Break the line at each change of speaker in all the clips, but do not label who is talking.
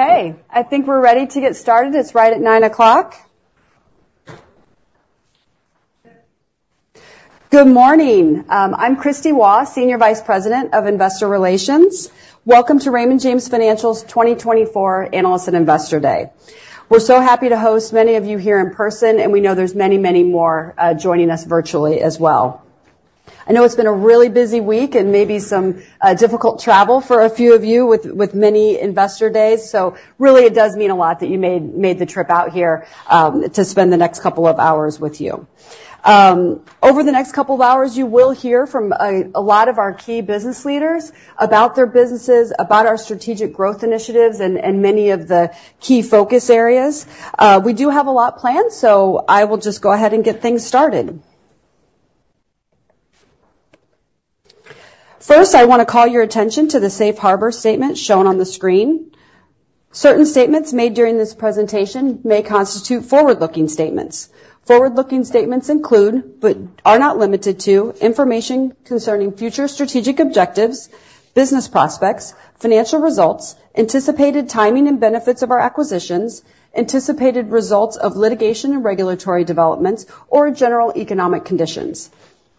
Okay, I think we're ready to get started. It's right at 9:00 A.M. Good morning. I'm Kristie Waugh, Senior Vice President of Investor Relations. Welcome to Raymond James Financial's 2024 Analyst and Investor Day. We're so happy to host many of you here in person, and we know there's many, many more joining us virtually as well. I know it's been a really busy week and maybe some difficult travel for a few of you with many investor days. So really, it does mean a lot that you made the trip out here to spend the next couple of hours with you. Over the next couple of hours, you will hear from a lot of our key business leaders about their businesses, about our strategic growth initiatives, and many of the key focus areas. We do have a lot planned, so I will just go ahead and get things started. First, I want to call your attention to the safe harbor statement shown on the screen. Certain statements made during this presentation may constitute forward-looking statements. Forward-looking statements include, but are not limited to, information concerning future strategic objectives, business prospects, financial results, anticipated timing and benefits of our acquisitions, anticipated results of litigation and regulatory developments, or general economic conditions.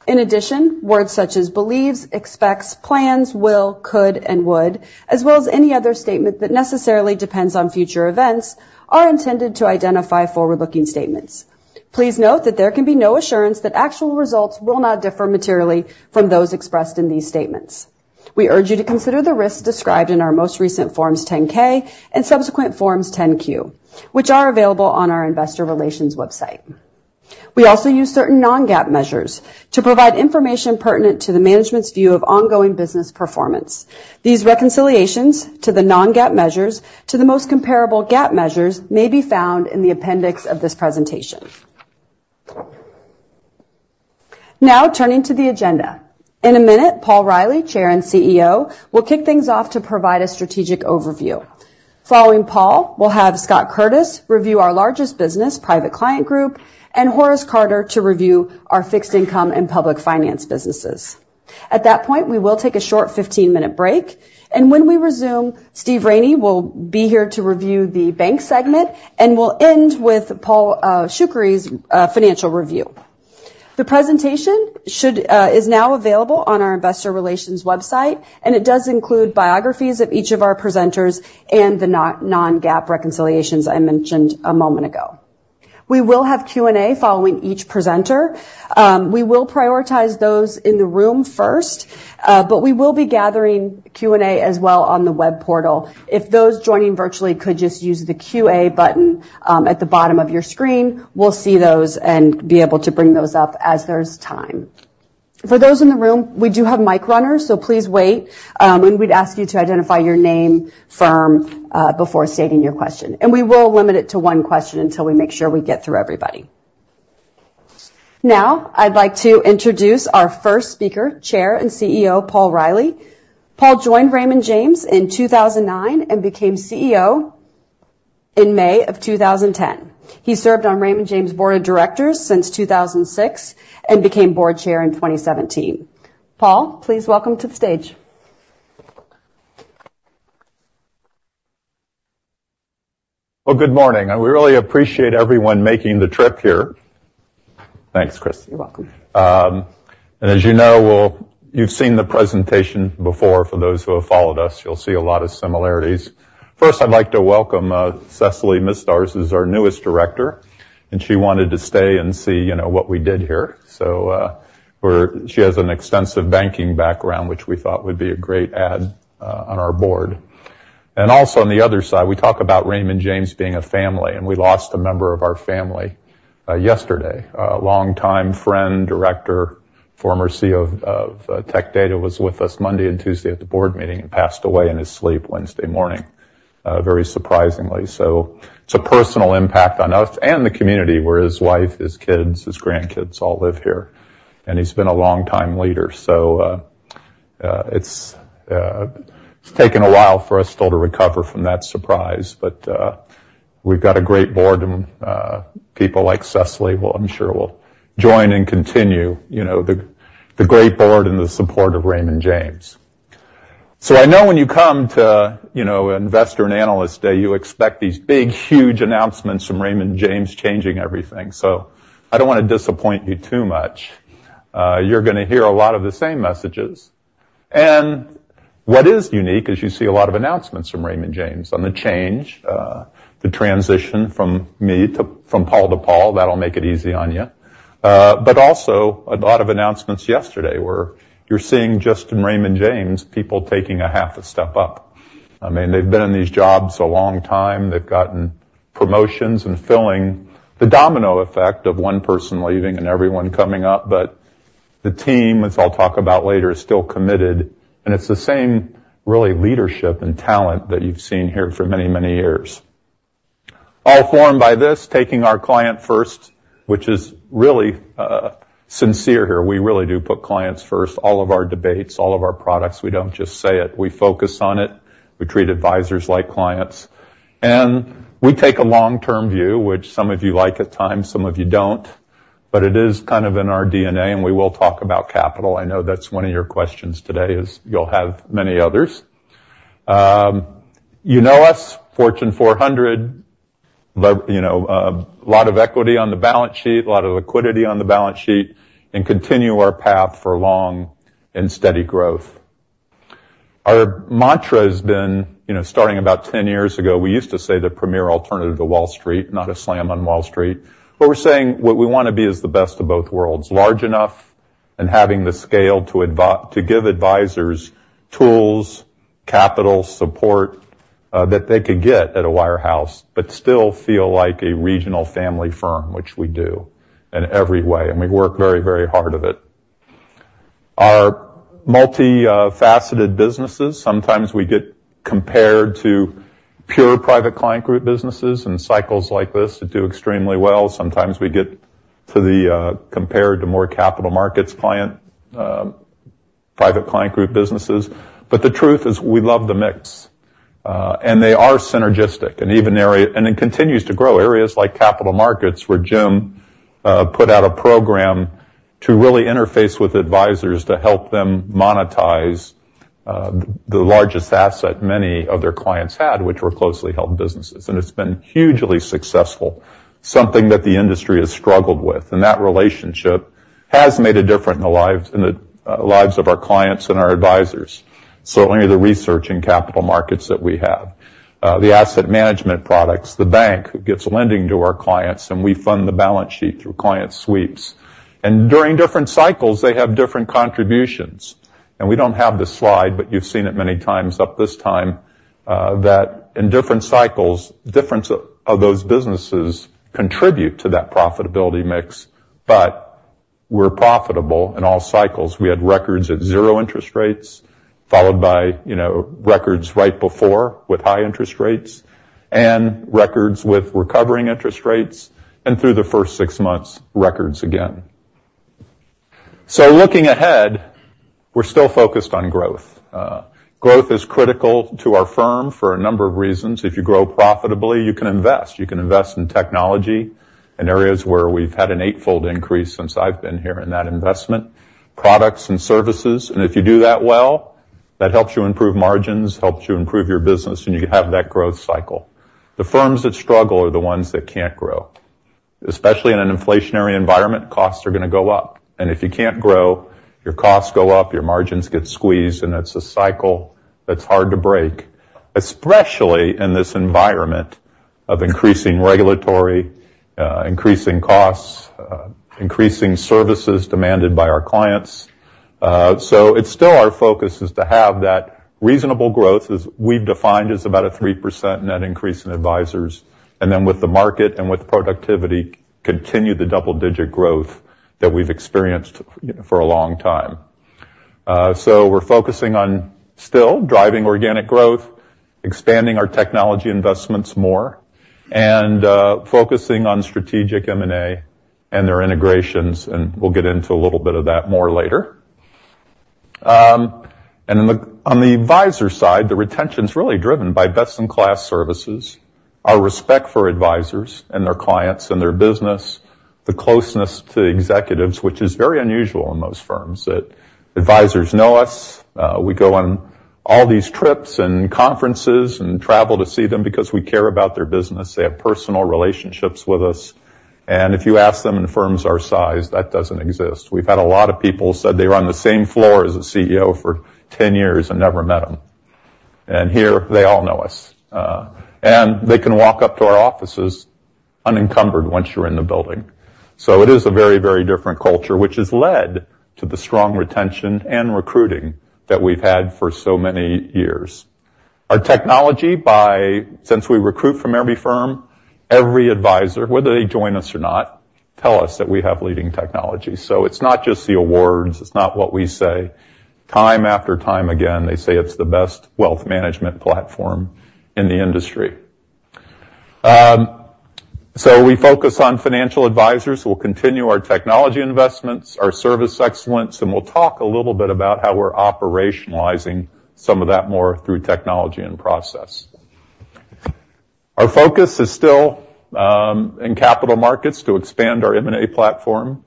In addition, words such as believes, expects, plans, will, could, and would, as well as any other statement that necessarily depends on future events, are intended to identify forward-looking statements. Please note that there can be no assurance that actual results will not differ materially from those expressed in these statements. We urge you to consider the risks described in our most recent Forms 10-K and subsequent Forms 10-Q, which are available on our investor relations website. We also use certain non-GAAP measures to provide information pertinent to the management's view of ongoing business performance. These reconciliations to the non-GAAP measures, to the most comparable GAAP measures, may be found in the appendix of this presentation. Now, turning to the agenda. In a minute, Paul Reilly, Chair and CEO, will kick things off to provide a strategic overview. Following Paul, we'll have Scott Curtis review our largest business, Private Client Group, and Horace Carter to review our fixed income and public finance businesses. At that point, we will take a short 15-minute break, and when we resume, Steve Raney will be here to review the bank segment, and we'll end with Paul Shoukry financial review. The presentation is now available on our investor relations website, and it does include biographies of each of our presenters and the non-GAAP reconciliations I mentioned a moment ago. We will have Q&A following each presenter. We will prioritize those in the room first, but we will be gathering Q&A as well on the web portal. If those joining virtually could just use the QA button at the bottom of your screen, we'll see those and be able to bring those up as there's time. For those in the room, we do have mic runners, so please wait, and we'd ask you to identify your name, firm, before stating your question, and we will limit it to one question until we make sure we get through everybody. Now, I'd like to introduce our first speaker, Chair and CEO, Paul Reilly. Paul joined Raymond James in 2009, and became CEO in May 2010. He served on Raymond James Board of Directors since 2006, and became Board Chair in 2017. Paul, please welcome to the stage.
Well, good morning, and we really appreciate everyone making the trip here. Thanks, Kris.
You're welcome.
And as you know, well, you've seen the presentation before. For those who have followed us, you'll see a lot of similarities. First, I'd like to welcome Cecily Mistarz, who's our newest director, and she wanted to stay and see, you know, what we did here. So she has an extensive banking background, which we thought would be a great add on our board. And also, on the other side, we talk about Raymond James being a family, and we lost a member of our family yesterday. A longtime friend, director, former CEO of Tech Data, was with us Monday and Tuesday at the board meeting, and passed away in his sleep Wednesday morning, very surprisingly. So it's a personal impact on us and the community, where his wife, his kids, his grandkids, all live here. And he's been a longtime leader, so, it's taken a while for us still to recover from that surprise, but, we've got a great board, and, people like Cecily will, I'm sure, will join and continue, you know, the great board and the support of Raymond James. So I know when you come to, you know, Investor and Analyst Day, you expect these big, huge announcements from Raymond James changing everything. So I don't wanna disappoint you too much. You're gonna hear a lot of the same messages. And what is unique is you see a lot of announcements from Raymond James on the change, the transition from me to from Paul to Paul. That'll make it easy on you. But also, a lot of announcements yesterday, where you're seeing just in Raymond James, people taking a half a step up. I mean, they've been in these jobs a long time. They've gotten promotions and filling the domino effect of one person leaving and everyone coming up. But the team, which I'll talk about later, is still committed, and it's the same really leadership and talent that you've seen here for many, many years. All formed by this, taking our client first, which is really, sincere here. We really do put clients first. All of our debates, all of our products, we don't just say it, we focus on it. We treat advisors like clients. And we take a long-term view, which some of you like at times, some of you don't. But it is kind of in our DNA, and we will talk about capital. I know that's one of your questions today, as you'll have many others. You know us, Fortune 400, but, you know, lot of equity on the balance sheet, a lot of liquidity on the balance sheet, and continue our path for long and steady growth. Our mantra has been, you know, starting about 10 years ago, we used to say the premier alternative to Wall Street, not a slam on Wall Street. But we're saying what we wanna be is the best of both worlds, large enough and having the scale to give advisors tools, capital, support, that they could get at a wirehouse, but still feel like a regional family firm, which we do in every way, and we work very, very hard at it. Our multi-faceted businesses, sometimes we get compared to pure Private Client Group businesses, in cycles like this, that do extremely well. Sometimes we get to the compared to more capital markets client, private client group businesses. But the truth is, we love the mix, and they are synergistic and even areas and it continues to grow. Areas like Capital Markets, where Jim put out a program to really interface with advisors to help them monetize the largest asset many of their clients had, which were closely held businesses. And that relationship has made a difference in the lives, in the lives of our clients and our advisors. Certainly, the research in capital markets that we have, the asset management products, the bank, who gives lending to our clients, and we fund the balance sheet through client sweeps. During different cycles, they have different contributions. We don't have the slide, but you've seen it many times up this time, that in different cycles, difference of those businesses contribute to that profitability mix, but we're profitable in all cycles. We had records at zero interest rates, followed by, you know, records right before, with high interest rates, and records with recovering interest rates, and through the first six months, records again. Looking ahead, we're still focused on growth. Growth is critical to our firm for a number of reasons. If you grow profitably, you can invest. You can invest in technology, in areas where we've had an eightfold increase since I've been here in that investment. Products and Services, and if you do that well, that helps you improve margins, helps you improve your business, and you have that growth cycle. The firms that struggle are the ones that can't grow. Especially in an inflationary environment, costs are gonna go up, and if you can't grow, your costs go up, your margins get squeezed, and it's a cycle that's hard to break, especially in this environment of increasing regulatory, increasing costs, increasing services demanded by our clients. So it's still our focus is to have that reasonable growth, as we've defined, as about a 3% net increase in advisors. And then with the market and with productivity, continue the double-digit growth that we've experienced for a long time. So we're focusing on still driving organic growth, expanding our technology investments more, and focusing on strategic M&A and their integrations, and we'll get into a little bit of that more later. And on the advisor side, the retention's really driven by best-in-class services, our respect for advisors and their clients and their business, the closeness to executives, which is very unusual in most firms, that advisors know us. We go on all these trips and conferences and travel to see them because we care about their business. They have personal relationships with us, and if you ask them in firms our size, that doesn't exist. We've had a lot of people said they were on the same floor as a CEO for 10 years and never met them. Here, they all know us, and they can walk up to our offices unencumbered once you're in the building. So it is a very, very different culture, which has led to the strong retention and recruiting that we've had for so many years. Our technology, since we recruit from every firm, every advisor, whether they join us or not, tell us that we have leading technology. So it's not just the awards, it's not what we say. Time after time again, they say it's the best wealth management platform in the industry. So we focus on financial advisors. We'll continue our technology investments, our service excellence, and we'll talk a little bit about how we're operationalizing some of that more through technology and process. Our focus is still, in capital markets, to expand our M&A platform,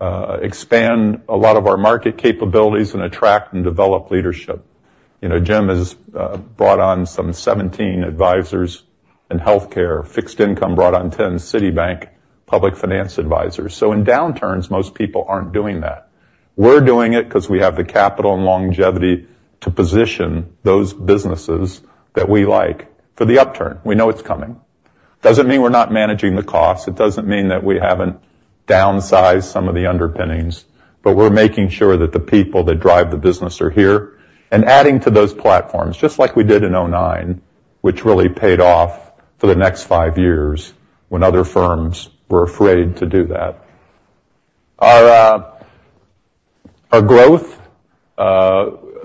expand a lot of our market capabilities, and attract and develop leadership. You know, Jim has, brought on some 17 advisors in healthcare. Fixed Income brought on 10 Citibank public finance advisors. So in downturns, most people aren't doing that. We're doing it because we have the capital and longevity to position those businesses that we like for the upturn. We know it's coming. Doesn't mean we're not managing the costs. It doesn't mean that we haven't downsized some of the underpinnings, but we're making sure that the people that drive the business are here and adding to those platforms, just like we did in 2009, which really paid off for the next 5 years when other firms were afraid to do that. Our growth,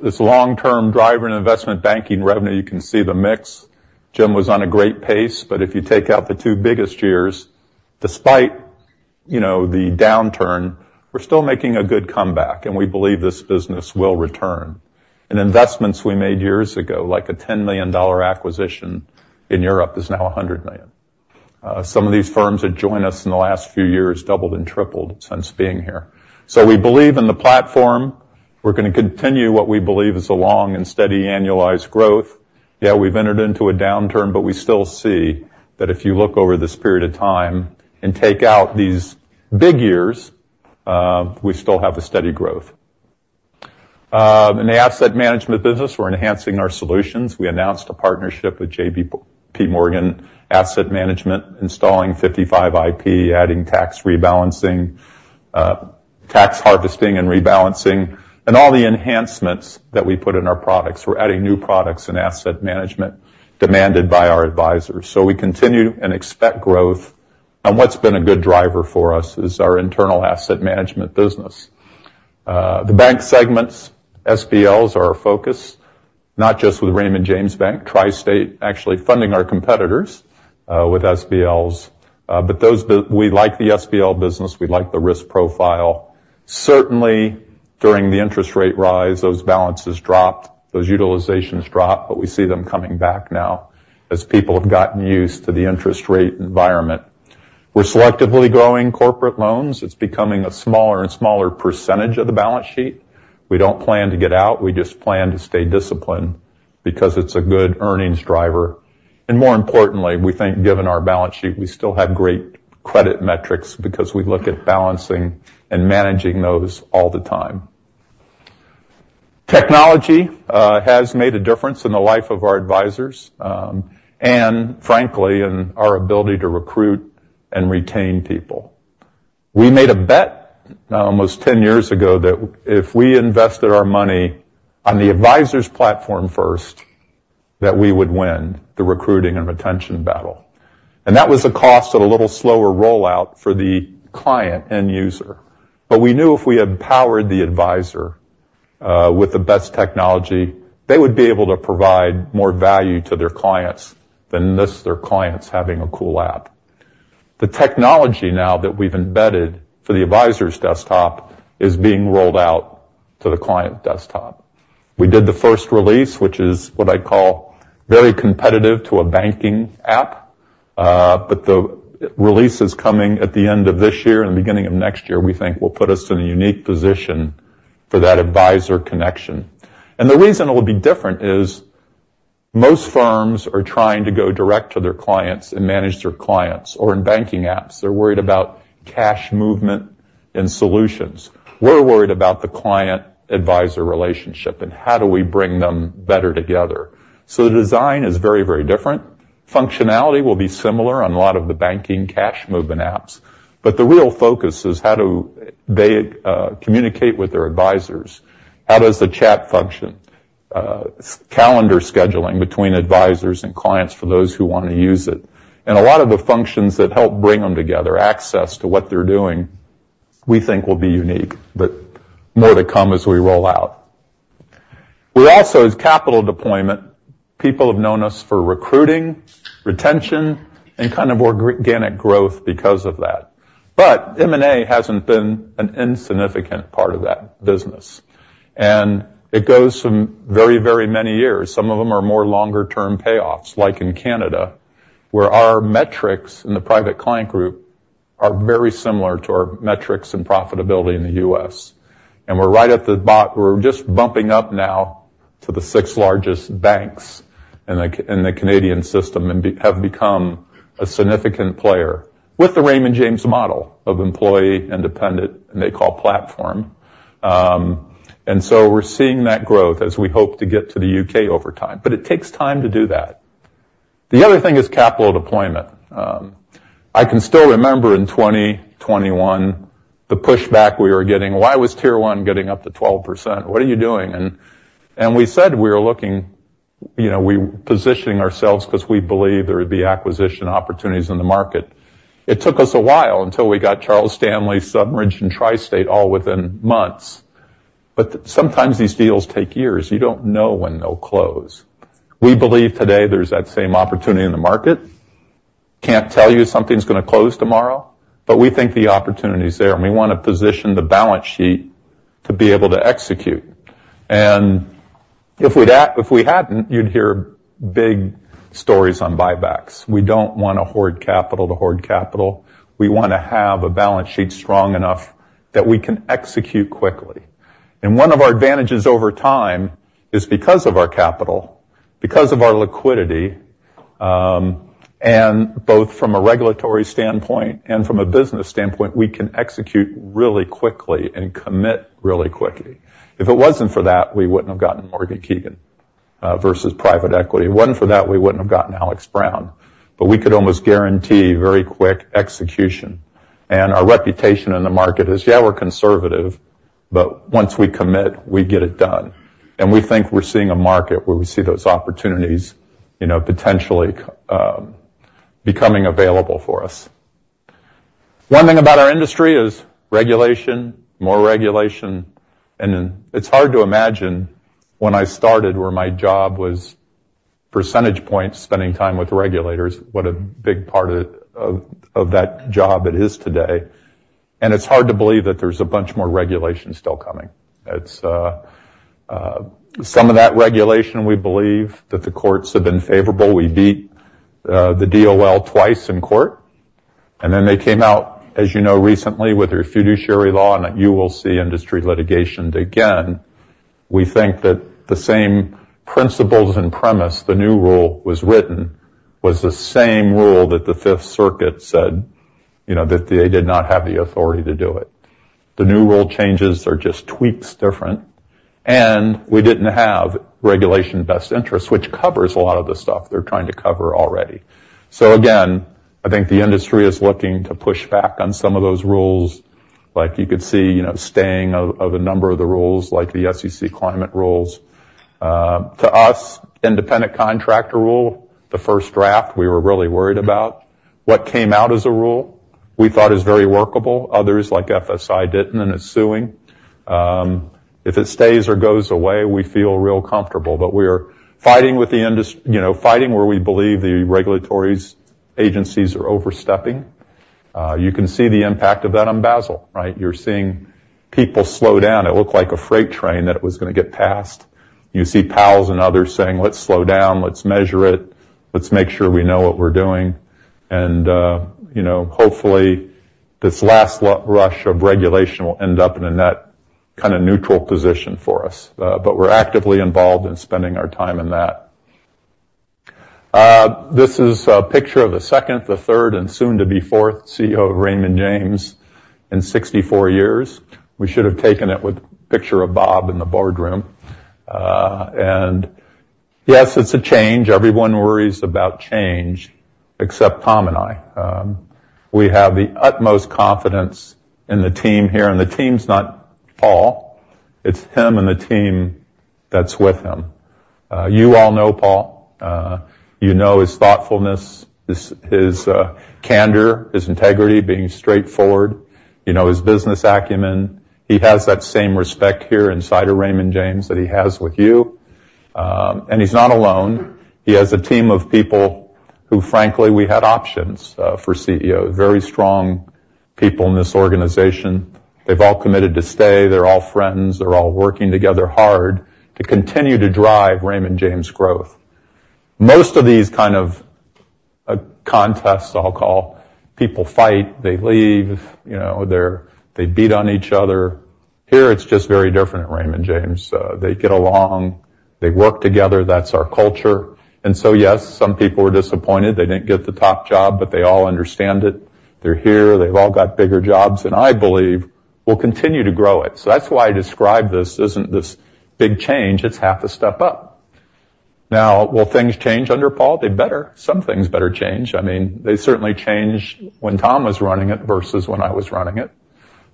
this long-term driver and investment banking revenue, you can see the mix. Jim was on a great pace, but if you take out the two biggest years, despite, you know, the downturn, we're still making a good comeback, and we believe this business will return.... and investments we made years ago, like a $10 million acquisition in Europe, is now $100 million. Some of these firms that joined us in the last few years doubled and tripled since being here. So we believe in the platform. We're gonna continue what we believe is a long and steady annualized growth. Yeah, we've entered into a downturn, but we still see that if you look over this period of time and take out these big years, we still have a steady growth. In the asset management business, we're enhancing our solutions. We announced a partnership with J.P. Morgan Asset Management, installing 55ip, adding tax rebalancing, tax harvesting and rebalancing, and all the enhancements that we put in our products. We're adding new products in asset management demanded by our advisors. So we continue and expect growth, and what's been a good driver for us is our internal asset management business. The bank segments, SBLs, are our focus, not just with Raymond James Bank, TriState, actually funding our competitors, with SBLs, but we like the SBL business. We like the risk profile. Certainly, during the interest rate rise, those balances dropped, those utilizations dropped, but we see them coming back now as people have gotten used to the interest rate environment. We're selectively growing corporate loans. It's becoming a smaller and smaller percentage of the balance sheet. We don't plan to get out. We just plan to stay disciplined because it's a good earnings driver, and more importantly, we think given our balance sheet, we still have great credit metrics because we look at balancing and managing those all the time. Technology has made a difference in the life of our advisors, and frankly, in our ability to recruit and retain people. We made a bet almost 10 years ago that if we invested our money on the advisor's platform first, that we would win the recruiting and retention battle. That was a cost of a little slower rollout for the client end user. We knew if we empowered the advisor with the best technology, they would be able to provide more value to their clients than just their clients having a cool app. The technology now that we've embedded for the advisor's desktop is being rolled out to the client desktop. We did the first release, which is what I'd call very competitive to a banking app, but the releases coming at the end of this year and beginning of next year, we think will put us in a unique position for that advisor connection. The reason it will be different is most firms are trying to go direct to their clients and manage their clients, or in banking apps, they're worried about cash movement and solutions. We're worried about the client-advisor relationship, and how do we bring them better together? The design is very, very different. Functionality will be similar on a lot of the banking cash movement apps, but the real focus is how do they communicate with their advisors? How does the chat function? Calendar scheduling between advisors and clients for those who want to use it. And a lot of the functions that help bring them together, access to what they're doing, we think will be unique, but more to come as we roll out. We also, as capital deployment, people have known us for recruiting, retention, and kind of organic growth because of that. But M&A hasn't been an insignificant part of that business, and it goes some very, very many years. Some of them are more longer term payoffs, like in Canada, where our metrics in the Private Client Group are very similar to our metrics and profitability in the U.S. And we're right at the bottom—we're just bumping up now to the sixth largest banks in the Canadian system, and we have become a significant player with the Raymond James model of employee independent, and they call platform. And so we're seeing that growth as we hope to get to the U.K. over time, but it takes time to do that. The other thing is capital deployment. I can still remember in 2021, the pushback we were getting. "Why was Tier 1 getting up to 12%? What are you doing?" And we said we were looking, you know, we were positioning ourselves because we believe there would be acquisition opportunities in the market. It took us a while until we got Charles Stanley, SumRidge and TriState, all within months, but sometimes these deals take years. You don't know when they'll close. We believe today there's that same opportunity in the market. Can't tell you something's gonna close tomorrow, but we think the opportunity is there, and we want to position the balance sheet to be able to execute. And if we hadn't, you'd hear big stories on buybacks. We don't want to hoard capital to hoard capital. We want to have a balance sheet strong enough that we can execute quickly. And one of our advantages over time is because of our capital, because of our liquidity, and both from a regulatory standpoint and from a business standpoint, we can execute really quickly and commit really quickly. If it wasn't for that, we wouldn't have gotten Morgan Keegan versus private equity. If it wasn't for that, we wouldn't have gotten Alex. Brown, but we could almost guarantee very quick execution. Our reputation in the market is, yeah, we're conservative, but once we commit, we get it done. We think we're seeing a market where we see those opportunities, you know, potentially becoming available for us. One thing about our industry is regulation, more regulation, and it's hard to imagine when I started, where my job was percentage points spending time with regulators, what a big part of that job it is today. It's hard to believe that there's a bunch more regulation still coming. It's some of that regulation, we believe, that the courts have been favorable. We beat the DOL twice in court, and then they came out, as you know, recently with their fiduciary law, and that you will see industry litigation again. We think that the same principles and premise the new rule was written was the same rule that the Fifth Circuit said, you know, that they did not have the authority to do it. The new rule changes are just tweaks different, and we didn't have Regulation Best Interest, which covers a lot of the stuff they're trying to cover already. So again, I think the industry is looking to push back on some of those rules. Like, you could see, you know, staying of a number of the rules, like the SEC climate rules. To us, independent contractor rule, the first draft, we were really worried about. What came out as a rule, we thought is very workable. Others, like FSI, didn't and is suing. If it stays or goes away, we feel real comfortable, but we are fighting with the industry—you know, fighting where we believe the regulatory agencies are overstepping. You can see the impact of that on Basel, right? You're seeing people slow down. It looked like a freight train that was gonna get past. You see pals and others saying, "Let's slow down. Let's measure it. Let's make sure we know what we're doing." And, you know, hopefully, this last rush of regulation will end up in a net kind of neutral position for us, but we're actively involved in spending our time in that. This is a picture of the second, the third, and soon-to-be fourth CEO of Raymond James in 64 years. We should have taken it with a picture of Bob in the boardroom. And yes, it's a change. Everyone worries about change, except Tom and I. We have the utmost confidence in the team here, and the team's not Paul. It's him and the team that's with him. You all know Paul. You know his thoughtfulness, his, his, candor, his integrity, being straightforward. You know his business acumen. He has that same respect here inside of Raymond James that he has with you. And he's not alone. He has a team of people who, frankly, we had options, for CEO, very strong people in this organization. They've all committed to stay. They're all friends. They're all working together hard to continue to drive Raymond James' growth. Most of these kind of, contests, I'll call, people fight, they leave, you know, they're- they beat on each other. Here, it's just very different at Raymond James. They get along. They work together. That's our culture. And so, yes, some people were disappointed they didn't get the top job, but they all understand it. They're here, they've all got bigger jobs, and I believe we'll continue to grow it. So that's why I describe this isn't this big change, it's half a step up. Now, will things change under Paul? They better. Some things better change. I mean, they certainly changed when Tom was running it versus when I was running it.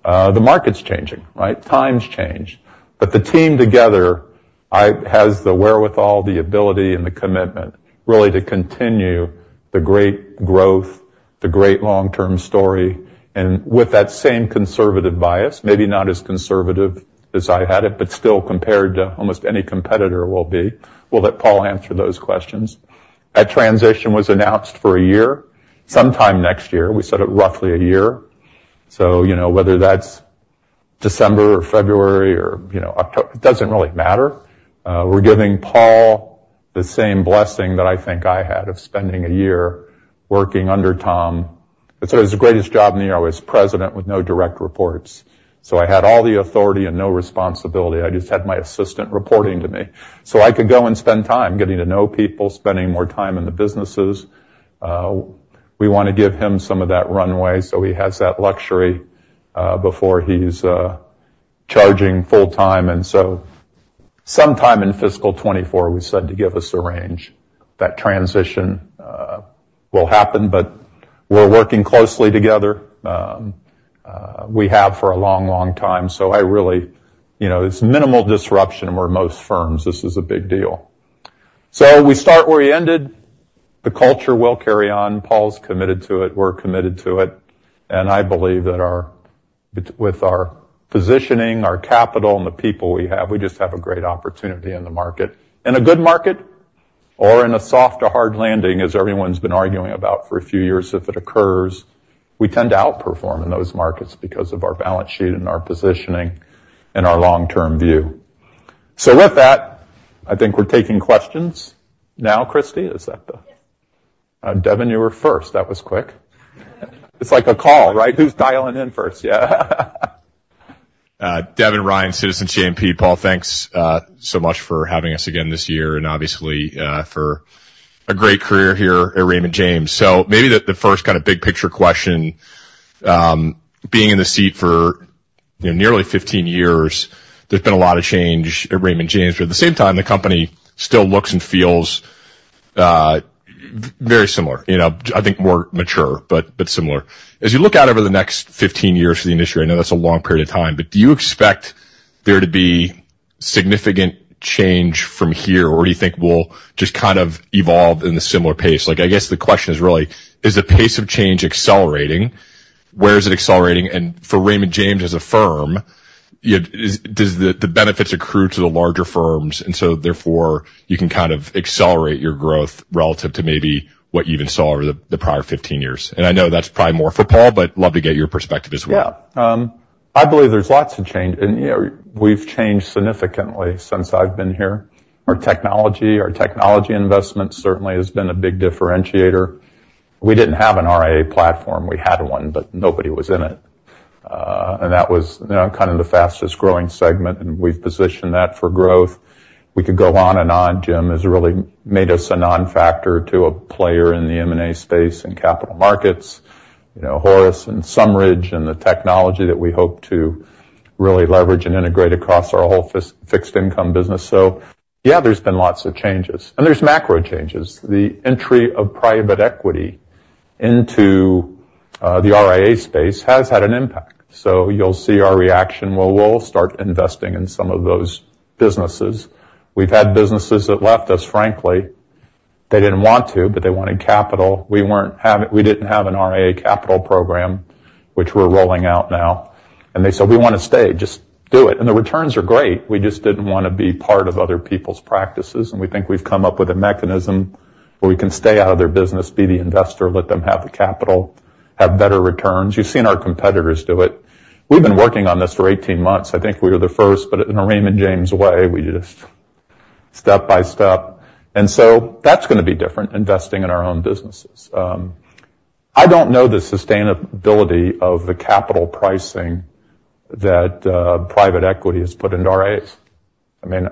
The market's changing, right? Times change. But the team together has the wherewithal, the ability, and the commitment, really, to continue the great growth, the great long-term story, and with that same conservative bias, maybe not as conservative as I had it, but still compared to almost any competitor will be. We'll let Paul answer those questions. That transition was announced for a year, sometime next year. We said it roughly a year. So, you know, whether that's December or February or, you know, it doesn't really matter. We're giving Paul the same blessing that I think I had of spending a year working under Tom. It was the greatest job in the year. I was president with no direct reports, so I had all the authority and no responsibility. I just had my assistant reporting to me. So I could go and spend time getting to know people, spending more time in the businesses. We want to give him some of that runway, so he has that luxury before he's charging full time. And so sometime in fiscal 2024, we said to give us a range, that transition will happen, but we're working closely together. We have for a long, long time, so I really... You know, it's minimal disruption, and we're most firms. This is a big deal. So we start where we ended. The culture will carry on. Paul's committed to it, we're committed to it, and I believe that with our positioning, our capital, and the people we have, we just have a great opportunity in the market. In a good market or in a soft to hard landing, as everyone's been arguing about for a few years, if it occurs, we tend to outperform in those markets because of our balance sheet and our positioning and our long-term view. So with that, I think we're taking questions now, Kristie, is that the-
Yes.
Devin, you were first. That was quick. It's like a call, right? Who's dialing in first? Yeah.
Devin Ryan, Citizens JMP. Paul, thanks, so much for having us again this year, and obviously, for a great career here at Raymond James. So maybe the first kind of big picture question, being in the seat for, you know, nearly 15 years, there's been a lot of change at Raymond James, but at the same time, the company still looks and feels, very similar, you know, I think more mature, but similar. As you look out over the next 15 years for the industry, I know that's a long period of time, but do you expect there to be significant change from here, or do you think we'll just kind of evolve in the similar pace? Like, I guess the question is really: Is the pace of change accelerating?... where is it accelerating? For Raymond James as a firm, you know, does the benefits accrue to the larger firms, and so therefore, you can kind of accelerate your growth relative to maybe what you even saw over the prior 15 years? I know that's probably more for Paul, but love to get your perspective as well.
Yeah. I believe there's lots of change, and, you know, we've changed significantly since I've been here. Our technology, our technology investment certainly has been a big differentiator. We didn't have an RIA platform. We had one, but nobody was in it. And that was, you know, kind of the fastest-growing segment, and we've positioned that for growth. We could go on and on, Jim, has really made us a non-factor to a player in the M&A space and capital markets. You know, Horace and SumRidge and the technology that we hope to really leverage and integrate across our whole fixed income business. So yeah, there's been lots of changes, and there's macro changes. The entry of private equity into, the RIA space has had an impact. So you'll see our reaction, where we'll start investing in some of those businesses. We've had businesses that left us, frankly. They didn't want to, but they wanted capital. We didn't have an RIA capital program, which we're rolling out now. And they said, "We wanna stay, just do it." And the returns are great. We just didn't wanna be part of other people's practices, and we think we've come up with a mechanism where we can stay out of their business, be the investor, let them have the capital, have better returns. You've seen our competitors do it. We've been working on this for 18 months. I think we were the first, but in a Raymond James way, we just step by step. And so that's gonna be different, investing in our own businesses. I don't know the sustainability of the capital pricing that private equity has put into RIAs. I mean,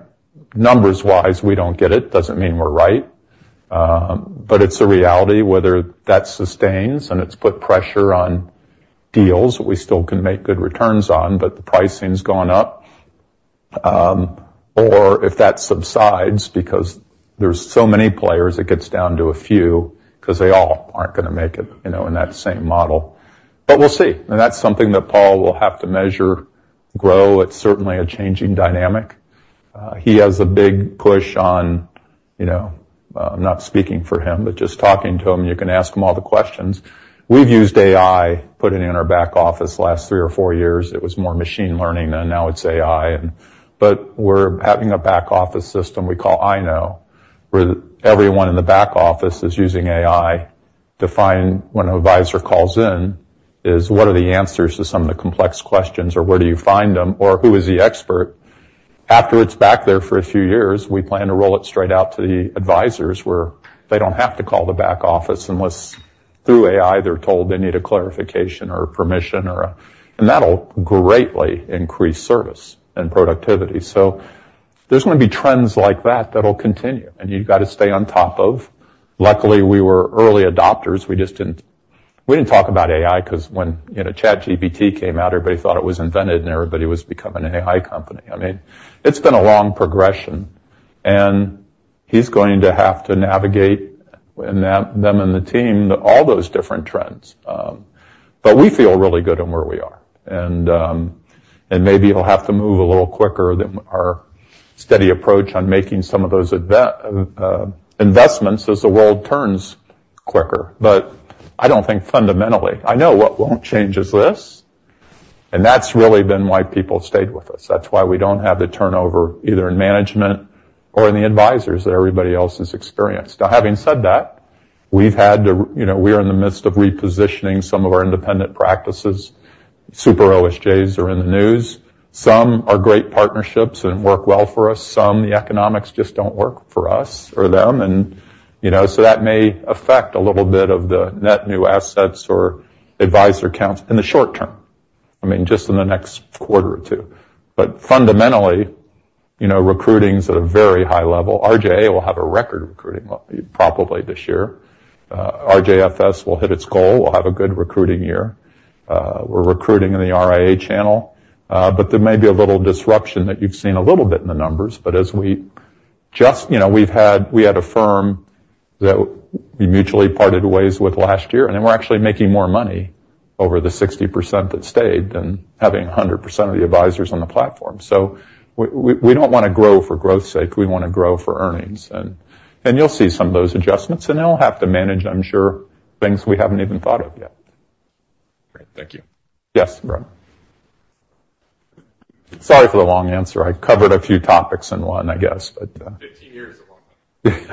numbers-wise, we don't get it. Doesn't mean we're right, but it's a reality, whether that sustains, and it's put pressure on deals that we still can make good returns on, but the pricing's gone up. Or if that subsides because there's so many players, it gets down to a few because they all aren't gonna make it, you know, in that same model. But we'll see, and that's something that Paul will have to measure, grow. It's certainly a changing dynamic. He has a big push on, you know... I'm not speaking for him, but just talking to him, you can ask him all the questions. We've used AI, put it in our back office last three or four years. It was more machine learning, and now it's AI, but we're having a back office system we call iKnow, where everyone in the back office is using AI to find when an advisor calls in, is what are the answers to some of the complex questions, or where do you find them, or who is the expert. After it's back there for a few years, we plan to roll it straight out to the advisors, where they don't have to call the back office unless through AI, they're told they need a clarification or permission, or a-- That'll greatly increase service and productivity. There's gonna be trends like that that'll continue, and you've got to stay on top of. Luckily, we were early adopters. We didn't talk about AI, 'cause when, you know, ChatGPT came out, everybody thought it was invented, and everybody was becoming an AI company. I mean, it's been a long progression, and he's going to have to navigate, and them, them and the team, all those different trends. But we feel really good on where we are. And maybe it'll have to move a little quicker than our steady approach on making some of those investments as the world turns quicker. But I don't think fundamentally... I know what won't change is this, and that's really been why people stayed with us. That's why we don't have the turnover, either in management or in the advisors that everybody else has experienced. Now, having said that, we've had to, you know, we are in the midst of repositioning some of our independent practices. Super OSJs are in the news. Some are great partnerships and work well for us. Some, the economics just don't work for us or them, and, you know, so that may affect a little bit of the net new assets or advisor counts in the short term, I mean, just in the next quarter or two. But fundamentally, you know, recruiting's at a very high level. RJ will have a record recruiting level, probably this year. RJFS will hit its goal, we'll have a good recruiting year. We're recruiting in the RIA channel, but there may be a little disruption that you've seen a little bit in the numbers, but as we just. You know, we've had. We had a firm that we mutually parted ways with last year, and then we're actually making more money over the 60% that stayed than having 100% of the advisors on the platform. So we, we, we don't wanna grow for growth's sake, we wanna grow for earnings. And, and you'll see some of those adjustments, and they'll have to manage, I'm sure, things we haven't even thought of yet.
Great. Thank you.
Yes, Brennan. Sorry for the long answer. I covered a few topics in one, I guess, but,
15 years long.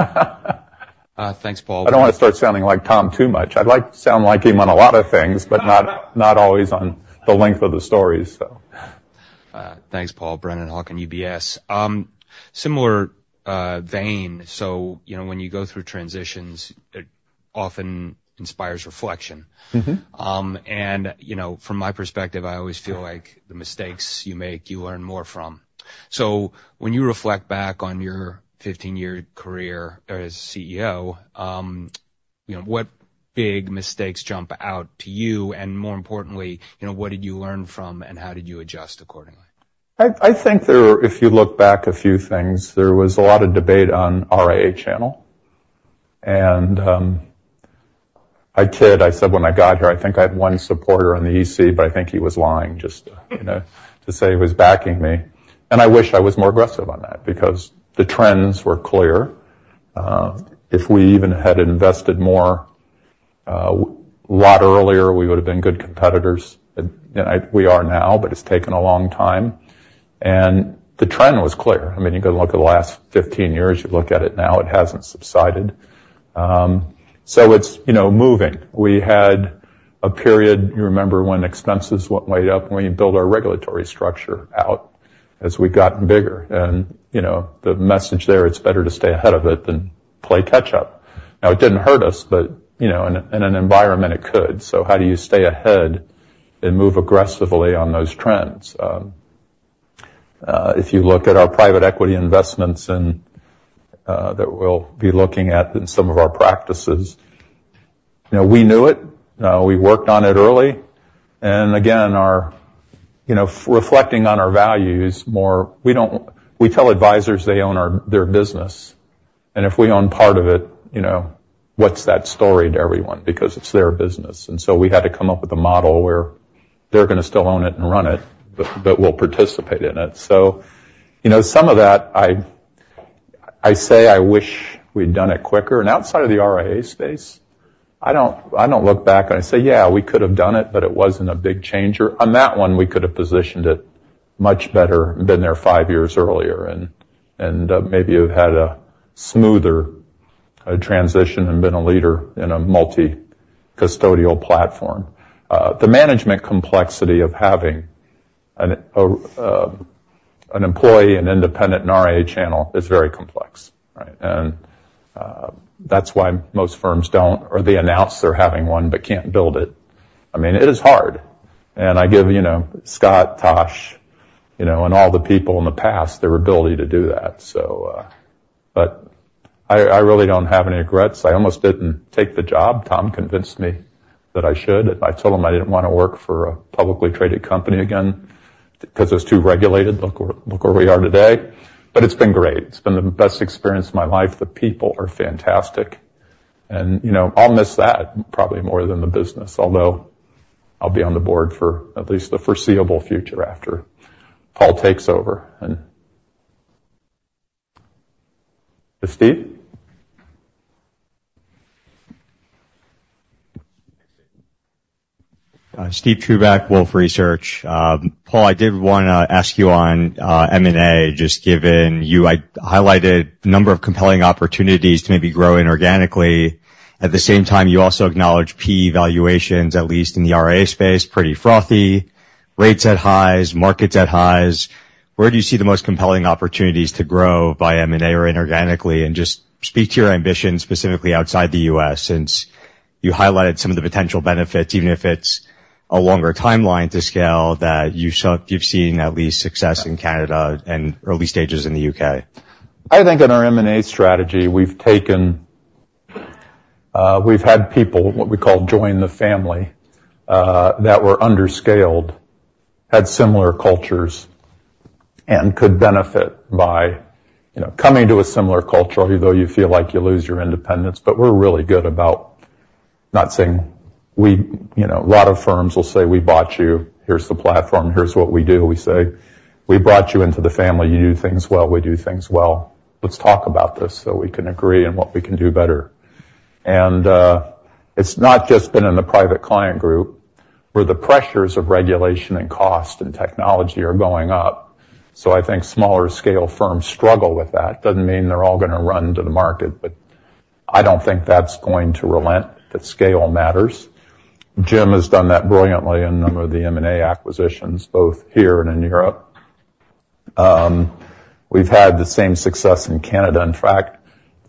Thanks, Paul-
I don't wanna start sounding like Tom too much. I'd like to sound like him on a lot of things, but not, not always on the length of the stories, so...
Thanks, Paul. Brennan Hawken, UBS. Similar vein, so, you know, when you go through transitions, it often inspires reflection.
Mm-hmm.
And, you know, from my perspective, I always feel like the mistakes you make, you learn more from. So when you reflect back on your 15-year career as CEO, you know, what big mistakes jump out to you, and more importantly, you know, what did you learn from, and how did you adjust accordingly?
I think there are, if you look back, a few things. There was a lot of debate on RIA Channel. And, I kid, I said when I got here, I think I had one supporter on the EC, but I think he was lying, just, you know, to say he was backing me. And I wish I was more aggressive on that because the trends were clear. If we even had invested more, a lot earlier, we would have been good competitors, and I—we are now, but it's taken a long time. And the trend was clear. I mean, you go look at the last 15 years, you look at it now, it hasn't subsided. So it's, you know, moving. We had a period, you remember, when expenses went way up, when we built our regulatory structure out as we've gotten bigger. You know, the message there, it's better to stay ahead of it than play catch up. Now, it didn't hurt us, but, you know, in an environment, it could. So how do you stay ahead and move aggressively on those trends? If you look at our private equity investments and that we'll be looking at in some of our practices, you know, we knew it, we worked on it early. And again, you know, reflecting on our values more, we don't we tell advisors they own our, their business, and if we own part of it, you know, what's that story to everyone? Because it's their business. And so we had to come up with a model where they're gonna still own it and run it, but we'll participate in it. So, you know, some of that, I say I wish we'd done it quicker. And outside of the RIA space, I don't look back and I say, "Yeah, we could have done it," but it wasn't a big changer. On that one, we could have positioned it much better, been there five years earlier and maybe have had a smoother transition and been a leader in a multi-custodial platform. The management complexity of having an employee, an independent and RIA channel is very complex, right? And that's why most firms don't, or they announce they're having one, but can't build it. I mean, it is hard, and I give, you know, Scott, Tash, you know, and all the people in the past, their ability to do that. So, but I really don't have any regrets. I almost didn't take the job. Tom convinced me that I should. I told him I didn't wanna work for a publicly traded company again because it's too regulated. Look where, look where we are today, but it's been great. It's been the best experience of my life. The people are fantastic, and, you know, I'll miss that probably more than the business, although I'll be on the board for at least the foreseeable future after Paul takes over. And... Steve?
Steven Chubak, Wolfe Research. Paul, I did wanna ask you on M&A, just given you highlighted a number of compelling opportunities to maybe grow inorganically. At the same time, you also acknowledge PE valuations, at least in the RIA space, pretty frothy, rates at highs, markets at highs. Where do you see the most compelling opportunities to grow by M&A or inorganically? And just speak to your ambitions, specifically outside the U.S., since you highlighted some of the potential benefits, even if it's a longer timeline to scale, that you saw—you've seen at least success in Canada and early stages in the U.K.
I think in our M&A strategy, we've taken, we've had people, what we call join the family, that were under-scaled, had similar cultures, and could benefit by, you know, coming to a similar culture, even though you feel like you lose your independence. But we're really good about not saying, you know, a lot of firms will say, "We bought you. Here's the platform. Here's what we do." We say, "We brought you into the family. You do things well. We do things well. Let's talk about this so we can agree on what we can do better." It's not just been in the Private Client Group, where the pressures of regulation and cost and technology are going up. So I think smaller scale firms struggle with that. Doesn't mean they're all gonna run to the market, but I don't think that's going to relent, that scale matters. Jim has done that brilliantly in a number of the M&A acquisitions, both here and in Europe. We've had the same success in Canada. In fact,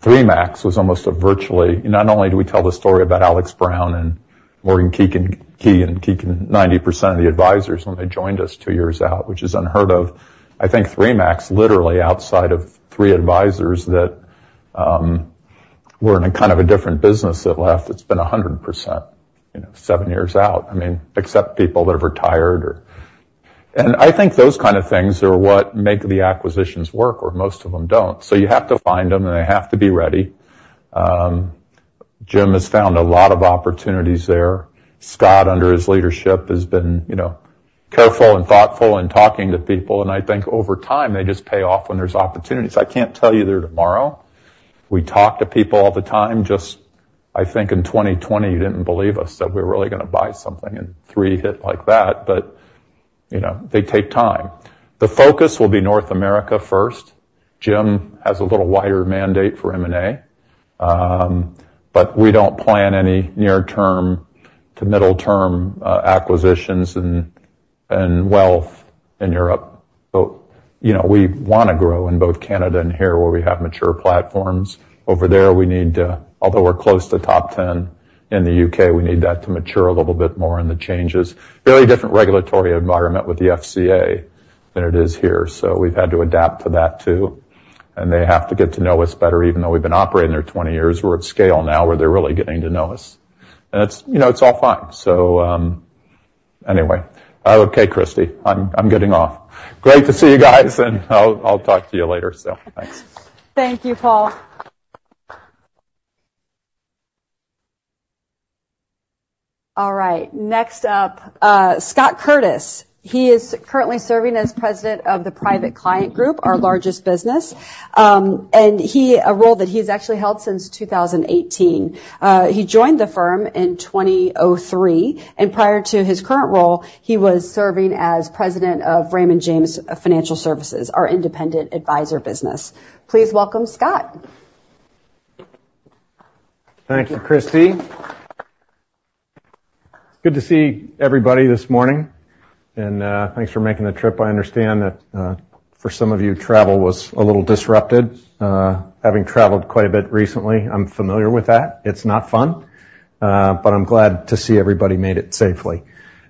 3Macs was almost a virtually, not only do we tell the story about Alex. Brown and Morgan Keegan, Key and Keegan, 90% of the advisors when they joined us two years out, which is unheard of. I think 3Macs, literally outside of three advisors that were in a kind of a different business that left, it's been a 100%, you know, seven years out. I mean, except people that have retired or... And I think those kind of things are what make the acquisitions work, or most of them don't. So you have to find them, and they have to be ready. Jim has found a lot of opportunities there. Scott, under his leadership, has been, you know, careful and thoughtful in talking to people, and I think over time, they just pay off when there's opportunities. I can't tell you they're tomorrow. We talk to people all the time, just... I think in 2020, you didn't believe us, that we were really gonna buy something, and three hit like that, but, you know, they take time. The focus will be North America first. Jim has a little wider mandate for M&A, but we don't plan any near term to middle term, acquisitions and, and wealth in Europe. So, you know, we wanna grow in both Canada and here, where we have mature platforms. Over there, we need, although we're close to top 10 in the U.K., we need that to mature a little bit more in the changes. Very different regulatory environment with the FCA than it is here, so we've had to adapt to that, too. And they have to get to know us better, even though we've been operating there 20 years. We're at scale now, where they're really getting to know us. And it's, you know, it's all fine. So, anyway... Okay, Kristie, I'm, I'm getting off. Great to see you guys, and I'll, I'll talk to you later. So thanks.
Thank you, Paul. All right, next up, Scott Curtis. He is currently serving as President of the Private Client Group, our largest business. And a role that he has actually held since 2018. He joined the firm in 2003, and prior to his current role, he was serving as President of Raymond James Financial Services, our independent advisor business. Please welcome, Scott.
Thank you, Kristie. Good to see everybody this morning, and, thanks for making the trip. I understand that, for some of you, travel was a little disrupted. Having traveled quite a bit recently, I'm familiar with that. It's not fun, but I'm glad to see everybody made it safely.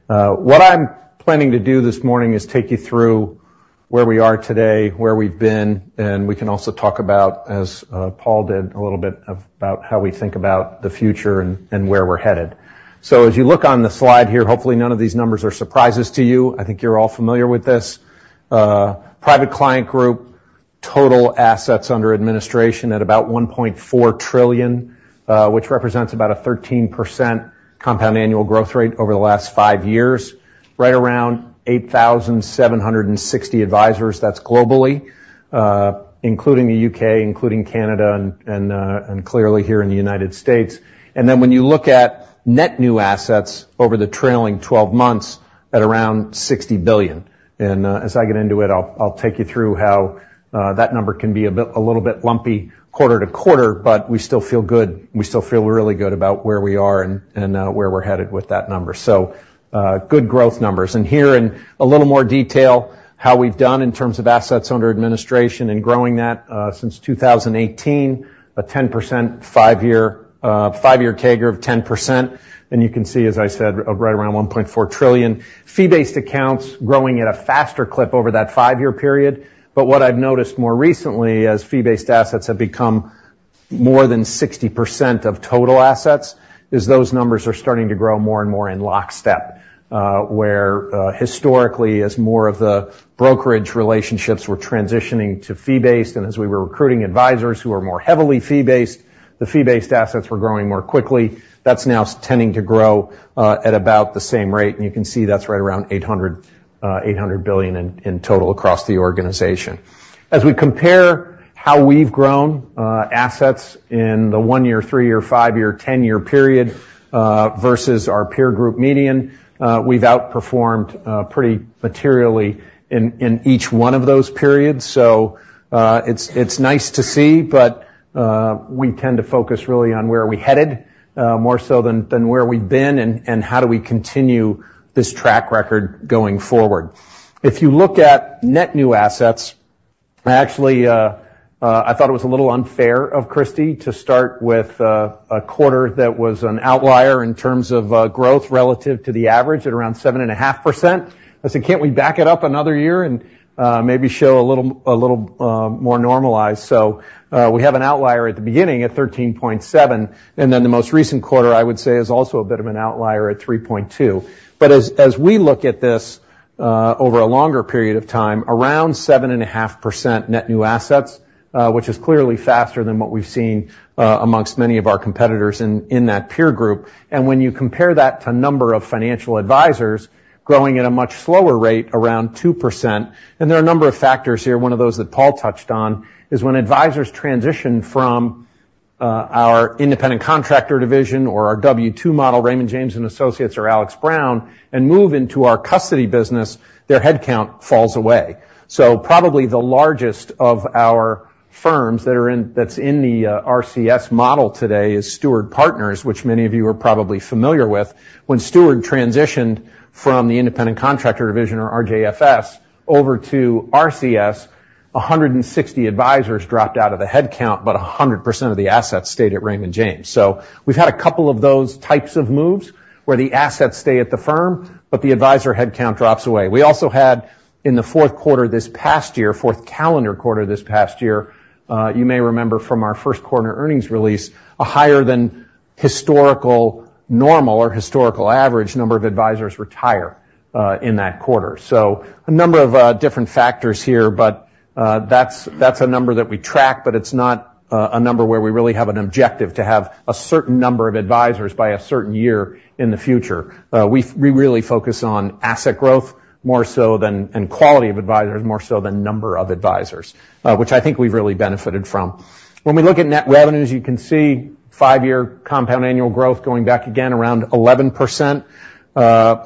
What I'm planning to do this morning is take you through where we are today, where we've been, and we can also talk about, as Paul did, a little bit about how we think about the future and, and where we're headed. So as you look on the slide here, hopefully, none of these numbers are surprises to you. I think you're all familiar with this. Private Client Group, total assets under administration at about $1.4 trillion, which represents about a 13% compound annual growth rate over the last 5 years, right around 8,760 advisors. That's globally, including the U.K., including Canada, and clearly here in the United States. And then, when you look at net new assets over the trailing 12 months at around $60 billion, and as I get into it, I'll take you through how that number can be a little bit lumpy quarter to quarter, but we still feel good. We still feel really good about where we are and where we're headed with that number. So, good growth numbers. And here, in a little more detail, how we've done in terms of assets under administration and growing that, since 2018, a 10% five-year, five-year CAGR of 10%. Then you can see, as I said, right around $1.4 trillion. Fee-based accounts growing at a faster clip over that five-year period. But what I've noticed more recently, as fee-based assets have become more than 60% of total assets, is those numbers are starting to grow more and more in lockstep. Where, historically, as more of the brokerage relationships were transitioning to fee-based, and as we were recruiting advisors who are more heavily fee-based, the fee-based assets were growing more quickly. That's now tending to grow at about the same rate, and you can see that's right around $800 billion in total across the organization. As we compare how we've grown assets in the one year, three year, five year, 10-year period versus our peer group median, we've outperformed pretty materially in each one of those periods. So, it's nice to see, but we tend to focus really on where are we headed more so than where we've been, and how do we continue this track record going forward. If you look at net new assets, actually, I thought it was a little unfair of Kristie to start with a quarter that was an outlier in terms of growth relative to the average at around 7.5%. I said, "Can't we back it up another year and maybe show a little more normalized?" So, we have an outlier at the beginning, at 13.7, and then the most recent quarter, I would say, is also a bit of an outlier at 3.2. But as we look at this, over a longer period of time, around 7.5% net new assets, which is clearly faster than what we've seen amongst many of our competitors in that peer group. And when you compare that to number of financial advisors growing at a much slower rate, around 2%, and there are a number of factors here. One of those that Paul touched on is when advisors transition from our Independent Contractor Division or our W-2 model, Raymond James and Associates or Alex. Brown, and move into our custody business, their head count falls away. So probably the largest of our firms that's in the RCS model today is Steward Partners, which many of you are probably familiar with. When Steward transitioned from the Independent Contractor Division or RJFS over to RCS, 160 advisors dropped out of the headcount, but 100% of the assets stayed at Raymond James. So we've had a couple of those types of moves, where the assets stay at the firm, but the advisor headcount drops away. We also had, in the fourth quarter this past year, fourth calendar quarter this past year, you may remember from our first quarter earnings release, a higher than historical, normal, or historical average number of advisors retire, in that quarter. So a number of, different factors here, but, that's, that's a number that we track, but it's not, a number where we really have an objective to have a certain number of advisors by a certain year in the future. we, we really focus on asset growth, more so than... And quality of advisors, more so than number of advisors, which I think we've really benefited from. When we look at net revenues, you can see five-year compound annual growth going back again, around 11%.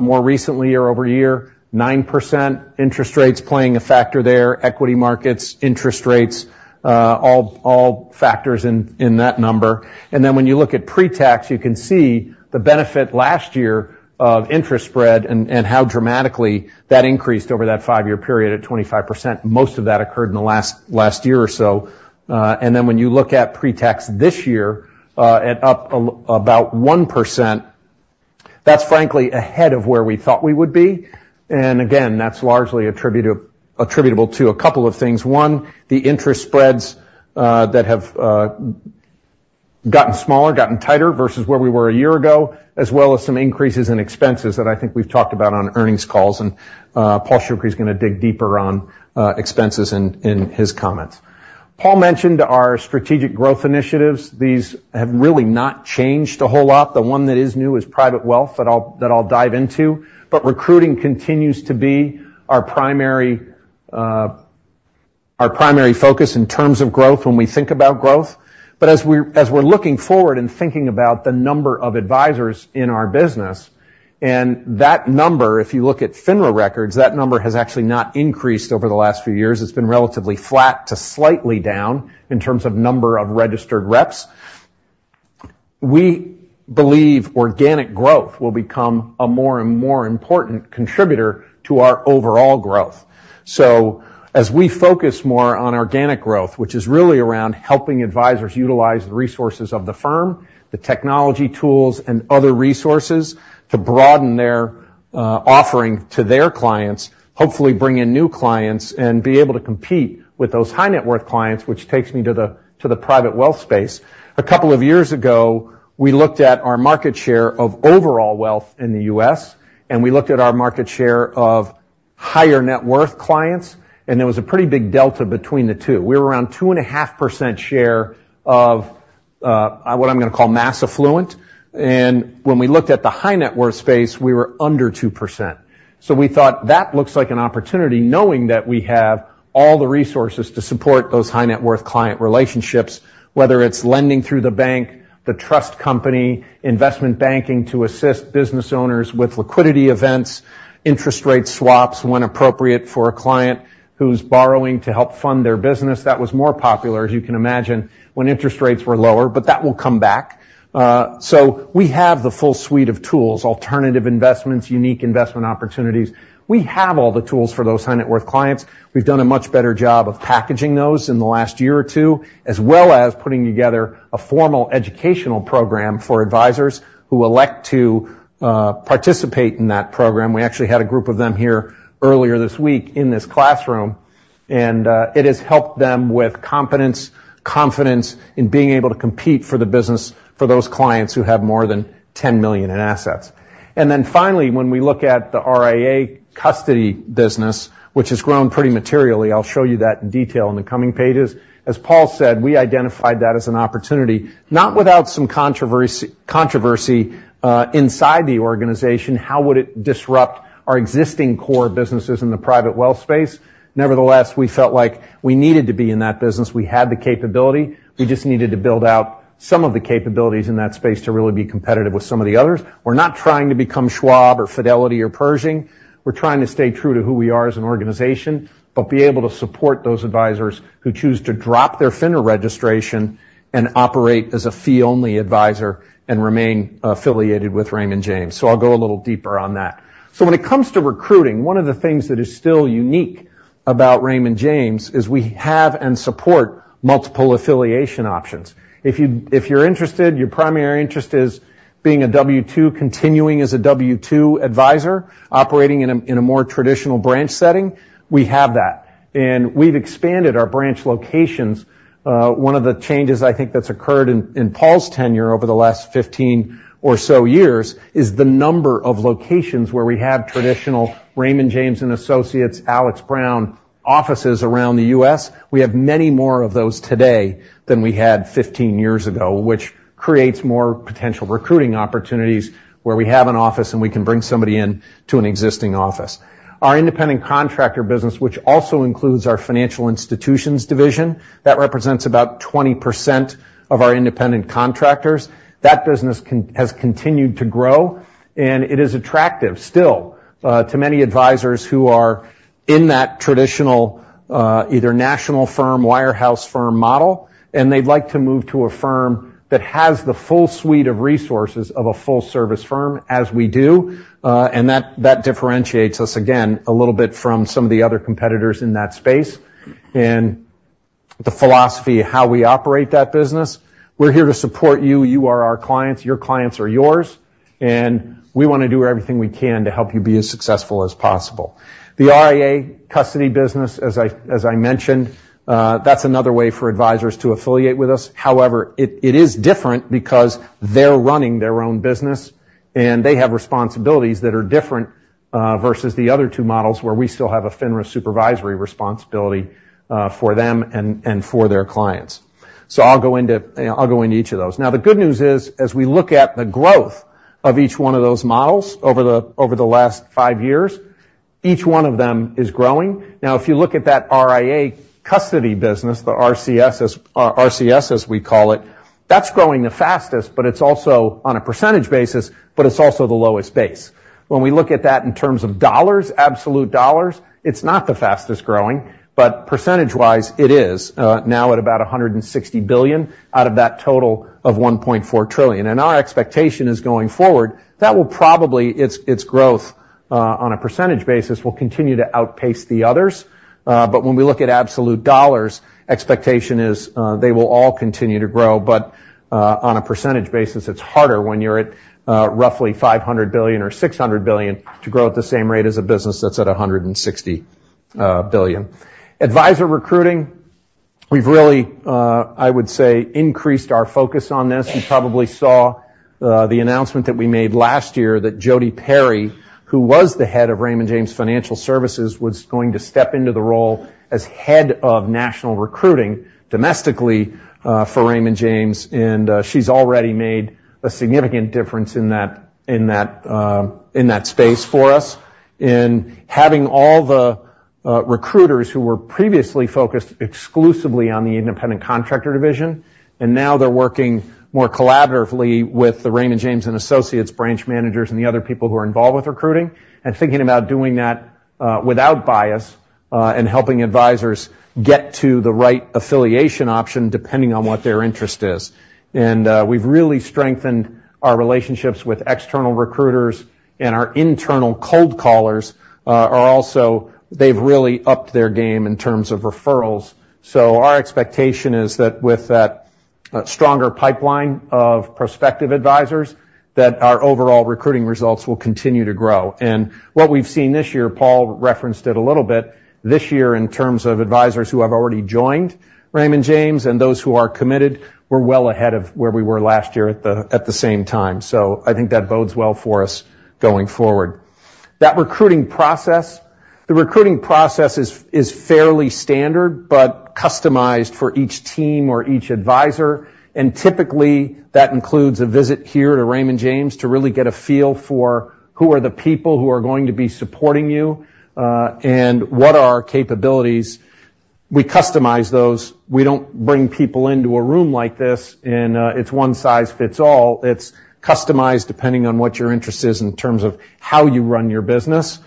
More recently, year-over-year, 9%. Interest rates playing a factor there, equity markets, interest rates, all, all factors in, in that number. And then, when you look at pre-tax, you can see the benefit last year of interest spread and, and how dramatically that increased over that five-year period at 25%. Most of that occurred in the last, last year or so. And then, when you look at pre-tax this year, at up about 1%, that's frankly, ahead of where we thought we would be. And again, that's largely attributable to a couple of things. One, the interest spreads, that have, gotten smaller, gotten tighter versus where we were a year ago, as well as some increases in expenses that I think we've talked about on earnings calls, and, Paul Shoukry is gonna dig deeper on, expenses in, in his comments. Paul mentioned our strategic growth initiatives. These have really not changed a whole lot. The one that is new is Private Wealth, that I'll, that I'll dive into. But recruiting continues to be our primary, our primary focus in terms of growth when we think about growth. But as we're, as we're looking forward and thinking about the number of advisors in our business, and that number, if you look at FINRA records, that number has actually not increased over the last few years. It's been relatively flat to slightly down in terms of number of registered reps. We believe organic growth will become a more and more important contributor to our overall growth. So as we focus more on organic growth, which is really around helping advisors utilize the resources of the firm, the technology tools, and other resources to broaden their offering to their clients, hopefully bring in new clients, and be able to compete with those high-net-worth clients, which takes me to the Private Wealth space. A couple of years ago, we looked at our market share of overall wealth in the U.S., and we looked at our market share of higher net worth clients, and there was a pretty big delta between the two. We were around 2.5% share of what I'm gonna call mass affluent, and when we looked at the high-net-worth space, we were under 2%. So we thought that looks like an opportunity, knowing that we have all the resources to support those high-net-worth client relationships, whether it's lending through the bank, the trust company, investment banking to assist business owners with liquidity events, interest rate swaps, when appropriate, for a client who's borrowing to help fund their business. That was more popular, as you can imagine, when interest rates were lower, but that will come back. So we have the full suite of tools, alternative investments, unique investment opportunities. We have all the tools for those high-net-worth clients. We've done a much better job of packaging those in the last year or two, as well as putting together a formal educational program for advisors who elect to participate in that program. We actually had a group of them here earlier this week in this classroom, and it has helped them with competence, confidence in being able to compete for the business for those clients who have more than $10 million in assets. And then finally, when we look at the RIA custody business, which has grown pretty materially, I'll show you that in detail in the coming pages. As Paul said, we identified that as an opportunity, not without some controversy inside the organization. How would it disrupt our existing core businesses in the Private Wealth space? Nevertheless, we felt like we needed to be in that business. We had the capability. We just needed to build out some of the capabilities in that space to really be competitive with some of the others. We're not trying to become Schwab or Fidelity or Pershing. We're trying to stay true to who we are as an organization, but be able to support those advisors who choose to drop their FINRA registration and operate as a fee-only advisor and remain affiliated with Raymond James. So I'll go a little deeper on that. So when it comes to recruiting, one of the things that is still unique about Raymond James is we have and support multiple affiliation options. If you, if you're interested, your primary interest is being a W-2, continuing as a W-2 advisor, operating in a, in a more traditional branch setting, we have that, and we've expanded our branch locations. One of the changes I think that's occurred in, in Paul's tenure over the last 15 or so years is the number of locations where we have traditional Raymond James and Associates, Alex. Brown offices around the U.S. We have many more of those today than we had 15 years ago, which creates more potential recruiting opportunities where we have an office, and we can bring somebody in to an existing office. Our independent contractor business, which also includes our Financial Institutions Division, that represents about 20% of our independent contractors. That business has continued to grow, and it is attractive still to many advisors who are in that traditional either national firm, wirehouse firm model, and they'd like to move to a firm that has the full suite of resources of a full-service firm as we do, and that differentiates us again a little bit from some of the other competitors in that space. And the philosophy of how we operate that business, we're here to support you. You are our clients, your clients are yours, and we want to do everything we can to help you be as successful as possible. The RIA custody business, as I mentioned, that's another way for advisors to affiliate with us. However, it is different because they're running their own business, and they have responsibilities that are different versus the other two models, where we still have a FINRA supervisory responsibility for them and for their clients. So I'll go into each of those. Now, the good news is, as we look at the growth of each one of those models over the last five years, each one of them is growing. Now, if you look at that RIA custody business, the RCS as... RCS, as we call it, that's growing the fastest, but it's also on a percentage basis, but it's also the lowest base. When we look at that in terms of dollars, absolute dollars, it's not the fastest growing, but percentage-wise, it is, now at about $160 billion out of that total of $1.4 trillion. And our expectation is going forward, that will probably... Its, its growth, on a percentage basis, will continue to outpace the others. But when we look at absolute dollars, expectation is, they will all continue to grow. But, on a percentage basis, it's harder when you're at, roughly $500 billion or $600 billion to grow at the same rate as a business that's at $160 billion. Advisor recruiting?... We've really, I would say, increased our focus on this. You probably saw the announcement that we made last year that Jodi Perry, who was the head of Raymond James Financial Services, was going to step into the role as head of national recruiting domestically for Raymond James, and she's already made a significant difference in that space for us. In having all the recruiters who were previously focused exclusively on theIndependent Contractor Division, and now they're working more collaboratively with the Raymond James and Associates branch managers and the other people who are involved with recruiting, and thinking about doing that without bias, and helping advisors get to the right affiliation option, depending on what their interest is. We've really strengthened our relationships with external recruiters, and our internal cold callers have really upped their game in terms of referrals. So our expectation is that with that, stronger pipeline of prospective advisors, that our overall recruiting results will continue to grow. What we've seen this year, Paul referenced it a little bit, this year, in terms of advisors who have already joined Raymond James and those who are committed, we're well ahead of where we were last year at the same time. So I think that bodes well for us going forward. That recruiting process is fairly standard, but customized for each team or each advisor, and typically, that includes a visit here to Raymond James to really get a feel for who are the people who are going to be supporting you, and what are our capabilities. We customize those. We don't bring people into a room like this, and it's one size fits all. It's customized depending on what your interest is in terms of how you run your business.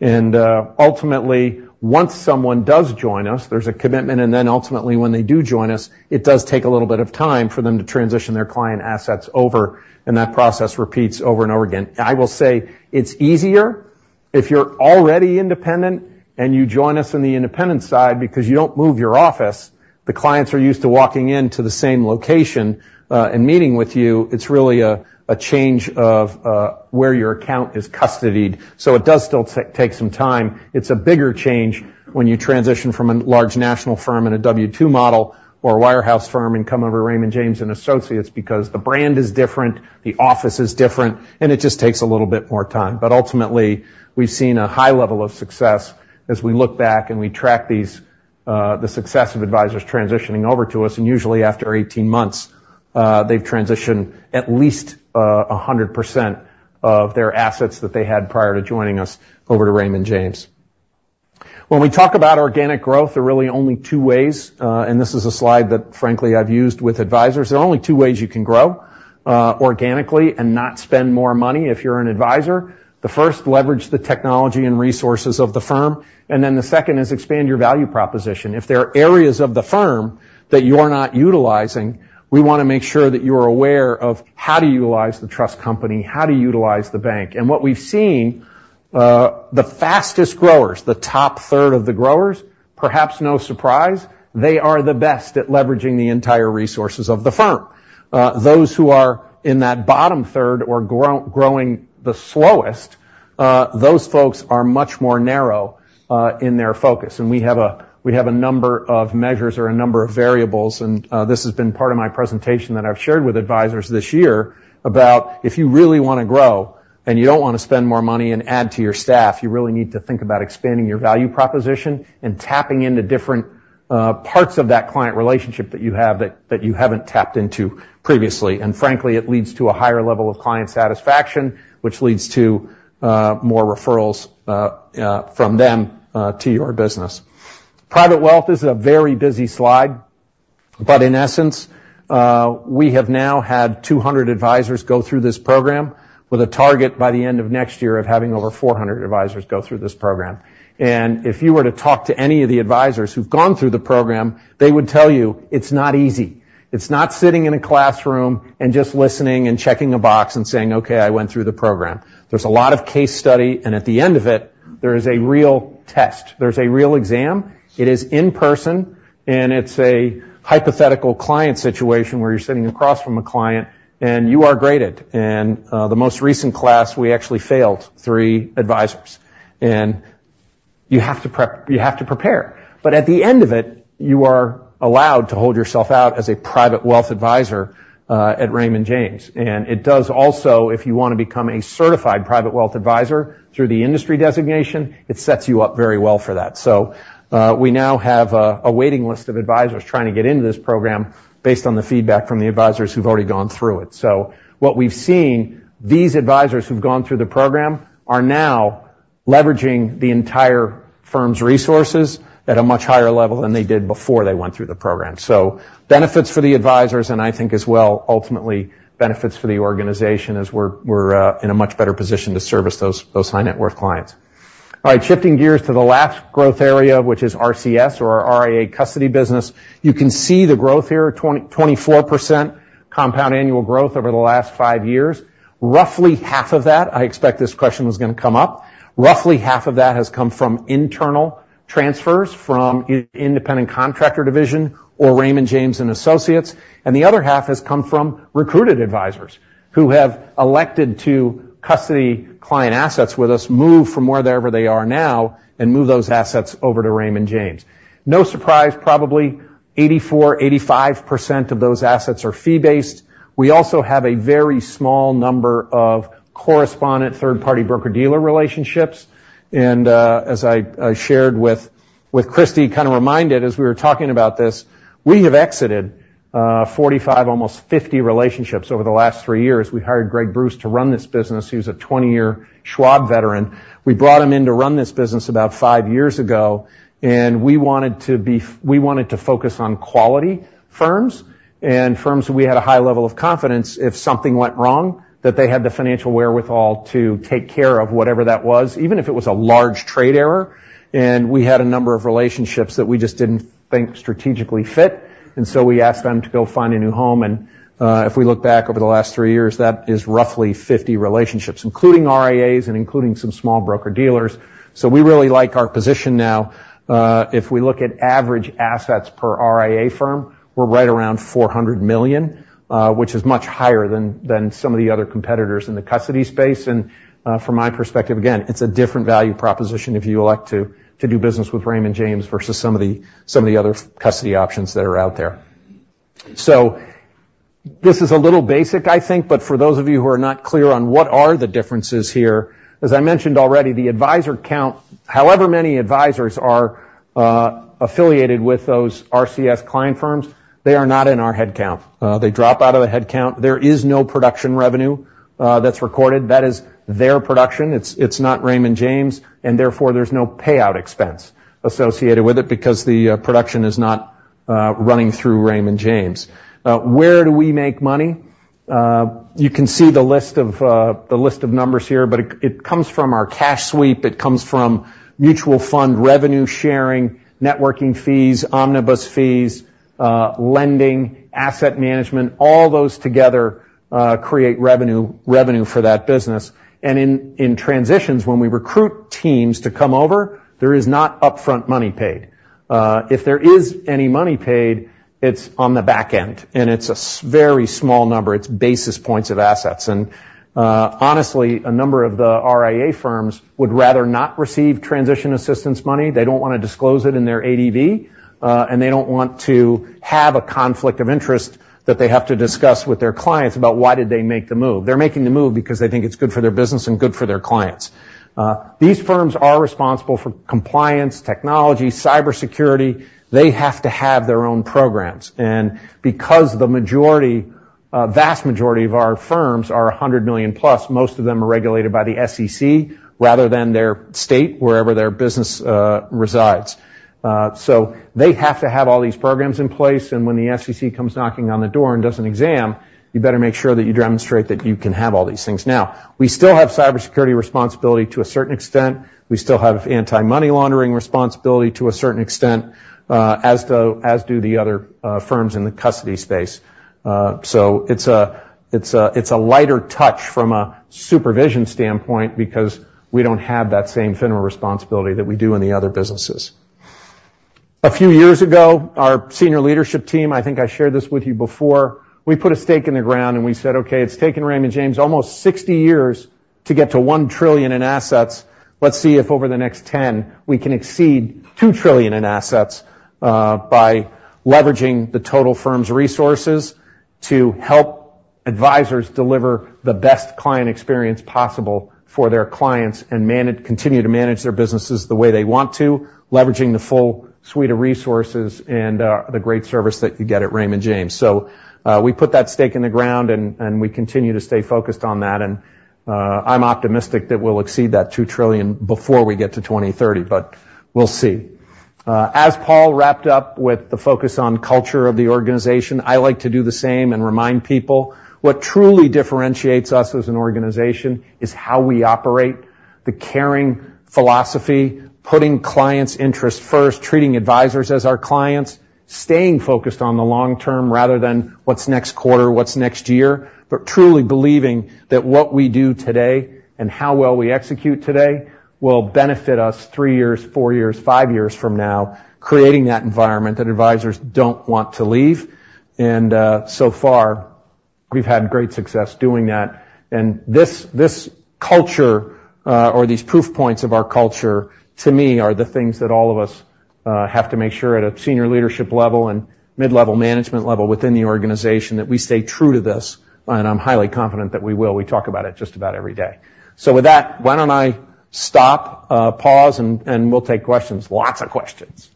And, ultimately, once someone does join us, there's a commitment, and then ultimately, when they do join us, it does take a little bit of time for them to transition their client assets over, and that process repeats over and over again. I will say it's easier if you're already independent and you join us in the independent side because you don't move your office. The clients are used to walking into the same location, and meeting with you. It's really a change of where your account is custodied, so it does still take some time. It's a bigger change when you transition from a large national firm in a W-2 model or a wirehouse firm and come over to Raymond James & Associates because the brand is different, the office is different, and it just takes a little bit more time. But ultimately, we've seen a high level of success as we look back and we track these, the success of advisors transitioning over to us, and usually after 18 months, they've transitioned at least, a hundred percent of their assets that they had prior to joining us over to Raymond James. When we talk about organic growth, there are really only two ways, and this is a slide that, frankly, I've used with advisors. There are only two ways you can grow, organically and not spend more money if you're an advisor. The first, leverage the technology and resources of the firm, and then the second is expand your value proposition. If there are areas of the firm that you're not utilizing, we wanna make sure that you're aware of how to utilize the trust company, how to utilize the bank. And what we've seen, the fastest growers, the top third of the growers, perhaps no surprise, they are the best at leveraging the entire resources of the firm. Those who are in that bottom third or growing the slowest, those folks are much more narrow, in their focus. We have a number of measures or a number of variables, and this has been part of my presentation that I've shared with advisors this year, about if you really wanna grow and you don't wanna spend more money and add to your staff, you really need to think about expanding your value proposition and tapping into different parts of that client relationship that you have that you haven't tapped into previously. Frankly, it leads to a higher level of client satisfaction, which leads to more referrals from them to your business. Private Wealth is a very busy slide, but in essence, we have now had 200 advisors go through this program with a target by the end of next year of having over 400 advisors go through this program. And if you were to talk to any of the advisors who've gone through the program, they would tell you it's not easy. It's not sitting in a classroom and just listening and checking a box and saying, "Okay, I went through the program." There's a lot of case study, and at the end of it, there is a real test. There's a real exam. It is in person, and it's a hypothetical client situation where you're sitting across from a client and you are graded. And, the most recent class, we actually failed three advisors, and you have to prepare. But at the end of it, you are allowed to hold yourself out as a Private Wealth advisor at Raymond James. It does also, if you wanna become a certified Private Wealth advisor through the industry designation, it sets you up very well for that. So, we now have a waiting list of advisors trying to get into this program based on the feedback from the advisors who've already gone through it. So what we've seen, these advisors who've gone through the program are now leveraging the entire firm's resources at a much higher level than they did before they went through the program. So benefits for the advisors, and I think as well, ultimately, benefits for the organization as we're in a much better position to service those high-net-worth clients. All right, shifting gears to the last growth area, which is RCS or our RIA custody business. You can see the growth here, 20%-24% compound annual growth over the last five years. Roughly half of that, I expect this question was gonna come up, roughly half of that has come from internal transfers from Independent Contractor Division or Raymond James and Associates, and the other half has come from recruited advisors who have elected to custody client assets with us, move from wherever they are now and move those assets over to Raymond James. No surprise, probably 84%-85% of those assets are fee-based. We also have a very small number of correspondent third-party broker-dealer relationships, and, as I shared with Kristie kind of reminded as we were talking about this, we have exited 45, almost 50 relationships over the last three years. We hired Greg Bruce to run this business. He was a 20-year Schwab veteran. We brought him in to run this business about five years ago, and we wanted to focus on quality firms, and firms we had a high level of confidence if something went wrong, that they had the financial wherewithal to take care of whatever that was, even if it was a large trade error. If we look back over the last three years, that is roughly 50 relationships, including RIAs and including some small broker-dealers. So we really like our position now. If we look at average assets per RIA firm, we're right around $400 million, which is much higher than some of the other competitors in the custody space. From my perspective, again, it's a different value proposition if you elect to, to do business with Raymond James versus some of the, some of the other custody options that are out there. So this is a little basic, I think, but for those of you who are not clear on what are the differences here, as I mentioned already, the advisor count, however many advisors are affiliated with those RCS client firms, they are not in our head count. They drop out of the head count. There is no production revenue that's recorded. That is their production. It's, it's not Raymond James, and therefore, there's no payout expense associated with it because the production is not running through Raymond James. Where do we make money? You can see the list of, the list of numbers here, but it, it comes from our cash sweep. It comes from mutual fund revenue sharing, networking fees, omnibus fees, lending, asset management, all those together, create revenue, revenue for that business. And in, in transitions, when we recruit teams to come over, there is not upfront money paid. If there is any money paid, it's on the back end, and it's a very small number. It's basis points of assets. And, honestly, a number of the RIA firms would rather not receive transition assistance money. They don't want to disclose it in their ADV, and they don't want to have a conflict of interest that they have to discuss with their clients about why did they make the move. They're making the move because they think it's good for their business and good for their clients. These firms are responsible for compliance, technology, cybersecurity. They have to have their own programs. Because the majority, a vast majority of our firms are 100 million+, most of them are regulated by the SEC rather than their state, wherever their business resides. So they have to have all these programs in place, and when the SEC comes knocking on the door and does an exam, you better make sure that you demonstrate that you can have all these things. Now, we still have cybersecurity responsibility to a certain extent. We still have anti-money laundering responsibility to a certain extent, as do the other firms in the custody space. So it's a lighter touch from a supervision standpoint because we don't have that same FINRA responsibility that we do in the other businesses. A few years ago, our senior leadership team, I think I shared this with you before, we put a stake in the ground, and we said, "Okay, it's taken Raymond James almost 60 years to get to 1 trillion in assets. Let's see if over the next 10, we can exceed 2 trillion in assets, by leveraging the total firm's resources to help advisors deliver the best client experience possible for their clients and continue to manage their businesses the way they want to, leveraging the full suite of resources and, the great service that you get at Raymond James." So, we put that stake in the ground and we continue to stay focused on that. I'm optimistic that we'll exceed that 2 trillion before we get to 2030, but we'll see. As Paul wrapped up with the focus on culture of the organization, I like to do the same and remind people, what truly differentiates us as an organization is how we operate, the caring philosophy, putting clients' interests first, treating advisors as our clients, staying focused on the long term rather than what's next quarter, what's next year, but truly believing that what we do today and how well we execute today will benefit us three years, four years, five years from now, creating that environment that advisors don't want to leave. So far, we've had great success doing that. This, this culture, or these proof points of our culture, to me, are the things that all of us have to make sure at a senior leadership level and mid-level management level within the organization, that we stay true to this, and I'm highly confident that we will. We talk about it just about every day. With that, why don't I stop, pause, and we'll take questions? Lots of questions.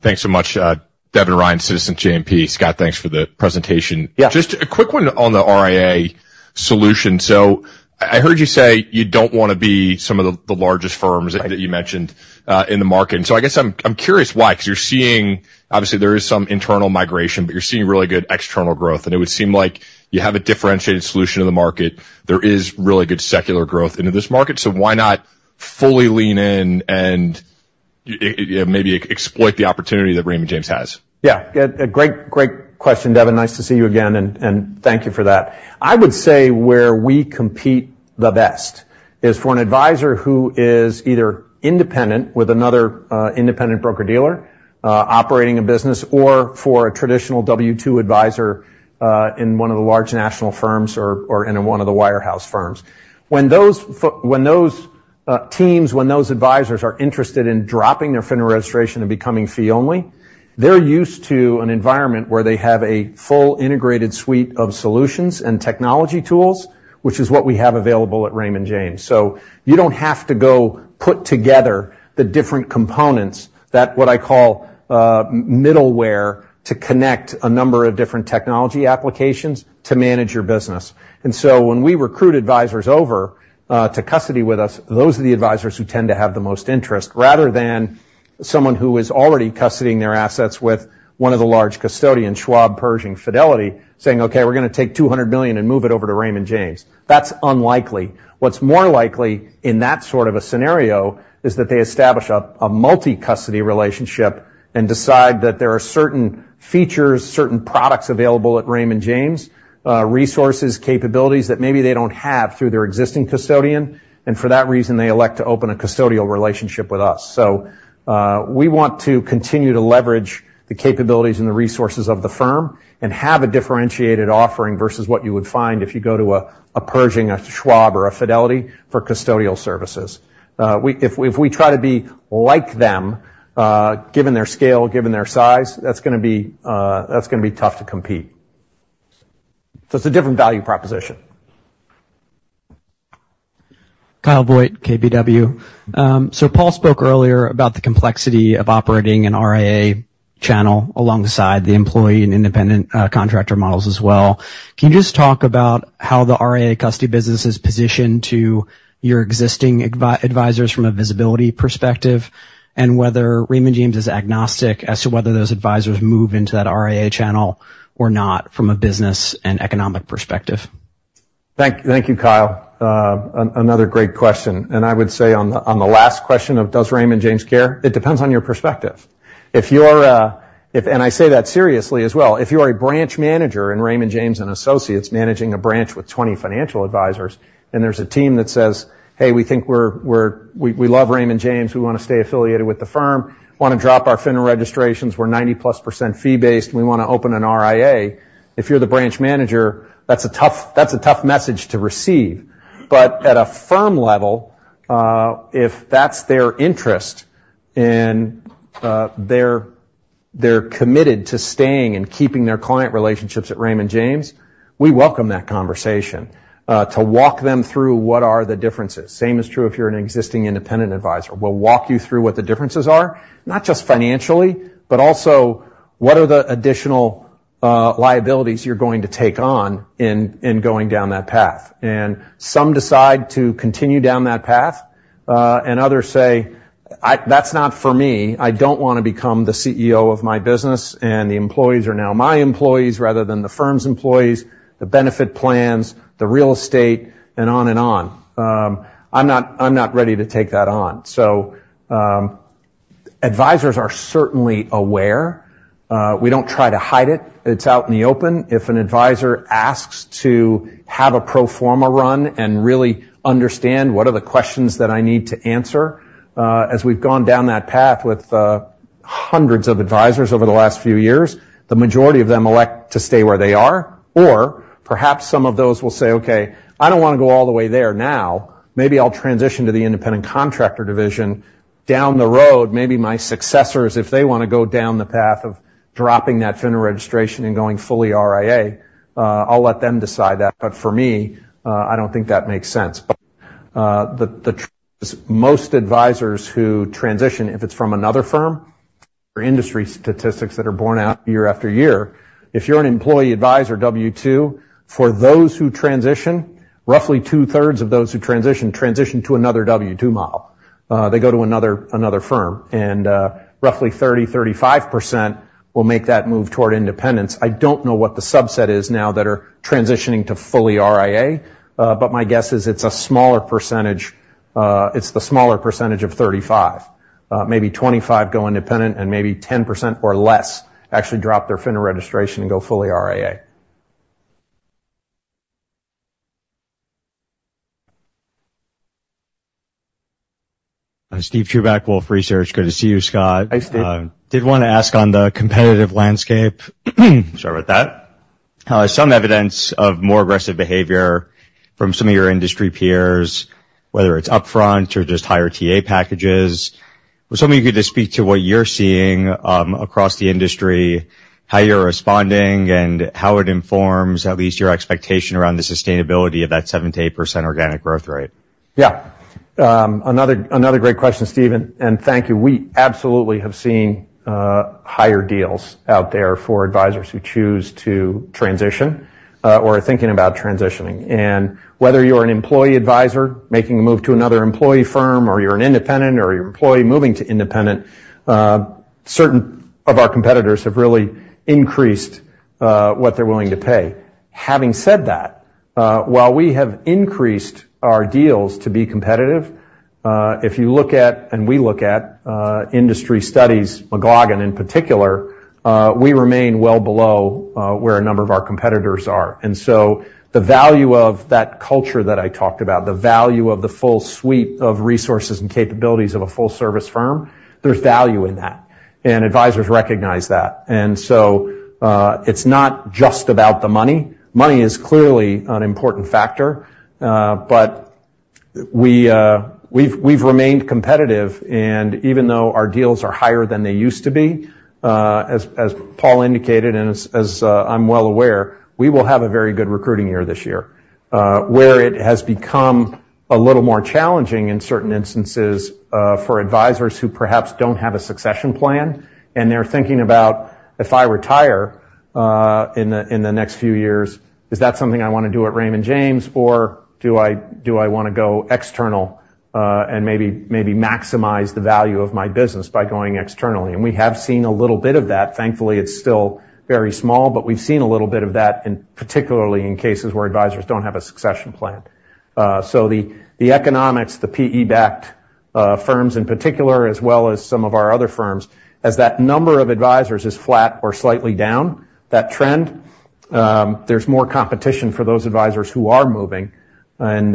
Thanks so much, Devin Ryan, Citizens JMP. Scott, thanks for the presentation.
Yeah.
Just a quick one on the RIA solution. So I heard you say you don't wanna be some of the largest firms-
Right
That you mentioned in the market. So I guess I'm curious why, 'cause you're seeing... Obviously, there is some internal migration, but you're seeing really good external growth, and it would seem like you have a differentiated solution to the market. There is really good secular growth into this market, so why not fully lean in and yeah, maybe exploit the opportunity that Raymond James has?
Yeah. Yeah, a great, great question, Devin. Nice to see you again, and thank you for that. I would say where we compete the best is for an advisor who is either independent with another independent broker-dealer operating a business, or for a traditional W-2 advisor in one of the large national firms or in one of the Wirehouse firms. When those advisors are interested in dropping their FINRA registration and becoming fee-only, they're used to an environment where they have a full integrated suite of solutions and technology tools, which is what we have available at Raymond James. So you don't have to go put together the different components, that's what I call middleware, to connect a number of different technology applications to manage your business. And so when we recruit advisors over to custody with us, those are the advisors who tend to have the most interest, rather than someone who is already custodying their assets with one of the large custodians, Schwab, Pershing, Fidelity, saying, "Okay, we're gonna take $200 million and move it over to Raymond James." That's unlikely. What's more likely in that sort of a scenario is that they establish a multi-custody relationship and decide that there are certain features, certain products available at Raymond James, resources, capabilities that maybe they don't have through their existing custodian, and for that reason, they elect to open a custodial relationship with us. So, we want to continue to leverage the capabilities and the resources of the firm and have a differentiated offering versus what you would find if you go to a Pershing, a Schwab, or a Fidelity for custodial services. If we try to be like them, given their scale, given their size, that's gonna be tough to compete. So it's a different value proposition.
Kyle Voigt, KBW. So Paul spoke earlier about the complexity of operating an RIA channel alongside the employee and independent contractor models as well. Can you just talk about how the RIA custody business is positioned to your existing advisors from a visibility perspective, and whether Raymond James is agnostic as to whether those advisors move into that RIA channel or not from a business and economic perspective?
Thank you, Kyle. Another great question, and I would say on the last question of does Raymond James care? It depends on your perspective. If you're, if... And I say that seriously as well. If you are a branch manager in Raymond James & Associates managing a branch with 20 financial advisors, and there's a team that says, "Hey, we think we're we love Raymond James. We wanna stay affiliated with the firm, wanna drop our FINRA registrations. We're 90%+ fee-based, we wanna open an RIA." If you're the branch manager, that's a tough message to receive. But at a firm level, if that's their interest and they're committed to staying and keeping their client relationships at Raymond James, we welcome that conversation to walk them through what are the differences. Same is true if you're an existing independent advisor. We'll walk you through what the differences are, not just financially, but also what are the additional liabilities you're going to take on in going down that path. And some decide to continue down that path, and others say, "That's not for me. I don't wanna become the CEO of my business, and the employees are now my employees rather than the firm's employees, the benefit plans, the real estate, and on and on. I'm not ready to take that on." So, advisors are certainly aware. We don't try to hide it. It's out in the open. If an advisor asks to have a pro forma run and really understand what are the questions that I need to answer, as we've gone down that path with hundreds of advisors over the last few years, the majority of them elect to stay where they are, or perhaps some of those will say, "Okay, I don't wanna go all the way there now. Maybe I'll transition to the Independent Contractor Division. Down the road, maybe my successors, if they wanna go down the path of dropping that FINRA registration and going fully RIA, I'll let them decide that, but for me, I don't think that makes sense." But the most advisors who transition, if it's from another firm, or industry statistics that are born out year after year, if you're an employee advisor, W-2, for those who transition, roughly 2/3 of those who transition transition to another W-2 model. They go to another firm, and roughly 30%-35% will make that move toward independence. I don't know what the subset is now that are transitioning to fully RIA, but my guess is it's a smaller percentage, it's the smaller percentage of 35. Maybe 25 go independent, and maybe 10% or less actually drop their FINRA registration and go fully RIA.
Steven Chubak, Wolfe Research. Good to see you, Scott.
Hi, Steve.
Did wanna ask on the competitive landscape. Sorry about that. Some evidence of more aggressive behavior from some of your industry peers, whether it's upfront or just higher TA packages. I was hoping you could just speak to what you're seeing, across the industry, how you're responding, and how it informs at least your expectation around the sustainability of that 7%-8% organic growth rate.
Yeah. Another, another great question, Steve, and, and thank you. We absolutely have seen higher deals out there for advisors who choose to transition or are thinking about transitioning. And whether you're an employee advisor making a move to another employee firm, or you're an independent, or you're an employee moving to independent, certain of our competitors have really increased what they're willing to pay. Having said that, while we have increased our deals to be competitive, if you look at, and we look at, industry studies, McLagan in particular, we remain well below where a number of our competitors are. And so the value of that culture that I talked about, the value of the full suite of resources and capabilities of a full-service firm, there's value in that, and advisors recognize that. It's not just about the money. Money is clearly an important factor, but we've remained competitive, and even though our deals are higher than they used to be, as Paul indicated, and as I'm well aware, we will have a very good recruiting year this year. Where it has become a little more challenging in certain instances, for advisors who perhaps don't have a succession plan, and they're thinking about, "If I retire in the next few years, is that something I want to do at Raymond James, or do I want to go external, and maybe maximize the value of my business by going externally?" We have seen a little bit of that. Thankfully, it's still very small, but we've seen a little bit of that, in particular in cases where advisors don't have a succession plan. So the economics, the PE-backed firms in particular, as well as some of our other firms, as that number of advisors is flat or slightly down, that trend, there's more competition for those advisors who are moving, and,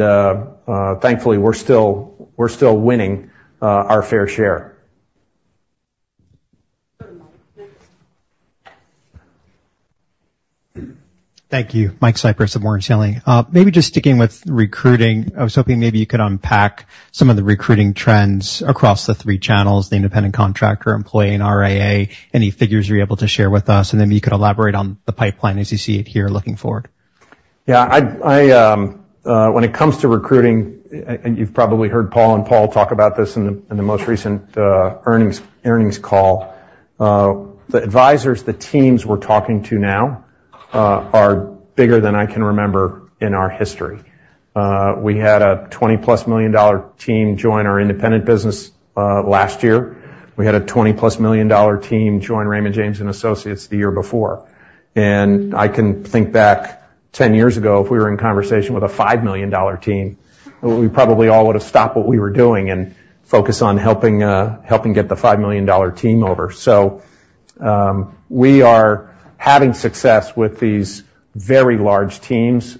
thankfully, we're still, we're still winning our fair share.
Next.
Thank you. Michael Cyprys of Morgan Stanley. Maybe just sticking with recruiting, I was hoping maybe you could unpack some of the recruiting trends across the three channels, the independent contractor, employee, and RIA. Any figures you're able to share with us, and then you could elaborate on the pipeline as you see it here looking forward.
Yeah, when it comes to recruiting, and you've probably heard Paul and Paul talk about this in the most recent earnings call, the advisors, the teams we're talking to now are bigger than I can remember in our history. We had a $20+ million team join our independent business last year. We had a $20+ million team join Raymond James and Associates the year before. And I can think back 10 years ago, if we were in conversation with a $5 million team, we probably all would have stopped what we were doing and focus on helping get the $5 million team over. So, we are having success with these very large teams.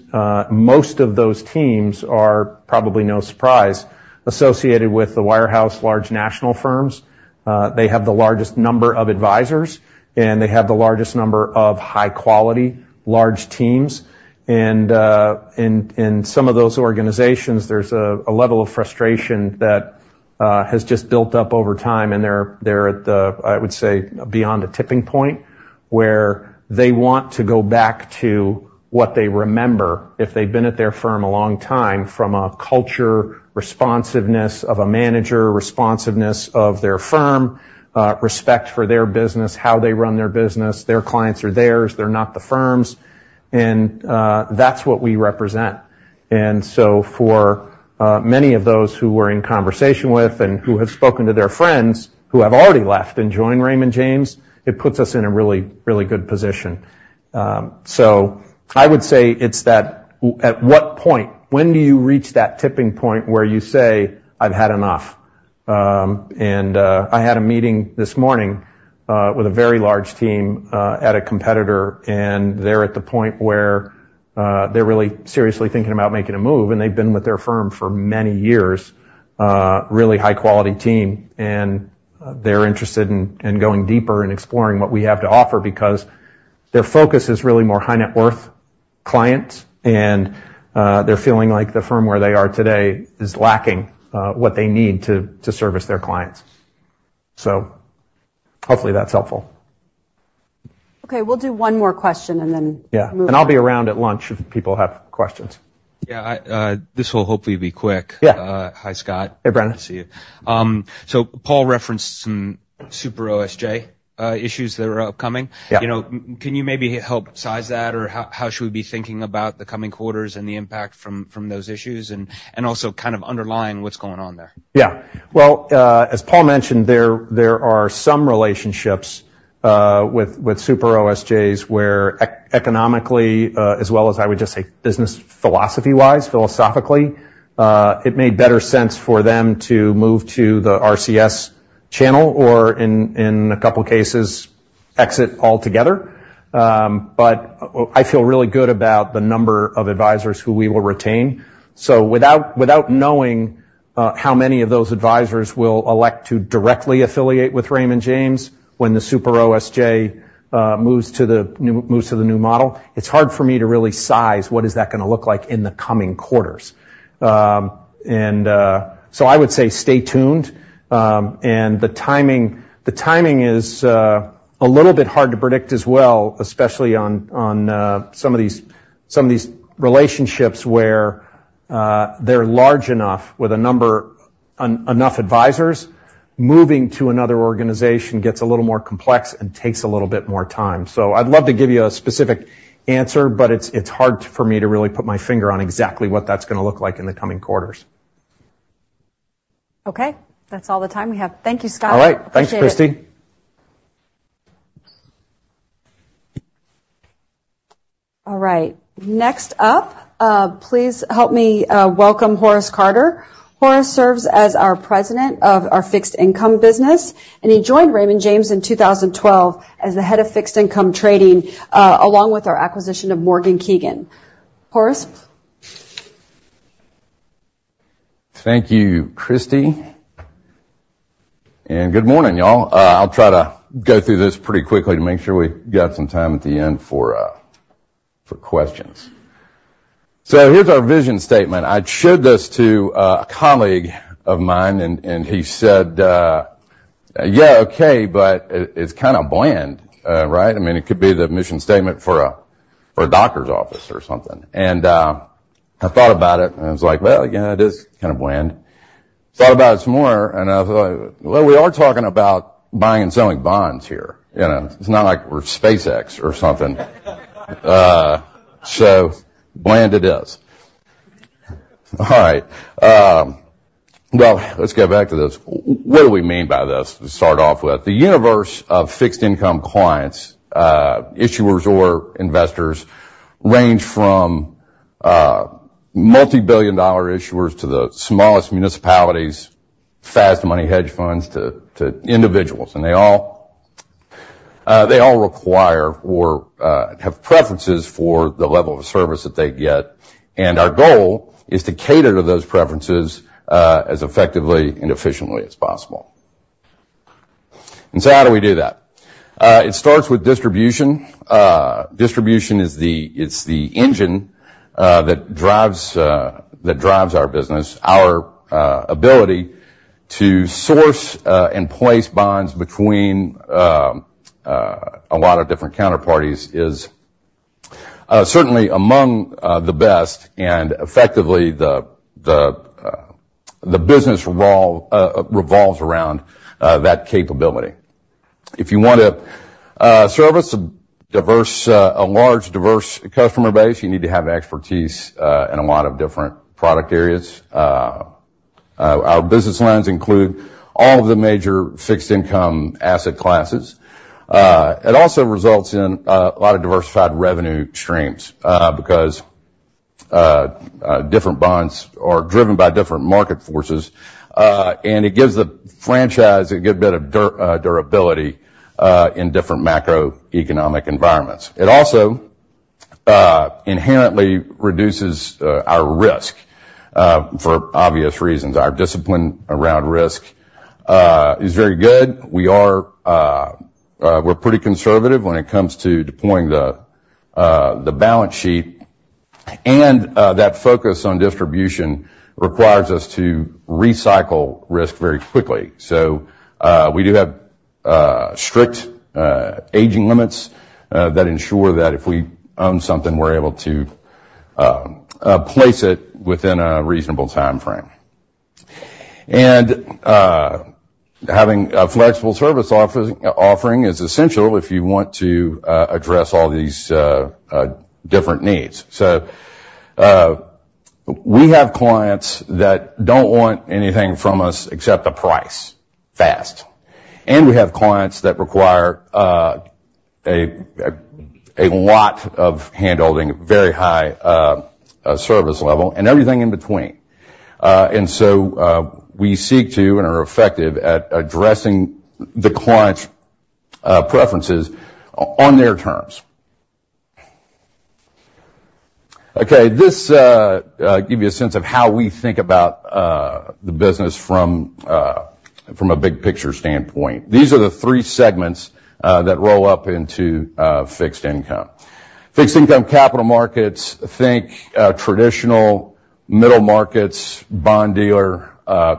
Most of those teams are probably no surprise, associated with the wirehouse large national firms. They have the largest number of advisors, and they have the largest number of high-quality, large teams. In some of those organizations, there's a level of frustration that has just built up over time, and they're at the, I would say, beyond a tipping point, where they want to go back to what they remember if they've been at their firm a long time, from a culture, responsiveness of a manager, responsiveness of their firm, respect for their business, how they run their business. Their clients are theirs. They're not the firms. That's what we represent. So for many of those who we're in conversation with and who have spoken to their friends, who have already left and joined Raymond James, it puts us in a really, really good position. So I would say it's that at what point? When do you reach that tipping point where you say, "I've had enough." And I had a meeting this morning with a very large team at a competitor, and they're at the point where they're really seriously thinking about making a move, and they've been with their firm for many years, really high-quality team, and they're interested in going deeper and exploring what we have to offer because their focus is really more high net worth clients, and they're feeling like the firm where they are today is lacking what they need to service their clients. So hopefully, that's helpful.
Okay, we'll do one more question, and then-
Yeah.
Move on.
I'll be around at lunch if people have questions.
Yeah, this will hopefully be quick.
Yeah.
Hi, Scott.
Hey, Brennan.
Good to see you. Paul referenced some super OSJ issues that are upcoming.
Yeah.
You know, can you maybe help size that, or how should we be thinking about the coming quarters and the impact from those issues, and also kind of underlying what's going on there?
Yeah. Well, as Paul mentioned, there are some relationships with super OSJs, where economically, as well as I would just say, business philosophy-wise, philosophically, it made better sense for them to move to the RCS channel or in a couple of cases, exit altogether. But I feel really good about the number of advisors who we will retain. So without knowing how many of those advisors will elect to directly affiliate with Raymond James when the super OSJ moves to the new model, it's hard for me to really size what is that gonna look like in the coming quarters. And so I would say stay tuned. And the timing is a little bit hard to predict as well, especially on some of these relationships where they're large enough with a number of advisors. Moving to another organization gets a little more complex and takes a little bit more time. So I'd love to give you a specific answer, but it's hard for me to really put my finger on exactly what that's gonna look like in the coming quarters.
Okay. That's all the time we have. Thank you, Scott.
All right.
Appreciate it.
Thanks, Kristie.
All right. Next up, please help me welcome Horace Carter. Horace serves as our President of our Fixed Income business, and he joined Raymond James in 2012 as the head of Fixed Income trading, along with our acquisition of Morgan Keegan. Horace?
Thank you, Kristie. Good morning, y'all. I'll try to go through this pretty quickly to make sure we've got some time at the end for questions. Here's our vision statement. I showed this to a colleague of mine and he said, "Yeah, okay, but it's kinda bland, right? I mean, it could be the mission statement for a doctor's office or something." I thought about it, and I was like, "Well, yeah, it is kind of bland." Thought about it some more, and I was like, "Well, we are talking about buying and selling bonds here, you know? It's not like we're SpaceX or something." So bland it is. All right. Well, let's get back to this. What do we mean by this, to start off with? The universe of fixed income clients, issuers or investors, range from, multi-billion dollar issuers to the smallest municipalities, fast money hedge funds to individuals, and they all require or have preferences for the level of service that they get. Our goal is to cater to those preferences, as effectively and efficiently as possible. So how do we do that? It starts with distribution. Distribution is the, it's the engine, that drives our business. Our ability to source and place bonds between a lot of different counterparties is certainly among the best, and effectively, the business revolves around that capability. If you want to service a diverse, large diverse customer base, you need to have expertise in a lot of different product areas. Our business lines include all of the major fixed income asset classes. It also results in a lot of diversified revenue streams because different bonds are driven by different market forces, and it gives the franchise a good bit of durability in different macroeconomic environments. It also inherently reduces our risk for obvious reasons. Our discipline around risk is very good. We're pretty conservative when it comes to deploying the balance sheet, and that focus on distribution requires us to recycle risk very quickly. So, we do have strict aging limits that ensure that if we own something, we're able to place it within a reasonable timeframe. And, having a flexible service offering is essential if you want to address all these different needs. So, we have clients that don't want anything from us except the price, fast. And we have clients that require a lot of handholding, a very high service level, and everything in between. And so, we seek to, and are effective at, addressing the clients' preferences on their terms. Okay, this gives you a sense of how we think about the business from a big picture standpoint. These are the three segments that roll up into Fixed Income. Fixed Income Capital Markets, think, traditional middle markets, bond dealer,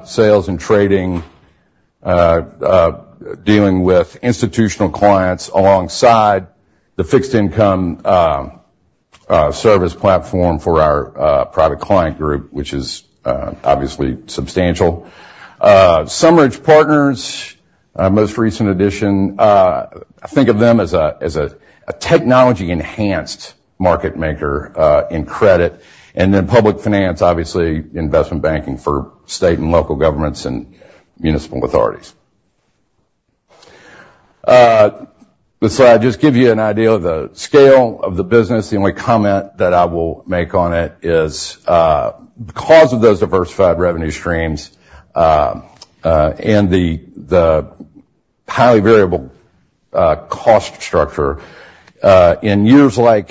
sales and trading, dealing with institutional clients alongside the fixed income, service platform for our, Private Client Group, which is, obviously substantial. SumRidge Partners, our most recent addition, think of them as a technology-enhanced market maker, in credit. And then Public Finance, obviously, investment banking for state and local governments and municipal authorities. So just to give you an idea of the scale of the business, the only comment that I will make on it is, because of those diversified revenue streams, and the, the highly variable cost structure, in years like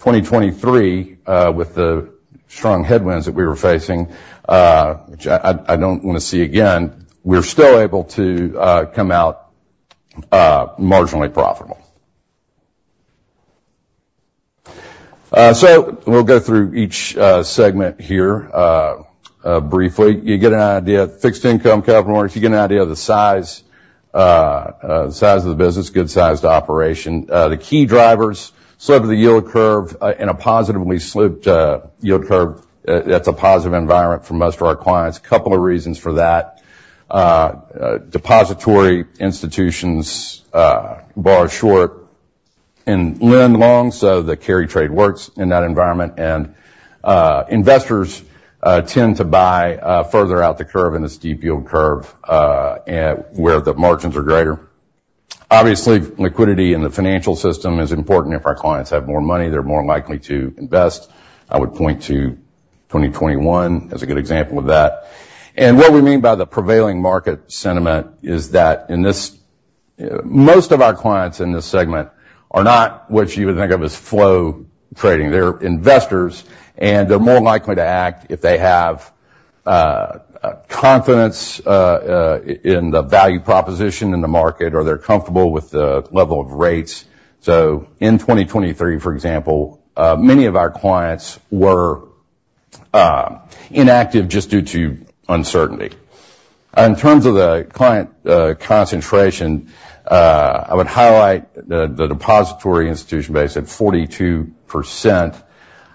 2023, with the strong headwinds that we were facing, which I, I don't wanna see again, we're still able to come out marginally profitable. So we'll go through each segment here briefly. You get an idea of Fixed Income Capital Markets. You get an idea of the size, the size of the business, good-sized operation. The key drivers, slope of the yield curve, in a positively sloped yield curve, that's a positive environment for most of our clients. A couple of reasons for that. Depository institutions borrow short and lend long, so the carry trade works in that environment. And investors tend to buy further out the curve in a steep yield curve and where the margins are greater. Obviously, liquidity in the financial system is important. If our clients have more money, they're more likely to invest. I would point to 2021 as a good example of that. And what we mean by the prevailing market sentiment is that in this... Most of our clients in this segment are not what you would think of as flow trading. They're investors, and they're more likely to act if they have confidence in the value proposition in the market or they're comfortable with the level of rates. So in 2023, for example, many of our clients were inactive just due to uncertainty. In terms of the client concentration, I would highlight the depository institution base at 42%.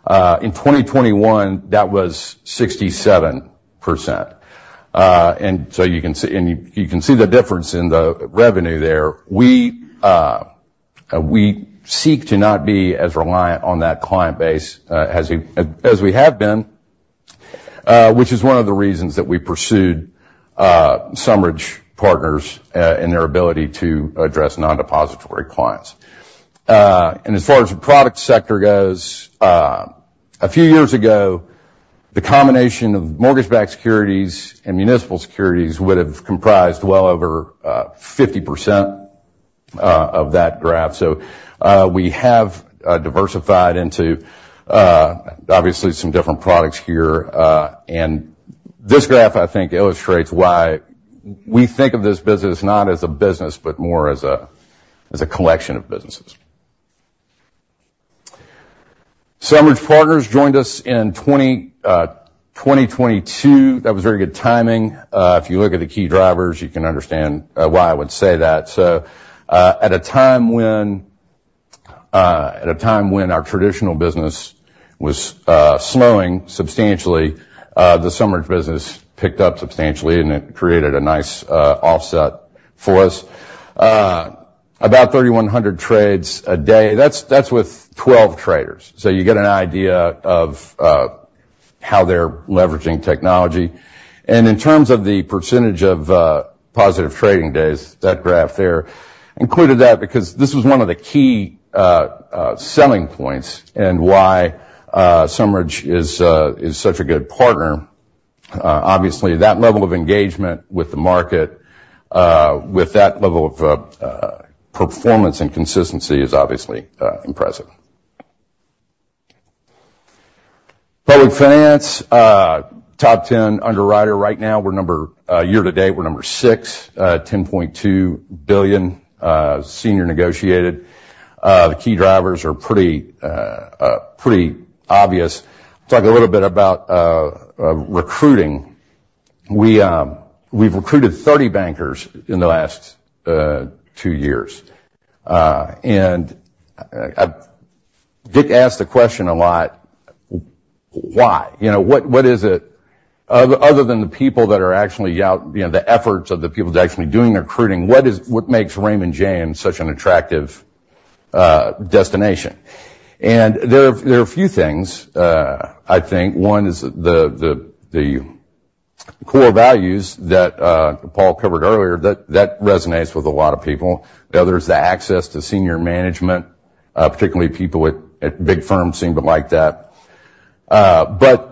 In 2021, that was 67%. And so you can see—and you can see the difference in the revenue there. We seek to not be as reliant on that client base as we have been, which is one of the reasons that we pursued SumRidge Partners in their ability to address non-depository clients. And as far as the product sector goes, a few years ago, the combination of mortgage-backed securities and municipal securities would have comprised well over 50% of that graph. So, we have diversified into, obviously, some different products here. And this graph, I think, illustrates why we think of this business not as a business, but more as a collection of businesses. SumRidge Partners joined us in 2022. That was very good timing. If you look at the key drivers, you can understand why I would say that. So, at a time when our traditional business was slowing substantially, the SumRidge business picked up substantially, and it created a nice offset for us. About 3,100 trades a day. That's with 12 traders, so you get an idea of how they're leveraging technology. In terms of the percentage of positive trading days, that graph there, included that because this was one of the key selling points and why SumRidge is such a good partner. Obviously, that level of engagement with the market, with that level of performance and consistency is obviously impressive. Public finance top 10 underwriter right now. We're number year to date, we're number 6 $10.2 billion senior negotiated. The key drivers are pretty obvious. Talk a little bit about recruiting. We've recruited 30 bankers in the last two years, and I get asked the question a lot, why? You know, what is it, other than the people that are actually out, you know, the efforts of the people that are actually doing the recruiting, what makes Raymond James such an attractive destination? And there are a few things, I think. One is the core values that Paul covered earlier, that resonates with a lot of people. The other is the access to senior management, particularly people at big firms seem to like that. But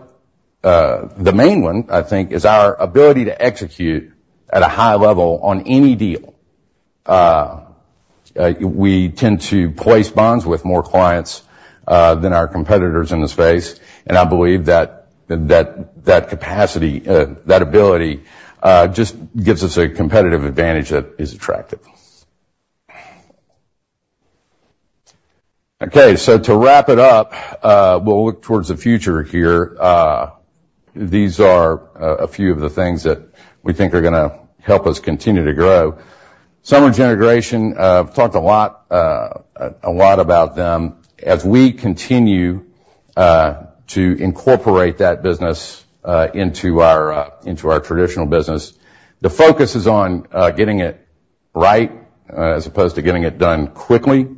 the main one, I think, is our ability to execute at a high level on any deal. We tend to place bonds with more clients than our competitors in the space, and I believe that capacity, that ability just gives us a competitive advantage that is attractive. Okay, so to wrap it up, we'll look towards the future here. These are a few of the things that we think are gonna help us continue to grow. SumRidge integration, we've talked a lot, a lot about them. As we continue to incorporate that business into our traditional business, the focus is on getting it right as opposed to getting it done quickly.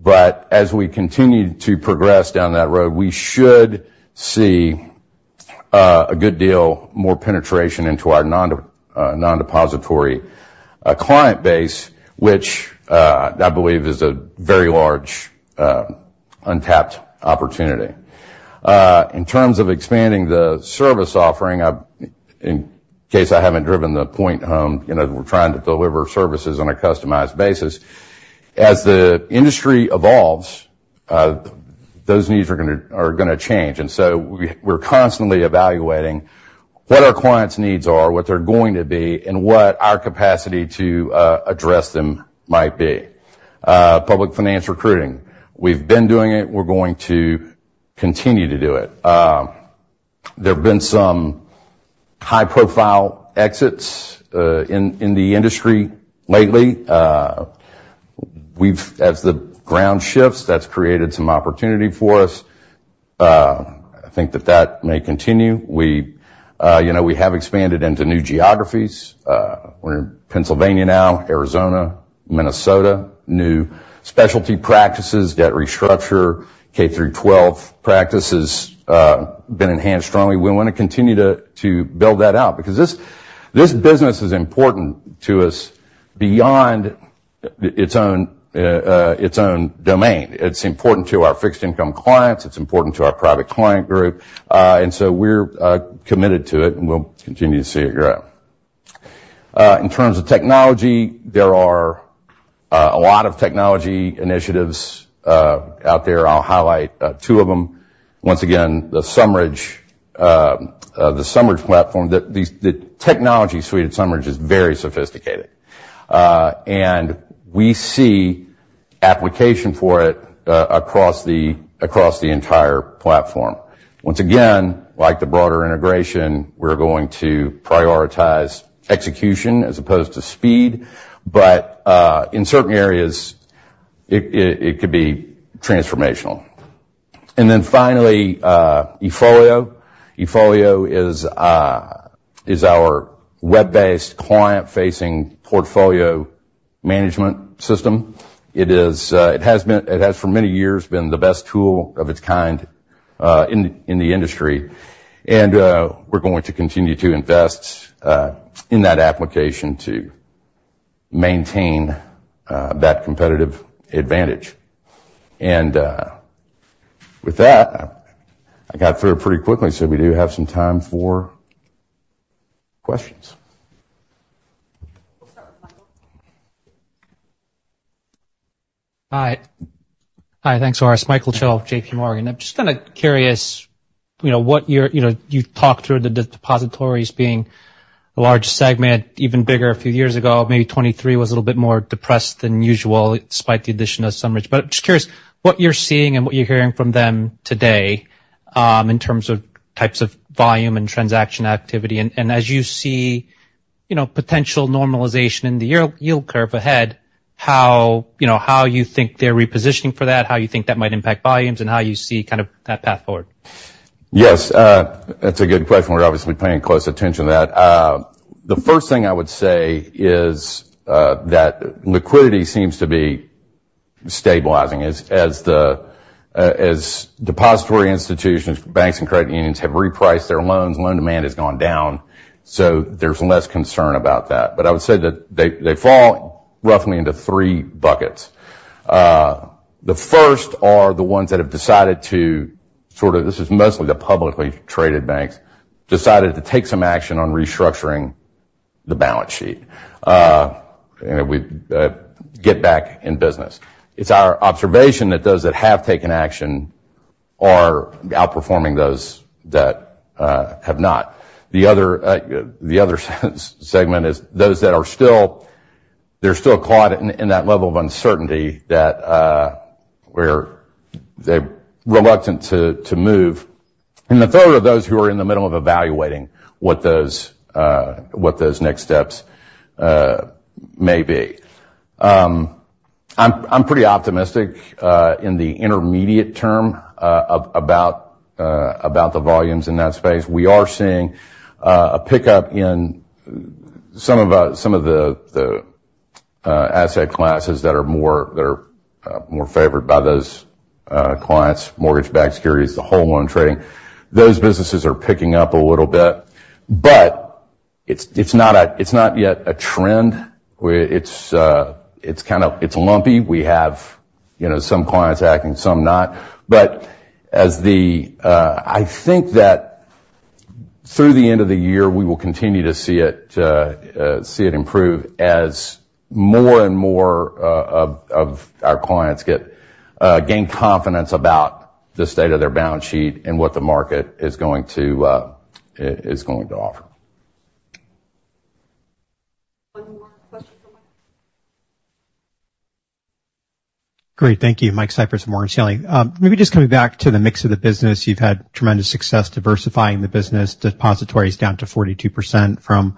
But as we continue to progress down that road, we should see a good deal more penetration into our non-depository client base, which I believe is a very large untapped opportunity. In terms of expanding the service offering, I've, in case I haven't driven the point home, you know, we're trying to deliver services on a customized basis. As the industry evolves, those needs are gonna change, and so we're constantly evaluating what our clients' needs are, what they're going to be, and what our capacity to address them might be. Public finance recruiting. We've been doing it. We're going to continue to do it. There have been some high-profile exits in the industry lately. As the ground shifts, that's created some opportunity for us. I think that may continue. You know, we have expanded into new geographies. We're in Pennsylvania now, Arizona, Minnesota. New specialty practices, debt restructure, K through twelve practices, been enhanced strongly. We want to continue to build that out because this business is important to us beyond its own domain. It's important to our fixed income clients. It's important to our Private Client Group. And so we're committed to it, and we'll continue to see it grow. In terms of technology, there are a lot of technology initiatives out there. I'll highlight two of them. Once again, the SumRidge platform, the technology suite at SumRidge is very sophisticated. And we see application for it across the entire platform. Once again, like the broader integration, we're going to prioritize execution as opposed to speed, but in certain areas, it could be transformational. And then finally, eFolio. eFolio is our web-based, client-facing portfolio management system. It has, for many years, been the best tool of its kind in the industry, and we're going to continue to invest in that application to maintain that competitive advantage. With that, I got through it pretty quickly, so we do have some time for questions. We'll start with Michael.
Hi. Hi, thanks, Horace. Michael Cho, J.P. Morgan. I'm just kind of curious, you know, what you're—you know, you've talked through the depositories being a large segment, even bigger a few years ago, maybe 2023 was a little bit more depressed than usual, despite the addition of SumRidge. But just curious, what you're seeing and what you're hearing from them today, in terms of types of volume and transaction activity, and, and as you see, you know, potential normalization in the yield, yield curve ahead, how, you know, how you think they're repositioning for that, how you think that might impact volumes, and how you see kind of that path forward?
Yes, that's a good question. We're obviously paying close attention to that. The first thing I would say is that liquidity seems to be stabilizing. As depository institutions, banks and credit unions, have repriced their loans, loan demand has gone down, so there's less concern about that. But I would say that they fall roughly into three buckets. The first are the ones that have decided to sort of, this is mostly the publicly traded banks, decided to take some action on restructuring the balance sheet, and we get back in business. It's our observation that those that have taken action are outperforming those that have not. The other segment is those that are still. They're still caught in that level of uncertainty where they're reluctant to move. And the third are those who are in the middle of evaluating what those next steps may be. I'm pretty optimistic in the intermediate term about the volumes in that space. We are seeing a pickup in some of the asset classes that are more favored by those clients, mortgage-backed securities, the whole loan trading. Those businesses are picking up a little bit, but it's not yet a trend, where it's kind of... It's lumpy. We have, you know, some clients acting, some not. But as the, I think that through the end of the year, we will continue to see it improve as more and more of our clients gain confidence about the state of their balance sheet and what the market is going to offer. One more question from Mike.
Great. Thank you. Michael Cyprys, Morgan Stanley. Maybe just coming back to the mix of the business, you've had tremendous success diversifying the business, depositories down to 42% from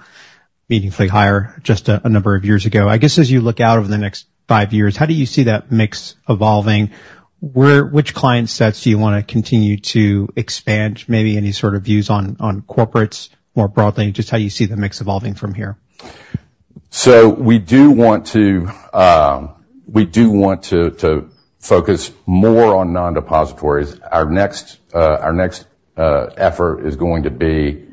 meaningfully higher, just a number of years ago. I guess, as you look out over the next five years, how do you see that mix evolving? Where—which client sets do you want to continue to expand? Maybe any sort of views on, on corporates, more broadly, just how you see the mix evolving from here.
So we do want to focus more on non-depositories. Our next effort is going to be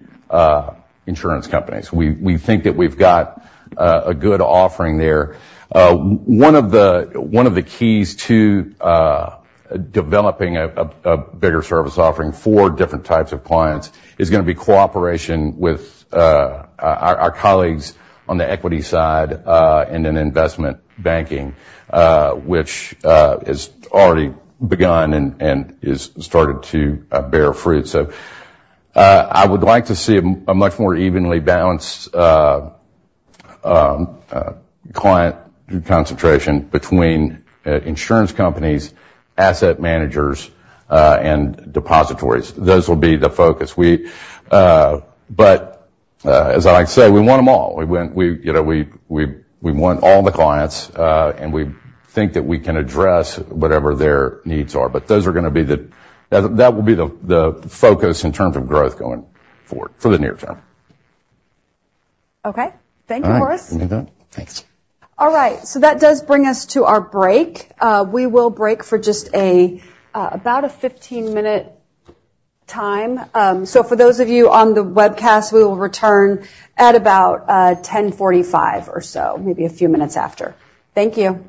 insurance companies. We think that we've got a good offering there. One of the keys to developing a bigger service offering for different types of clients is gonna be cooperation with our colleagues on the equity side and in investment banking, which has already begun and is started to bear fruit. So I would like to see a much more evenly balanced client concentration between insurance companies, asset managers, and depositories. Those will be the focus. But as I say, we want them all. We want, you know, all the clients, and we think that we can address whatever their needs are, but that will be the focus in terms of growth going forward for the near term.
Okay. Thank you, Horace.
All right. We good? Thanks.
All right, so that does bring us to our break. We will break for just a, about a 15-minute time. So for those of you on the webcast, we will return at about 10:45 or so, maybe a few minutes after. Thank you.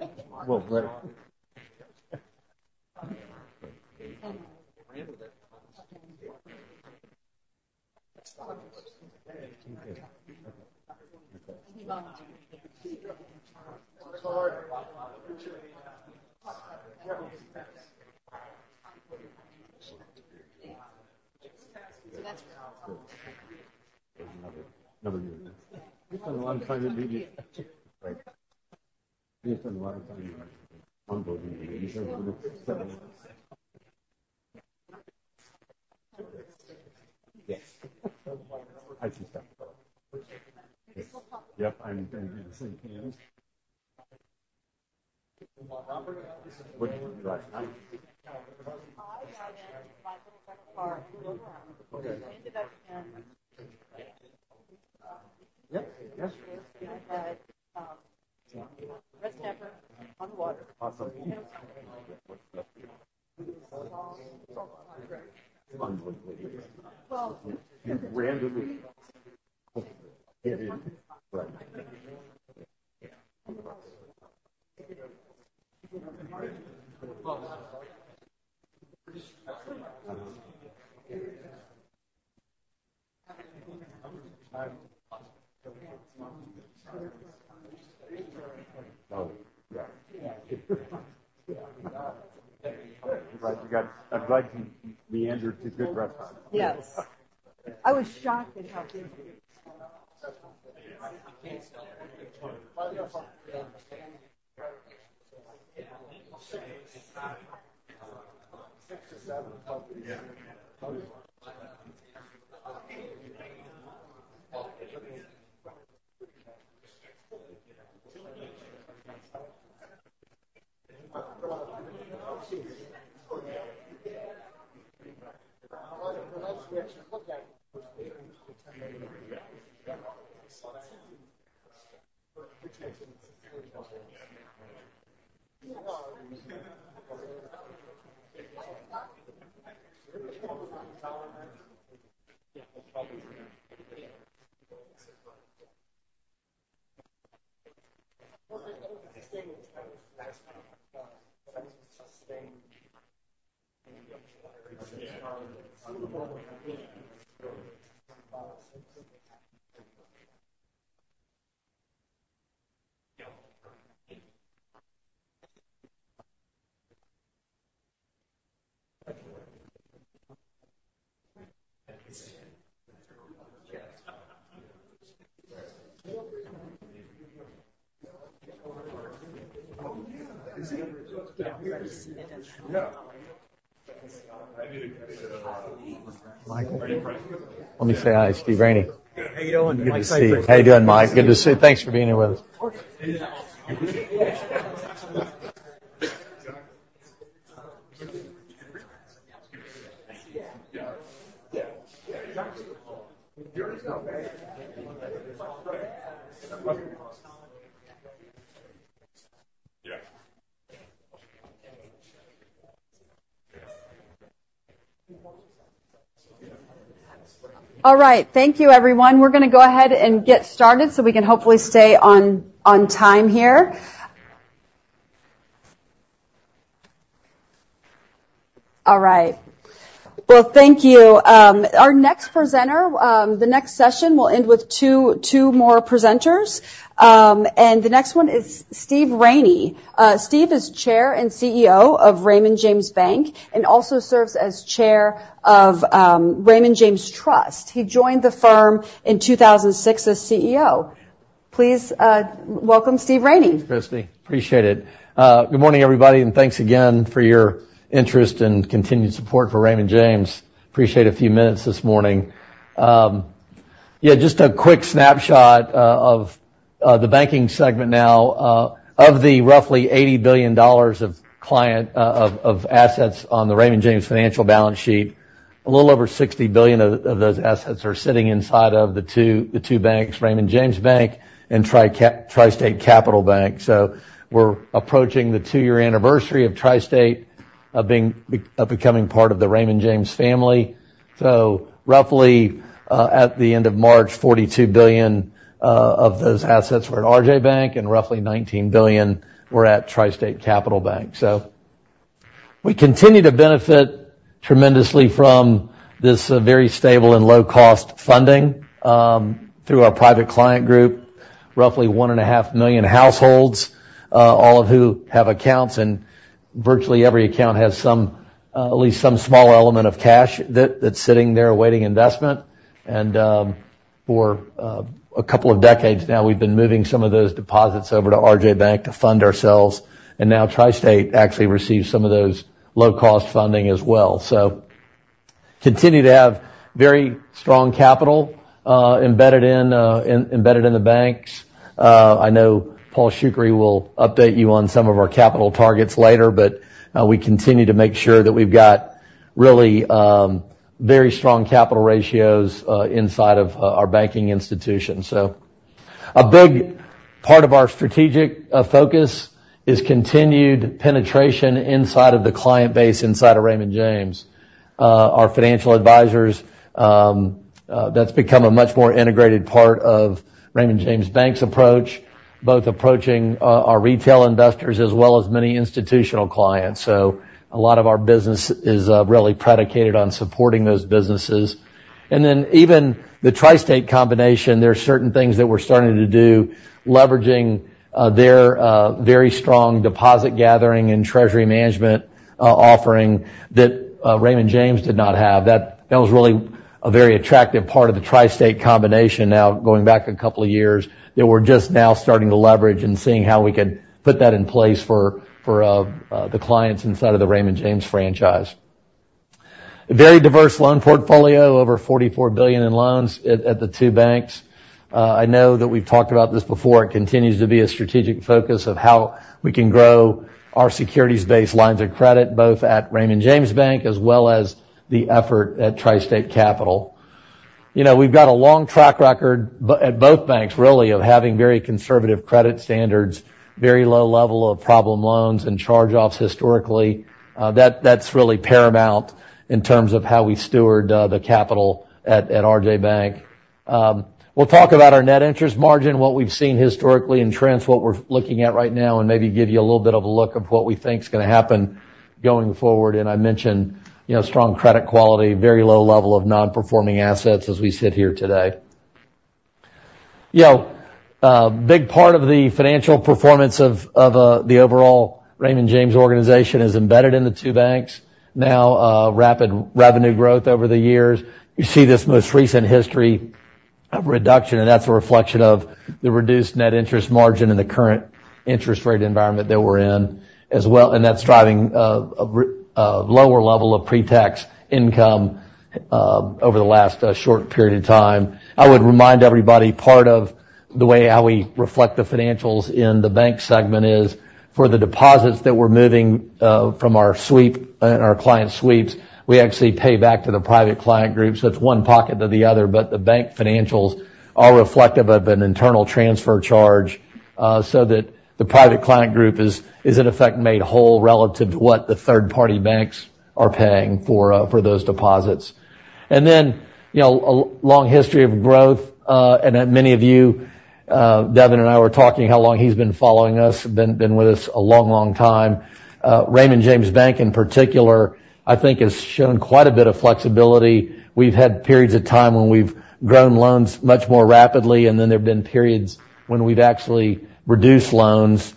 Michael? Let me say hi, Steve Raney.
How you doing? Mike-
Good to see you. How you doing, Mike? Good to see you. Thanks for being here with us.
Of course.
All right. Thank you, everyone. We're going to go ahead and get started, so we can hopefully stay on time here. All right. Well, thank you. Our next presenter, the next session will end with two more presenters. And the next one is Steve Raney. Steve is Chair and CEO of Raymond James Bank, and also serves as Chair of Raymond James Trust. He joined the firm in 2006 as CEO. Please welcome Steve Raney.
Thanks, Kristie. Appreciate it. Good morning, everybody, and thanks again for your interest and continued support for Raymond James. Appreciate a few minutes this morning. Just a quick snapshot of the banking segment now. Of the roughly $80 billion of client assets on the Raymond James Financial balance sheet, a little over $60 billion of those assets are sitting inside of the two banks, Raymond James Bank and TriState Capital Bank. So we're approaching the two-year anniversary of TriState, of becoming part of the Raymond James family. So roughly, at the end of March, $42 billion of those assets were at RJ Bank, and roughly $19 billion were at TriState Capital Bank. So we continue to benefit tremendously from this, very stable and low-cost funding, through our Private Client Group. Roughly 1.5 million households, all of who have accounts, and virtually every account has some, at least some small element of cash that's sitting there awaiting investment. And, for, a couple of decades now, we've been moving some of those deposits over to RJ Bank to fund ourselves, and now TriState actually receives some of those low-cost funding as well. So continue to have very strong capital, embedded in, embedded in the banks. I know Paul Shoukry will update you on some of our capital targets later, but, we continue to make sure that we've got really, very strong capital ratios, inside of, our banking institution. So a big part of our strategic focus is continued penetration inside of the client base, inside of Raymond James. Our financial advisors, that's become a much more integrated part of Raymond James Bank's approach, both approaching our retail investors as well as many institutional clients. So a lot of our business is really predicated on supporting those businesses. And then even the TriState combination, there are certain things that we're starting to do, leveraging their very strong deposit gathering and treasury management offering that Raymond James did not have. That was really a very attractive part of the TriState combination, now going back a couple of years, that we're just now starting to leverage and seeing how we could put that in place for the clients inside of the Raymond James franchise. A very diverse loan portfolio, over $44 billion in loans at the two banks. I know that we've talked about this before. It continues to be a strategic focus of how we can grow our securities-based lines of credit, both at Raymond James Bank as well as the effort at TriState Capital. You know, we've got a long track record at both banks, really, of having very conservative credit standards, very low level of problem loans and charge-offs historically. That's really paramount in terms of how we steward the capital at RJ Bank. We'll talk about our net interest margin, what we've seen historically in trends, what we're looking at right now, and maybe give you a little bit of a look of what we think is going to happen going forward. I mentioned, you know, strong credit quality, very low level of non-performing assets as we sit here today. You know, a big part of the financial performance of the overall Raymond James organization is embedded in the two banks. Now, rapid revenue growth over the years. You see this most recent history, a reduction, and that's a reflection of the reduced net interest margin and the current interest rate environment that we're in as well, and that's driving a lower level of pre-tax income over the last short period of time. I would remind everybody, part of the way how we reflect the financials in the bank segment is for the deposits that we're moving from our sweep and our client sweeps, we actually pay back to the Private Client Group. So it's one pocket to the other, but the bank financials are reflective of an internal transfer charge, so that the private client group is in effect made whole relative to what the third-party banks are paying for, for those deposits. And then, you know, a long history of growth, and then many of you, Devin and I were talking how long he's been following us, been with us a long, long time. Raymond James Bank, in particular, I think, has shown quite a bit of flexibility. We've had periods of time when we've grown loans much more rapidly, and then there have been periods when we've actually reduced loans,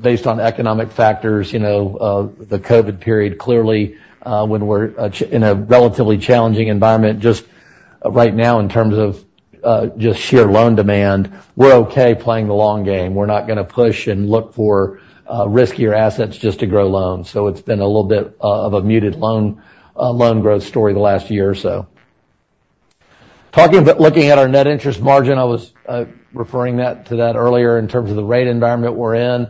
based on economic factors, you know, the COVID period, clearly, when we're in a relatively challenging environment just right now in terms of, just sheer loan demand. We're okay playing the long game. We're not gonna push and look for riskier assets just to grow loans. So it's been a little bit of a muted loan growth story the last year or so. Talking about looking at our net interest margin, I was referring to that earlier in terms of the rate environment we're in.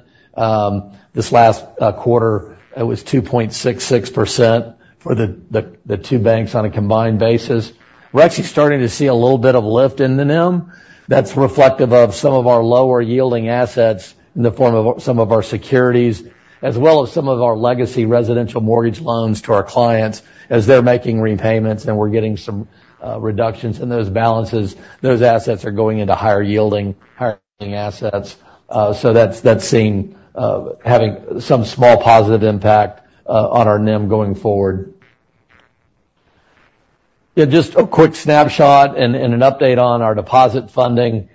This last quarter, it was 2.66% for the two banks on a combined basis. We're actually starting to see a little bit of lift in the NIM. That's reflective of some of our lower-yielding assets in the form of some of our securities, as well as some of our legacy residential mortgage loans to our clients as they're making repayments, and we're getting some reductions in those balances. Those assets are going into higher-yielding assets. So that's having some small positive impact on our NIM going forward. Yeah, just a quick snapshot and an update on our deposit funding.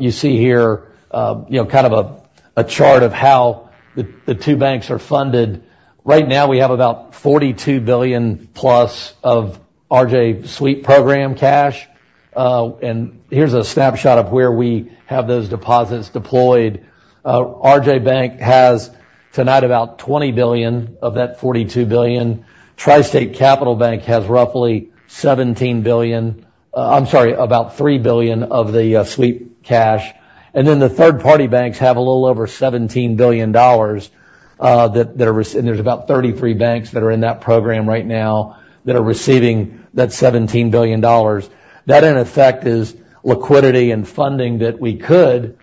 You see here, you know, kind of a chart of how the two banks are funded. Right now, we have about $42 billion plus of RJ Sweep program cash, and here's a snapshot of where we have those deposits deployed. RJ Bank has to date about $20 billion of that $42 billion. TriState Capital Bank has roughly $17 billion. I'm sorry, about $3 billion of the sweep cash. And then, the third-party banks have a little over $17 billion that they're re- and there's about 33 banks that are in that program right now that are receiving that $17 billion. That, in effect, is liquidity and funding that we could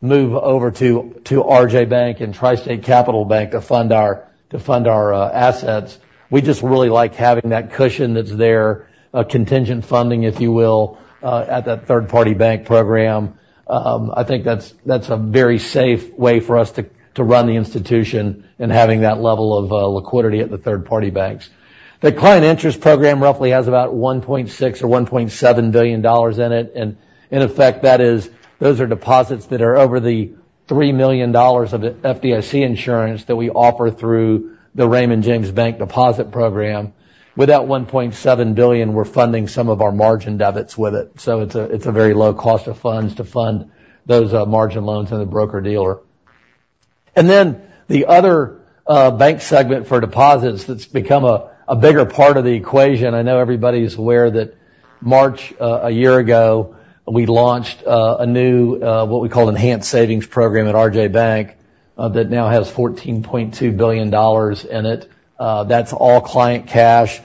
move over to RJ Bank and TriState Capital Bank to fund our assets. We just really like having that cushion that's there, a contingent funding, if you will, at that third-party bank program. I think that's a very safe way for us to run the institution and having that level of liquidity at the third-party banks. The Client Interest Program roughly has about $1.6 billion or $1.7 billion in it, and in effect, that is, those are deposits that are over the $3 million of the FDIC insurance that we offer through the Raymond James Bank deposit program. With that $1.7 billion, we're funding some of our margin debits with it, so it's a very low cost of funds to fund those margin loans in the broker-dealer. And then the other bank segment for deposits that's become a bigger part of the equation. I know everybody's aware that March a year ago, we launched a new what we call Enhanced Savings Program at RJ Bank that now has $14.2 billion in it. That's all client cash,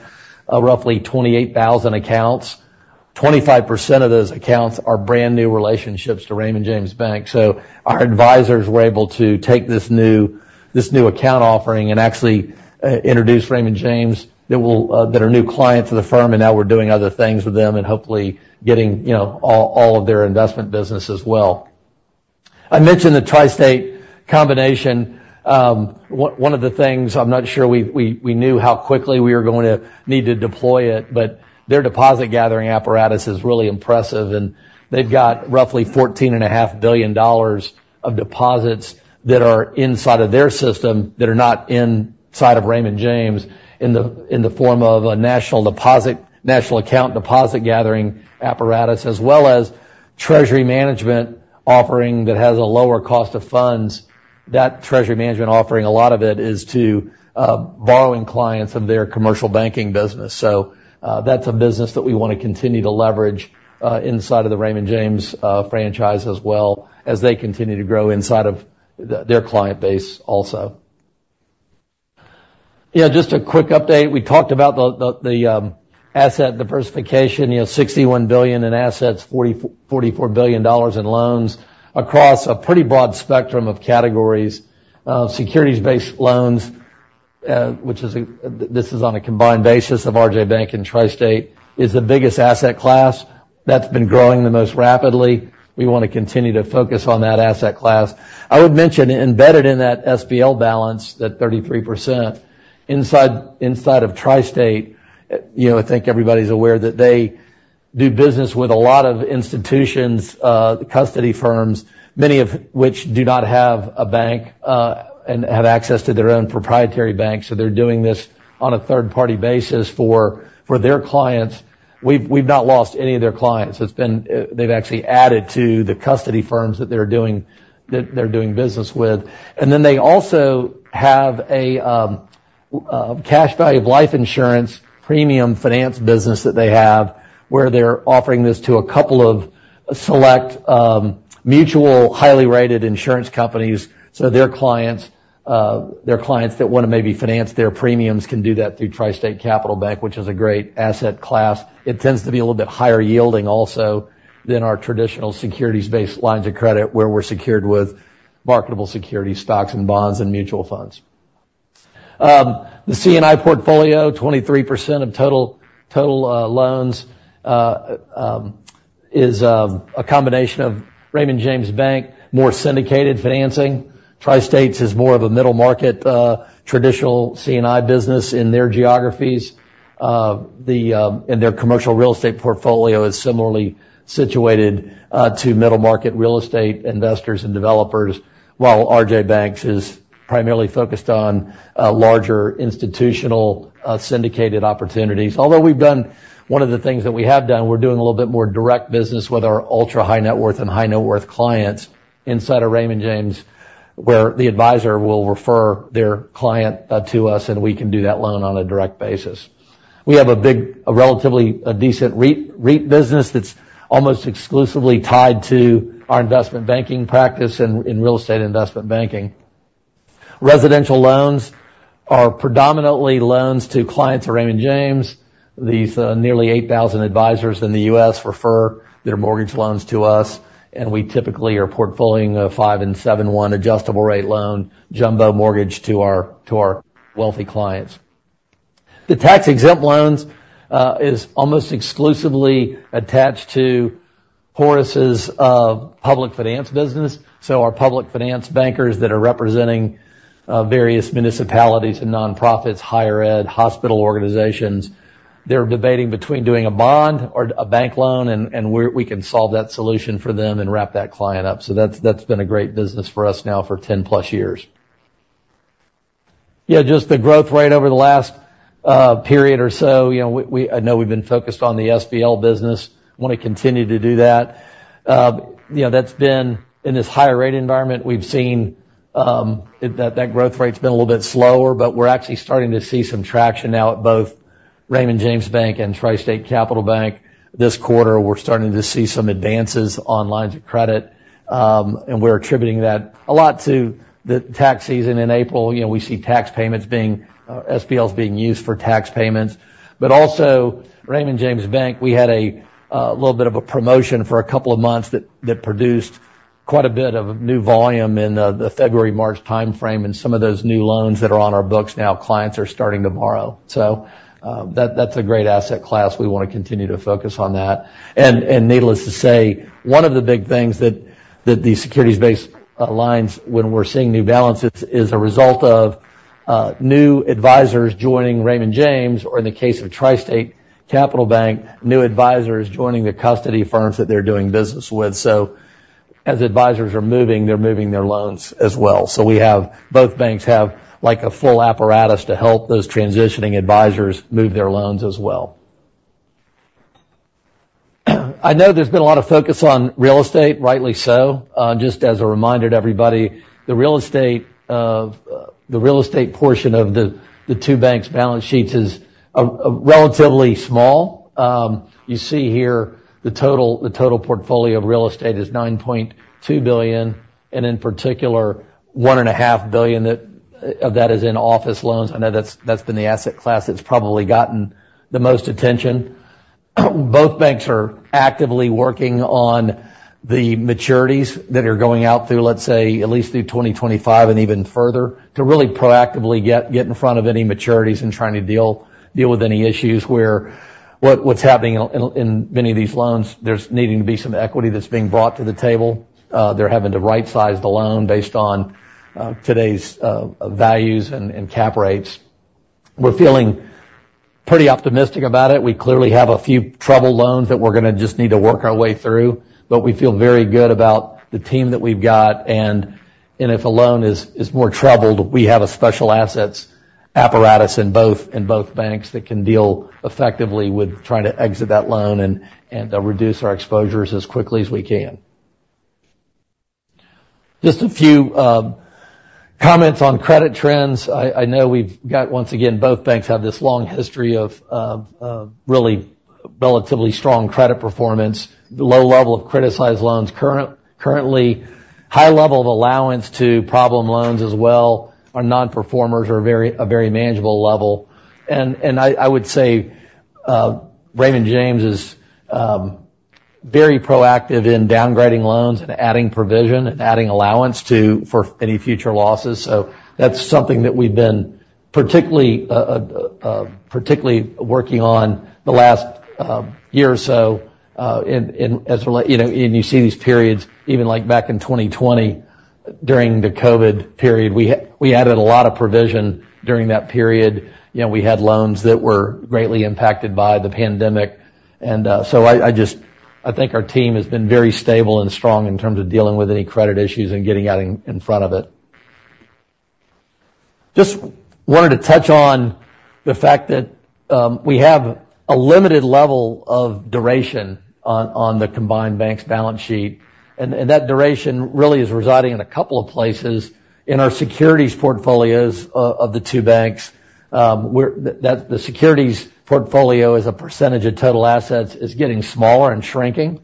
roughly 28,000 accounts. 25% of those accounts are brand-new relationships to Raymond James Bank. So our advisors were able to take this new, this new account offering and actually introduce Raymond James that will, that are new clients of the firm, and now we're doing other things with them and hopefully getting, you know, all, all of their investment business as well. I mentioned the TriState combination. One, one of the things I'm not sure we, we, we knew how quickly we were going to need to deploy it, but their deposit gathering apparatus is really impressive, and they've got roughly $14.5 billion of deposits that are inside of their system, that are not inside of Raymond James, in the, in the form of a national deposit-national account deposit gathering apparatus, as well as treasury management offering that has a lower cost of funds. That Treasury Management offering, a lot of it is to borrowing clients of their commercial banking business. So, that's a business that we want to continue to leverage inside of the Raymond James franchise as well, as they continue to grow inside of their client base also. Yeah, just a quick update. We talked about the asset diversification, you know, $61 billion in assets, $44 billion in loans across a pretty broad spectrum of categories. Securities-based loans, which is—this is on a combined basis of RJ Bank and TriState, is the biggest asset class. That's been growing the most rapidly. We want to continue to focus on that asset class. I would mention, embedded in that SBL balance, that 33%, inside of TriState, you know, I think everybody's aware that they-... Do business with a lot of institutions, the custody firms, many of which do not have a bank and have access to their own proprietary banks, so they're doing this on a third-party basis for their clients. We've not lost any of their clients. It's been. They've actually added to the custody firms that they're doing, that they're doing business with. And then they also have a cash value of life insurance premium finance business that they have, where they're offering this to a couple of select mutual, highly rated insurance companies. So their clients that wanna maybe finance their premiums can do that through TriState Capital Bank, which is a great asset class. It tends to be a little bit higher yielding also than our traditional securities-based lines of credit, where we're secured with marketable security stocks and bonds and mutual funds. The C&I portfolio, 23% of total loans, is a combination of Raymond James Bank, more syndicated financing. TriState is more of a middle market traditional C&I business in their geographies. And their commercial real estate portfolio is similarly situated to middle market real estate investors and developers, while RJ Bank is primarily focused on larger institutional syndicated opportunities. Although we've done one of the things that we have done, we're doing a little bit more direct business with our ultra-high net worth and high net worth clients inside of Raymond James, where the advisor will refer their client to us, and we can do that loan on a direct basis. We have a big, a relatively, a decent REIT business that's almost exclusively tied to our investment banking practice in real estate investment banking. Residential loans are predominantly loans to clients of Raymond James. These nearly 8,000 advisors in the U.S. refer their mortgage loans to us, and we typically are portfolioing a 5 and 7 1 adjustable rate loan, jumbo mortgage to our wealthy clients. The tax-exempt loans is almost exclusively attached to Horace's public finance business. So our public finance bankers that are representing various municipalities and nonprofits, higher ed, hospital organizations, they're debating between doing a bond or a bank loan, and we're we can solve that solution for them and wrap that client up. So that's, that's been a great business for us now for 10+ years. Yeah, just the growth rate over the last period or so, you know, I know we've been focused on the SPL business, want to continue to do that. You know, that's been... In this higher rate environment, we've seen, that growth rate's been a little bit slower, but we're actually starting to see some traction now at both Raymond James Bank and TriState Capital Bank. This quarter, we're starting to see some advances on lines of credit, and we're attributing that a lot to the tax season in April. You know, we see tax payments being SBLs being used for tax payments. But also, Raymond James Bank, we had a little bit of a promotion for a couple of months that that produced quite a bit of new volume in the February, March timeframe, and some of those new loans that are on our books now, clients are starting to borrow. So, that that's a great asset class. We want to continue to focus on that. And needless to say, one of the big things that the securities-based lines, when we're seeing new balances, is a result of new advisors joining Raymond James, or in the case of TriState Capital Bank, new advisors joining the custody firms that they're doing business with. So as advisors are moving, they're moving their loans as well. So both banks have, like, a full apparatus to help those transitioning advisors move their loans as well. I know there's been a lot of focus on real estate, rightly so. Just as a reminder to everybody, the real estate portion of the two banks' balance sheets is relatively small. You see here, the total portfolio of real estate is $9.2 billion, and in particular, $1.5 billion of that is in office loans. I know that's the asset class that's probably gotten the most attention. Both banks are actively working on the maturities that are going out through, let's say, at least through 2025 and even further, to really proactively get in front of any maturities and trying to deal with any issues where what's happening in many of these loans, there's needing to be some equity that's being brought to the table. They're having to rightsize the loan based on today's values and cap rates. We're feeling pretty optimistic about it. We clearly have a few troubled loans that we're gonna just need to work our way through, but we feel very good about the team that we've got, and if a loan is more troubled, we have a special assets apparatus in both banks that can deal effectively with trying to exit that loan and reduce our exposures as quickly as we can. Just a few comments on credit trends. I know we've got, once again, both banks have this long history of really relatively strong credit performance, low level of criticized loans currently, high level of allowance to problem loans as well, our non-performers are a very manageable level. I would say Raymond James is very proactive in downgrading loans and adding provision and adding allowance for any future losses, so that's something that we've been particularly working on the last year or so, in as relates, you know, and you see these periods, even like back in 2020 during the COVID period, we added a lot of provision during that period. You know, we had loans that were greatly impacted by the pandemic. So I think our team has been very stable and strong in terms of dealing with any credit issues and getting out in front of it. Just wanted to touch on the fact that we have a limited level of duration on the combined bank's balance sheet, and that duration really is residing in a couple of places. In our securities portfolios of the two banks, the securities portfolio as a percentage of total assets is getting smaller and shrinking.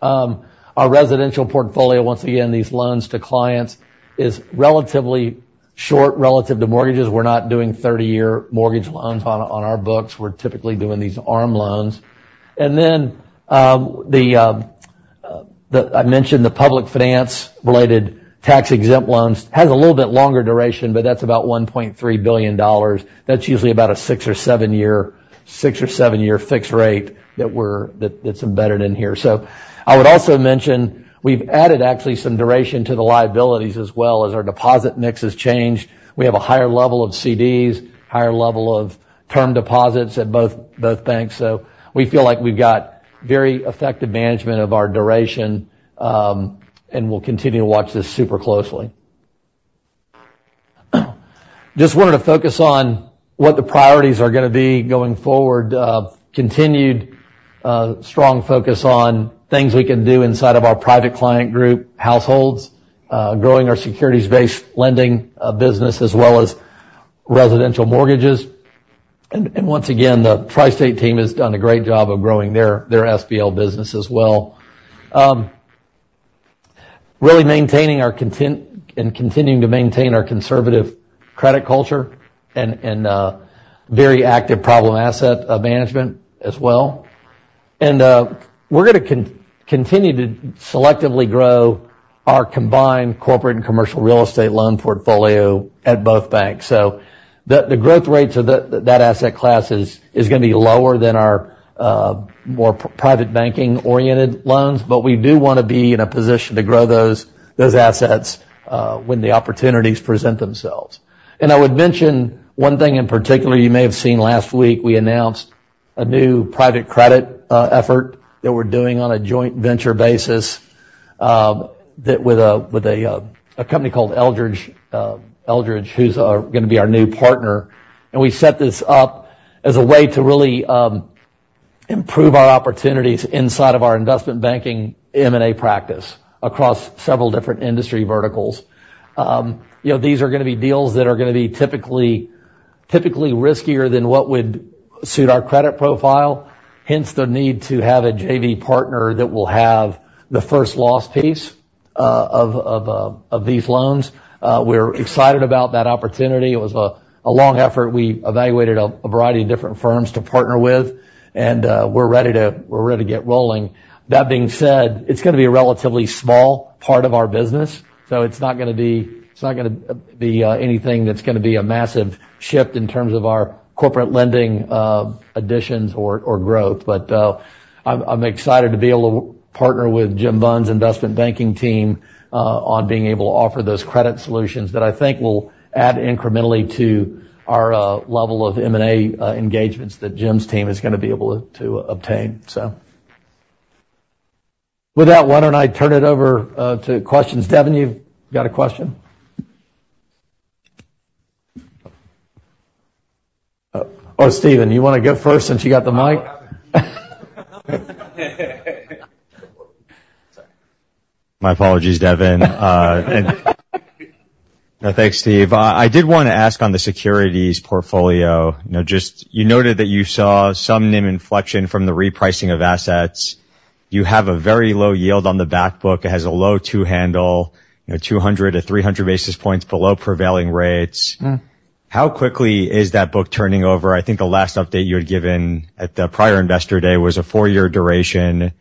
Our residential portfolio, once again, these loans to clients, is relatively short relative to mortgages. We're not doing 30-year mortgage loans on our books. We're typically doing these ARM loans. And then, I mentioned the public finance-related tax-exempt loans has a little bit longer duration, but that's about $1.3 billion. That's usually about a six or seven year fixed rate that's embedded in here. So I would also mention, we've added actually some duration to the liabilities as well as our deposit mix has changed. We have a higher level of CDs, higher level of term deposits at both banks. So we feel like we've got very effective management of our duration, and we'll continue to watch this super closely. Just wanted to focus on what the priorities are gonna be going forward. Continued strong focus on things we can do inside of our private client group, households, growing our securities-based lending business as well as residential mortgages. And once again, the TriState team has done a great job of growing their SBL business as well. Really continuing to maintain our conservative credit culture and very active problem asset management as well. We're gonna continue to selectively grow our combined corporate and commercial real estate loan portfolio at both banks. So the growth rates of that asset class is gonna be lower than our more private banking-oriented loans, but we do wanna be in a position to grow those assets when the opportunities present themselves. And I would mention one thing in particular, you may have seen last week, we announced a new private credit effort that we're doing on a joint venture basis with a company called Eldridge, who's gonna be our new partner. And we set this up as a way to really improve our opportunities inside of our investment banking M&A practice across several different industry verticals. You know, these are gonna be deals that are gonna be typically riskier than what would suit our credit profile, hence the need to have a JV partner that will have the first loss piece of these loans. We're excited about that opportunity. It was a long effort. We evaluated a variety of different firms to partner with, and we're ready to get rolling. That being said, it's gonna be a relatively small part of our business, so it's not gonna be anything that's gonna be a massive shift in terms of our corporate lending additions or growth. But, I'm excited to be able to partner with Jim Bunn's investment banking team, on being able to offer those credit solutions that I think will add incrementally to our, level of M&A, engagements that Jim's team is gonna be able to obtain, so. With that, why don't I turn it over to questions? Devin, you've got a question? Oh, Steven, you wanna go first since you got the mic?
Sorry. My apologies, Devin. No, thanks, Steve. I did wanna ask on the securities portfolio, you know, just, you noted that you saw some NIM inflection from the repricing of assets. You have a very low yield on the back book. It has a low two handle, you know, 200-300 basis points below prevailing rates.
Mm-hmm. How quickly is that book turning over? I think the last update you had given at the prior Investor Day was a four-year duration.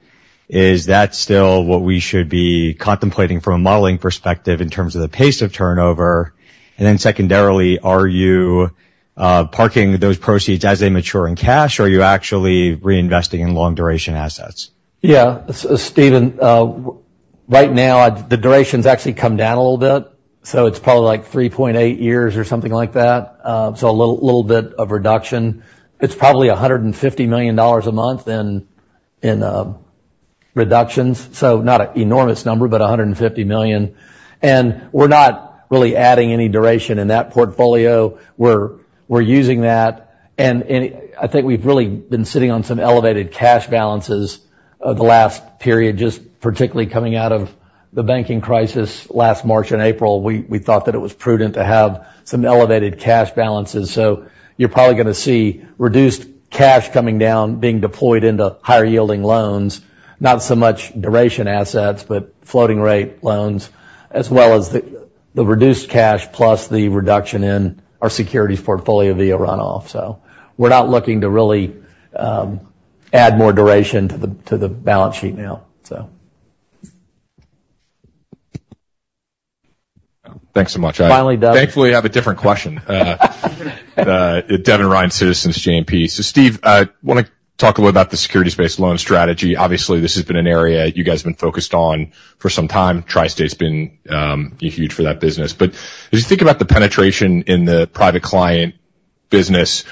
Is that still what we should be contemplating from a modeling perspective in terms of the pace of turnover? And then secondarily, are you, parking those proceeds as they mature in cash, or are you actually reinvesting in long-duration assets?
Yeah. So Steven, right now, the duration's actually come down a little bit, so it's probably, like, 3.8 years or something like that, so a little bit of reduction. It's probably $150 million a month in reductions, so not an enormous number, but $150 million. And we're not really adding any duration in that portfolio. We're using that, and I think we've really been sitting on some elevated cash balances, the last period, just particularly coming out of the banking crisis last March and April. We thought that it was prudent to have some elevated cash balances. So you're probably gonna see reduced cash coming down, being deployed into higher-yielding loans, not so much duration assets, but floating rate loans, as well as the reduced cash, plus the reduction in our securities portfolio via runoff. We're not looking to really add more duration to the balance sheet now, so. Thanks so much.
Finally, Devin.
Thankfully, I have a different question. Devin Ryan, Citizens JMP. So Steve, I want to talk a little about the securities-based loan strategy. Obviously, this has been an area you guys have been focused on for some time. TriState's been huge for that business. But as you think about the penetration in the private client business,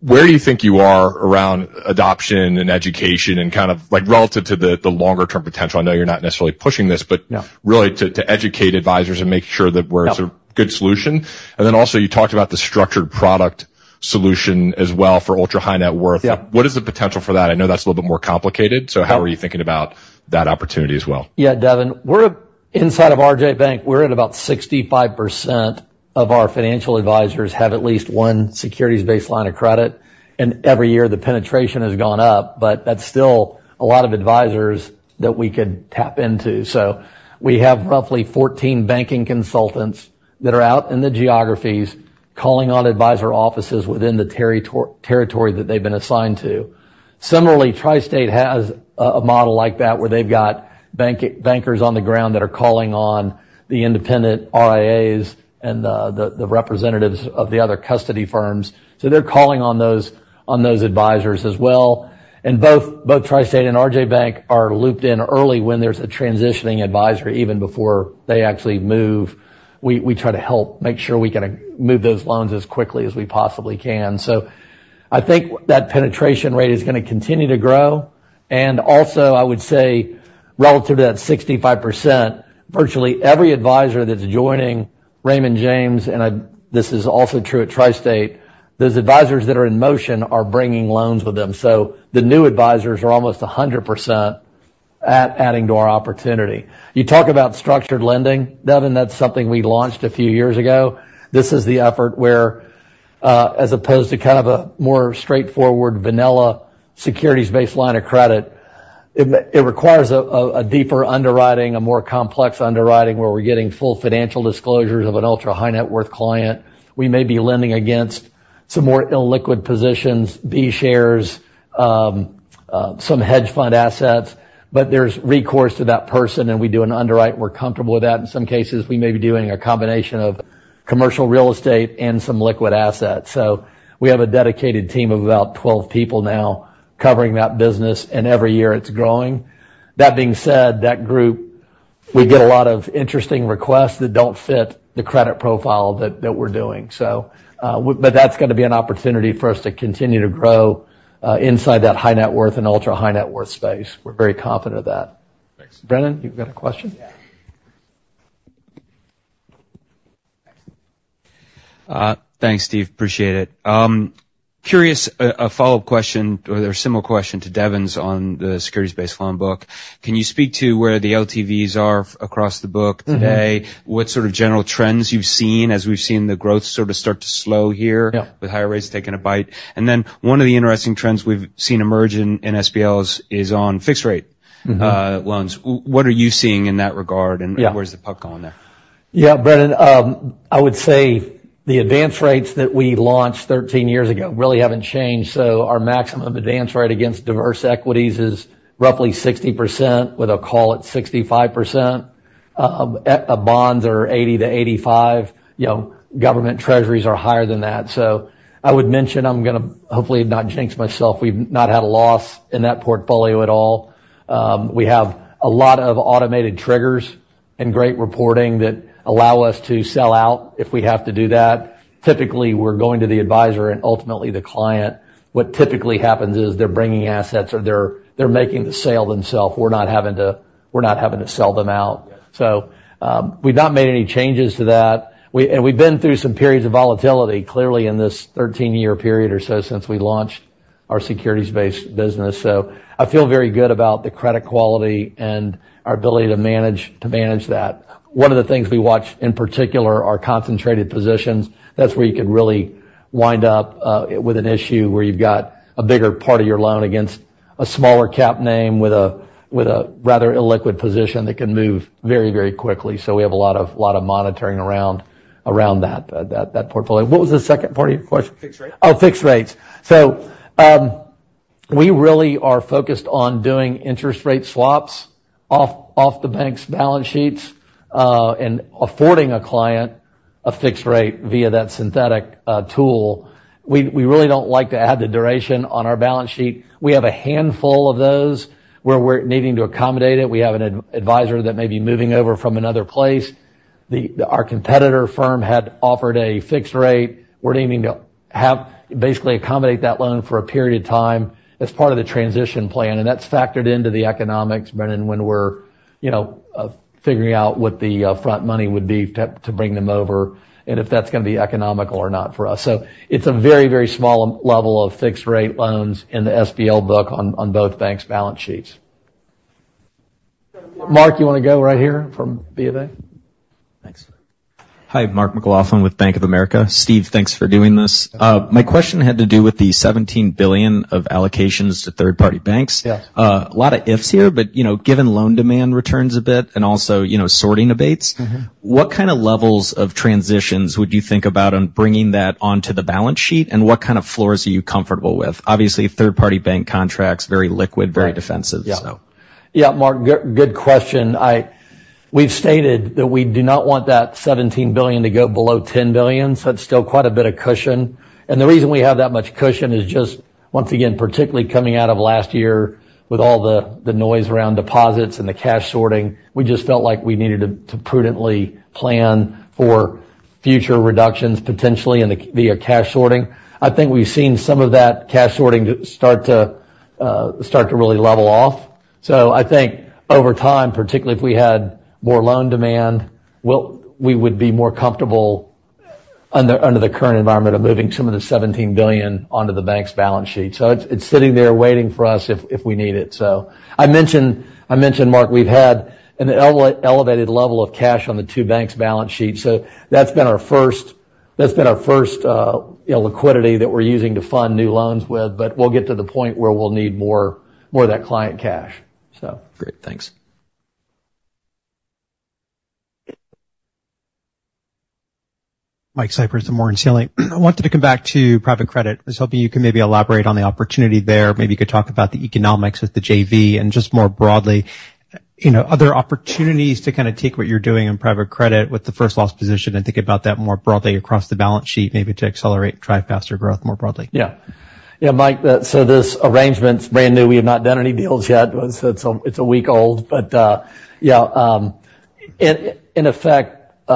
where do you think you are around adoption and education and kind of, like, relative to the longer-term potential? I know you're not necessarily pushing this, but-
Yeah.
Really to educate advisors and make sure that where it's a good solution. And then also, you talked about the structured product solution as well for ultra-high net worth.
Yeah.
What is the potential for that? I know that's a little bit more complicated, so how are you thinking about that opportunity as well?
Yeah, Devin, we're inside of RJ Bank, we're at about 65% of our financial advisors have at least one securities-based line of credit, and every year, the penetration has gone up, but that's still a lot of advisors that we could tap into. So we have roughly 14 banking consultants that are out in the geographies, calling on advisor offices within the territory that they've been assigned to. Similarly, TriState has a model like that, where they've got bankers on the ground that are calling on the independent RIAs and the representatives of the other custody firms. So they're calling on those advisors as well. And both TriState and RJ Bank are looped in early when there's a transitioning advisory, even before they actually move. We try to help make sure we can move those loans as quickly as we possibly can. So I think that penetration rate is going to continue to grow. And also, I would say, relative to that 65%, virtually every advisor that's joining Raymond James, and this is also true at TriState, those advisors that are in motion are bringing loans with them. So the new advisors are almost 100% at adding to our opportunity. You talk about structured lending, Devin, that's something we launched a few years ago. This is the effort where, as opposed to kind of a more straightforward vanilla securities-based line of credit, it requires a deeper underwriting, a more complex underwriting, where we're getting full financial disclosures of an ultra-high net worth client. We may be lending against some more illiquid positions, B shares, some hedge fund assets, but there's recourse to that person, and we do an underwrite, and we're comfortable with that. In some cases, we may be doing a combination of commercial real estate and some liquid assets. So we have a dedicated team of about 12 people now covering that business, and every year, it's growing. That being said, that group, we get a lot of interesting requests that don't fit the credit profile that, that we're doing. So, but that's going to be an opportunity for us to continue to grow, inside that high net worth and ultra-high net worth space. We're very confident of that.
Thanks.
Brennan, you've got a question?
Yeah. Thanks, Steve. Appreciate it. Curious, a follow-up question, or a similar question to Devin's on the securities-based loan book. Can you speak to where the LTVs are across the book today?
Mm-hmm.
What sort of general trends you've seen as we've seen the growth sort of start to slow here?
Yeah
With higher rates taking a bite? And then one of the interesting trends we've seen emerge in SBLs is on fixed rate-
Mm-hmm
Loans. What are you seeing in that regard, and-
Yeah
Where's the pub going there?
Yeah, Brennan, I would say the advance rates that we launched 13 years ago really haven't changed, so our maximum advance rate against diverse equities is roughly 60%, with a call at 65%. Bonds are 80%-85%. You know, government treasuries are higher than that. So I would mention, I'm going to hopefully not jinx myself. We've not had a loss in that portfolio at all. We have a lot of automated triggers and great reporting that allow us to sell out if we have to do that. Typically, we're going to the advisor and ultimately the client. What typically happens is they're bringing assets or they're making the sale themselves. We're not having to sell them out.
Yeah.
So, we've not made any changes to that. And we've been through some periods of volatility, clearly, in this 13-year period or so since we launched our securities-based business. So I feel very good about the credit quality and our ability to manage that. One of the things we watch, in particular, are concentrated positions. That's where you could really wind up with an issue where you've got a bigger part of your loan against a smaller cap name with a rather illiquid position that can move very, very quickly. So we have a lot of monitoring around that portfolio. What was the second part of your question?
Fixed rate.
Oh, fixed rates. So, we really are focused on doing interest rate swaps off the bank's balance sheets, and affording a client a fixed rate via that synthetic tool. We really don't like to add the duration on our balance sheet. We have a handful of those where we're needing to accommodate it. We have an advisor that may be moving over from another place. Our competitor firm had offered a fixed rate. We're needing to basically accommodate that loan for a period of time as part of the transition plan, and that's factored into the economics, Brennan, when we're, you know, figuring out what the front money would be to bring them over and if that's going to be economical or not for us. So it's a very, very small level of fixed rate loans in the SBL book on, on both banks' balance sheets. Mark, you want to go right here from B of A?
Thanks.
Hi, Mark McLaughlin with Bank of America. Steve, thanks for doing this. My question had to do with the $17 billion of allocations to third-party banks.
Yes.
A lot of ifs here, but, you know, given loan demand returns a bit and also, you know, sorting abates.
Mm-hmm
What kind of levels of transitions would you think about on bringing that onto the balance sheet, and what kind of floors are you comfortable with? Obviously, third-party bank contracts, very liquid-
Right
Very defensive.
Yeah.
So.
Yeah, Mark, good, good question. We've stated that we do not want that $17 billion to go below $10 billion, so that's still quite a bit of cushion. And the reason we have that much cushion is just, once again, particularly coming out of last year with all the noise around deposits and the cash sorting, we just felt like we needed to prudently plan for future reductions, potentially via cash sorting. I think we've seen some of that cash sorting start to really level off. So I think over time, particularly if we had more loan demand, we would be more comfortable under the current environment of moving some of the $17 billion onto the bank's balance sheet. So it's sitting there waiting for us if we need it so. I mentioned, Mark, we've had an elevated level of cash on the two banks' balance sheets, so that's been our first, you know, liquidity that we're using to fund new loans with. But we'll get to the point where we'll need more of that client cash. So-
Great. Thanks.
Michael Cyprys of Morgan Stanley. I wanted to come back to private credit. I was hoping you could maybe elaborate on the opportunity there. Maybe you could talk about the economics with the JV and just more broadly, you know, other opportunities to kind of take what you're doing in private credit with the first loss position and think about that more broadly across the balance sheet, maybe to accelerate, drive faster growth more broadly.
Yeah. Yeah, Mike, the—so this arrangement's brand new. We have not done any deals yet. So it's a week old, but yeah, in effect,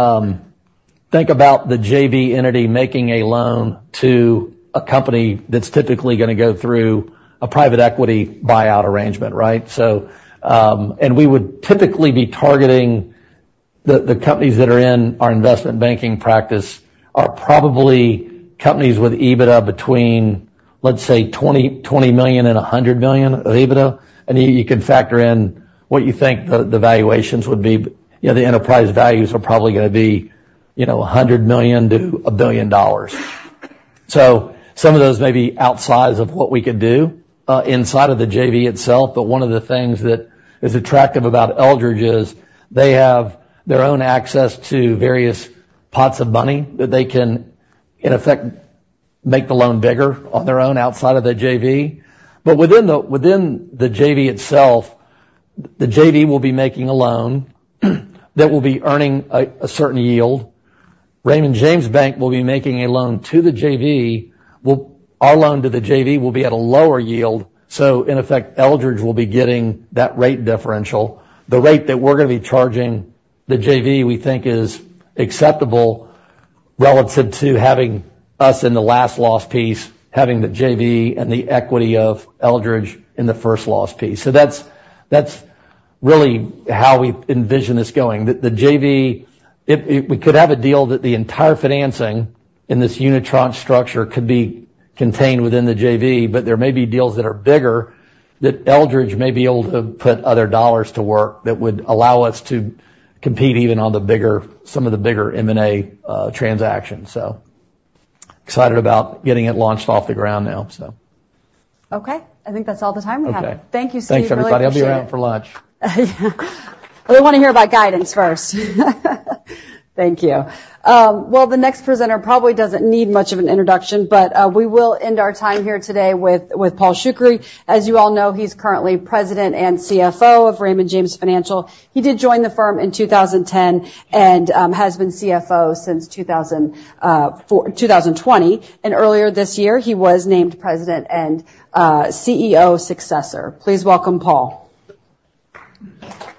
think about the JV entity making a loan to a company that's typically going to go through a private equity buyout arrangement, right? So, and we would typically be targeting the companies that are in our investment banking practice are probably companies with EBITDA between, let's say, $20 million-$100 million of EBITDA. And you can factor in what you think the valuations would be. You know, the enterprise values are probably going to be, you know, $100 million-$1 billion. So some of those may be outside of what we could do inside of the JV itself, but one of the things that is attractive about Eldridge is they have their own access to various pots of money that they can, in effect, make the loan bigger on their own, outside of the JV. But within the JV itself, the JV will be making a loan that will be earning a certain yield. Raymond James Bank will be making a loan to the JV. Well, our loan to the JV will be at a lower yield, so in effect, Eldridge will be getting that rate differential. The rate that we're going to be charging the JV, we think is acceptable relative to having us in the last loss piece, having the JV and the equity of Eldridge in the first loss piece. So that's really how we envision this going. The JV, it—we could have a deal that the entire financing in this unitranche structure could be contained within the JV, but there may be deals that are bigger, that Eldridge may be able to put other dollars to work that would allow us to compete even on the bigger-some of the bigger M&A transactions. So excited about getting it launched off the ground now, so.
Okay, I think that's all the time we have.
Okay.
Thank you, Steve.
Thanks, everybody. I'll be around for lunch.
We want to hear about guidance first. Thank you. Well, the next presenter probably doesn't need much of an introduction, but we will end our time here today with Paul Shoukry. As you all know, he's currently President and CFO of Raymond James Financial. He did join the firm in 2010 and has been CFO since 2004, 2020. Earlier this year, he was named President and CEO successor. Please welcome Paul.
Thank you.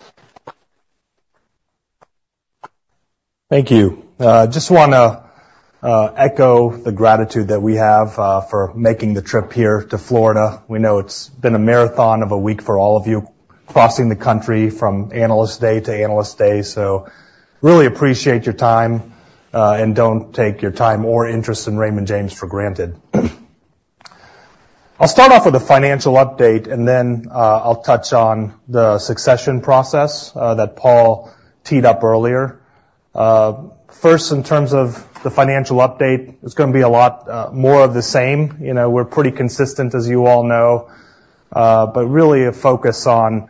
Just want to echo the gratitude that we have for making the trip here to Florida. We know it's been a marathon of a week for all of you, crossing the country from Analyst Day to Analyst Day. So really appreciate your time, and don't take your time or interest in Raymond James for granted. I'll start off with a financial update, and then I'll touch on the succession process that Paul teed up earlier. First, in terms of the financial update, it's going to be a lot more of the same. You know, we're pretty consistent, as you all know, but really a focus on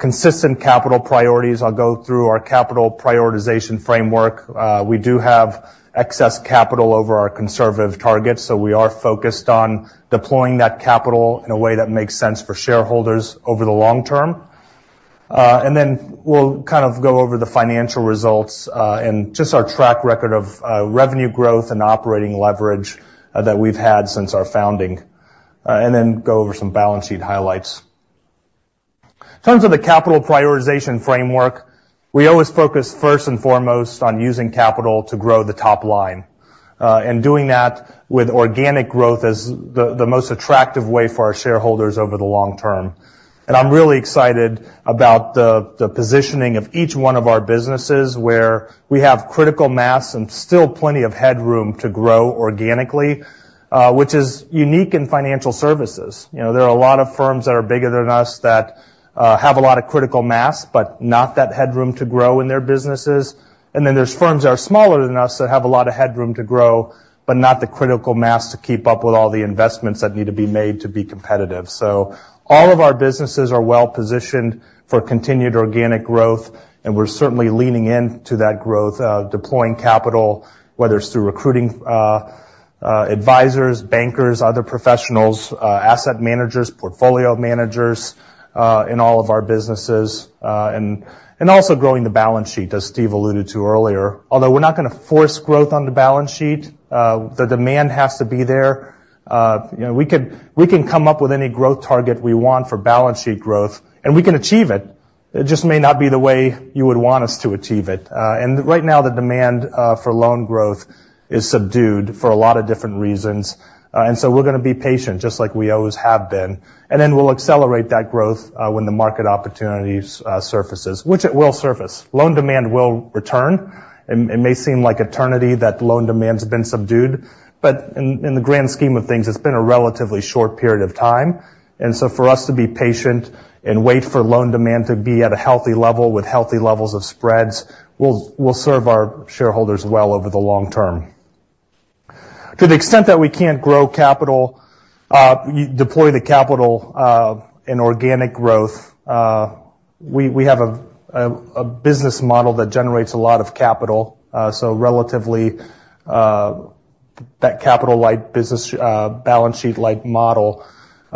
consistent capital priorities. I'll go through our capital prioritization framework. We do have excess capital over our conservative targets, so we are focused on deploying that capital in a way that makes sense for shareholders over the long term. And then we'll kind of go over the financial results, and just our track record of, revenue growth and operating leverage, that we've had since our founding, and then go over some balance sheet highlights. In terms of the capital prioritization framework, we always focus first and foremost on using capital to grow the top line, and doing that with organic growth as the, the most attractive way for our shareholders over the long term. And I'm really excited about the, the positioning of each one of our businesses, where we have critical mass and still plenty of headroom to grow organically, which is unique in financial services. You know, there are a lot of firms that are bigger than us that have a lot of critical mass, but not that headroom to grow in their businesses. And then there's firms that are smaller than us that have a lot of headroom to grow, but not the critical mass to keep up with all the investments that need to be made to be competitive. So all of our businesses are well positioned for continued organic growth, and we're certainly leaning into that growth, deploying capital, whether it's through recruiting advisors, bankers, other professionals, asset managers, portfolio managers, in all of our businesses, and also growing the balance sheet, as Steve alluded to earlier. Although we're not going to force growth on the balance sheet, the demand has to be there. You know, we can come up with any growth target we want for balance sheet growth, and we can achieve it. It just may not be the way you would want us to achieve it. And right now, the demand for loan growth is subdued for a lot of different reasons. And so we're going to be patient, just like we always have been, and then we'll accelerate that growth when the market opportunities surfaces, which it will surface. Loan demand will return. It may seem like eternity that loan demand's been subdued, but in the grand scheme of things, it's been a relatively short period of time. And so for us to be patient and wait for loan demand to be at a healthy level with healthy levels of spreads, will serve our shareholders well over the long term. To the extent that we can't grow capital, deploy the capital, in organic growth, we have a business model that generates a lot of capital, so relatively, that capital-like business, balance sheet-like model,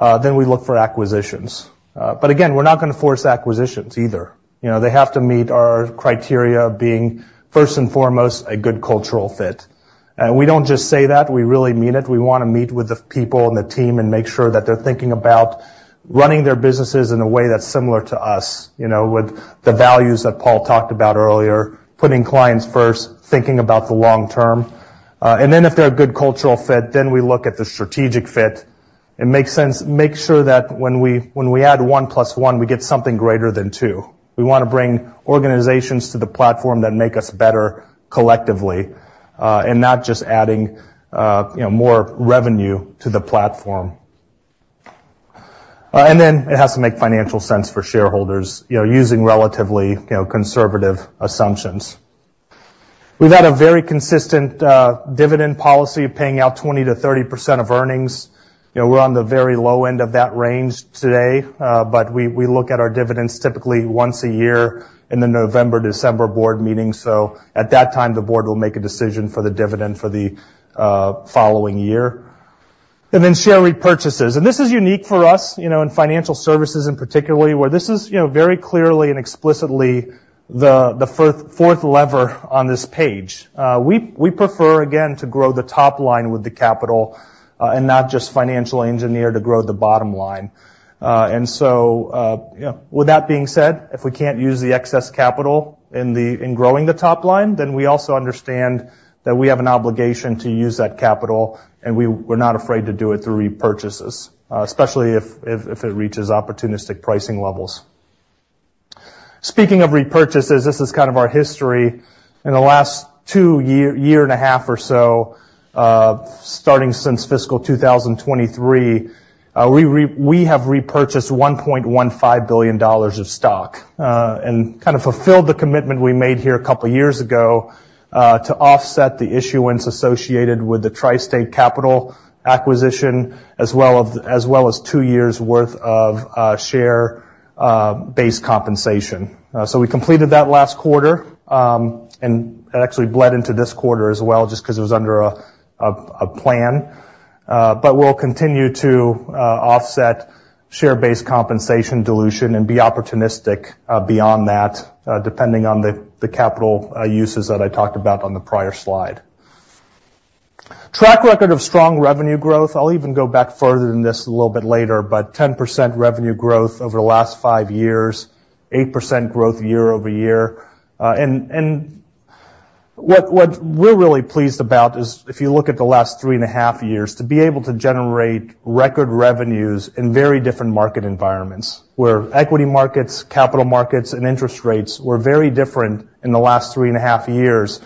then we look for acquisitions. But again, we're not going to force acquisitions either. You know, they have to meet our criteria being, first and foremost, a good cultural fit. And we don't just say that, we really mean it. We want to meet with the people and the team and make sure that they're thinking about running their businesses in a way that's similar to us, you know, with the values that Paul talked about earlier, putting clients first, thinking about the long term. And then if they're a good cultural fit, then we look at the strategic fit and make sure that when we, when we add one plus one, we get something greater than two. We want to bring organizations to the platform that make us better collectively, and not just adding, you know, more revenue to the platform. And then it has to make financial sense for shareholders, you know, using relatively, you know, conservative assumptions. We've had a very consistent, dividend policy, paying out 20%-30% of earnings. You know, we're on the very low end of that range today, but we look at our dividends typically once a year in the November-December board meeting. So at that time, the board will make a decision for the dividend for the following year. And then share repurchases. And this is unique for us, you know, in financial services, and particularly, where this is, you know, very clearly and explicitly the fourth lever on this page. We prefer, again, to grow the top line with the capital, and not just financial engineer to grow the bottom line. And so, you know, with that being said, if we can't use the excess capital in growing the top line, then we also understand that we have an obligation to use that capital, and we're not afraid to do it through repurchases, especially if it reaches opportunistic pricing levels. Speaking of repurchases, this is kind of our history. In the last two years, year and a half or so, starting since fiscal 2023, we have repurchased $1.15 billion of stock, and kind of fulfilled the commitment we made here a couple of years ago, to offset the issuance associated with the TriState Capital acquisition, as well as two years' worth of share-based compensation. So we completed that last quarter, and it actually bled into this quarter as well, just because it was under a plan. But we'll continue to offset share-based compensation dilution and be opportunistic beyond that, depending on the capital uses that I talked about on the prior slide. Track record of strong revenue growth. I'll even go back further than this a little bit later, but 10% revenue growth over the last 5 years, 8% growth year-over-year. And what we're really pleased about is if you look at the last 3.5 years, to be able to generate record revenues in very different market environments, where equity markets, capital markets, and interest rates were very different in the last 3.5 years.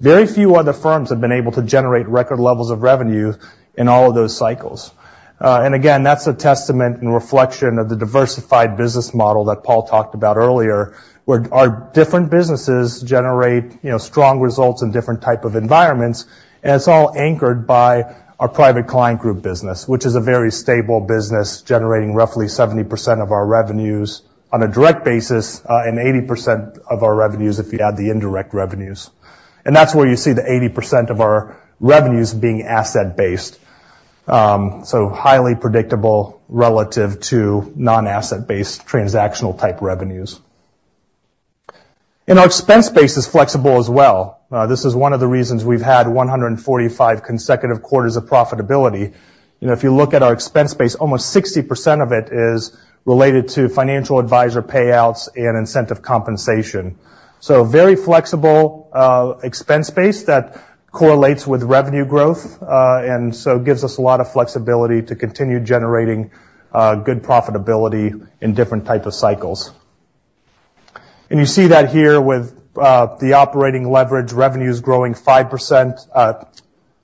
Very few other firms have been able to generate record levels of revenue in all of those cycles. And again, that's a testament and reflection of the diversified business model that Paul talked about earlier, where our different businesses generate, you know, strong results in different type of environments, and it's all anchored by our Private Client Group business, which is a very stable business, generating roughly 70% of our revenues on a direct basis, and 80% of our revenues if you add the indirect revenues. And that's where you see the 80% of our revenues being asset-based. So highly predictable relative to non-asset-based transactional-type revenues. And our expense base is flexible as well. This is one of the reasons we've had 145 consecutive quarters of profitability. You know, if you look at our expense base, almost 60% of it is related to financial advisor payouts and incentive compensation. So very flexible, expense base that correlates with revenue growth, and so gives us a lot of flexibility to continue generating, good profitability in different type of cycles. And you see that here with, the operating leverage revenues growing 5%,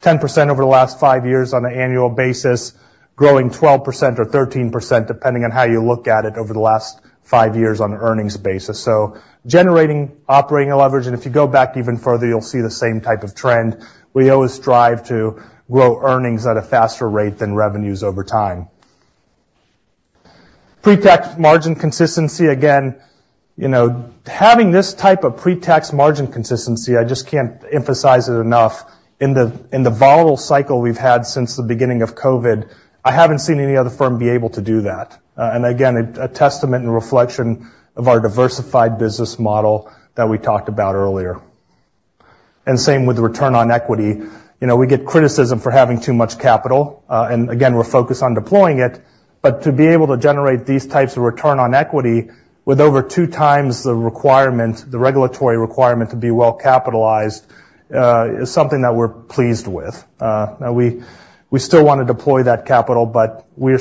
10% over the last five years on an annual basis, growing 12% or 13%, depending on how you look at it, over the last five years on an earnings basis. So generating operating leverage, and if you go back even further, you'll see the same type of trend. We always strive to grow earnings at a faster rate than revenues over time.... Pre-tax margin consistency. Again, you know, having this type of pre-tax margin consistency, I just can't emphasize it enough, in the volatile cycle we've had since the beginning of COVID, I haven't seen any other firm be able to do that. And again, a testament and reflection of our diversified business model that we talked about earlier. And same with return on equity. You know, we get criticism for having too much capital, and again, we're focused on deploying it, but to be able to generate these types of return on equity with over two times the requirement, the regulatory requirement to be well-capitalized, is something that we're pleased with. Now we still want to deploy that capital, but we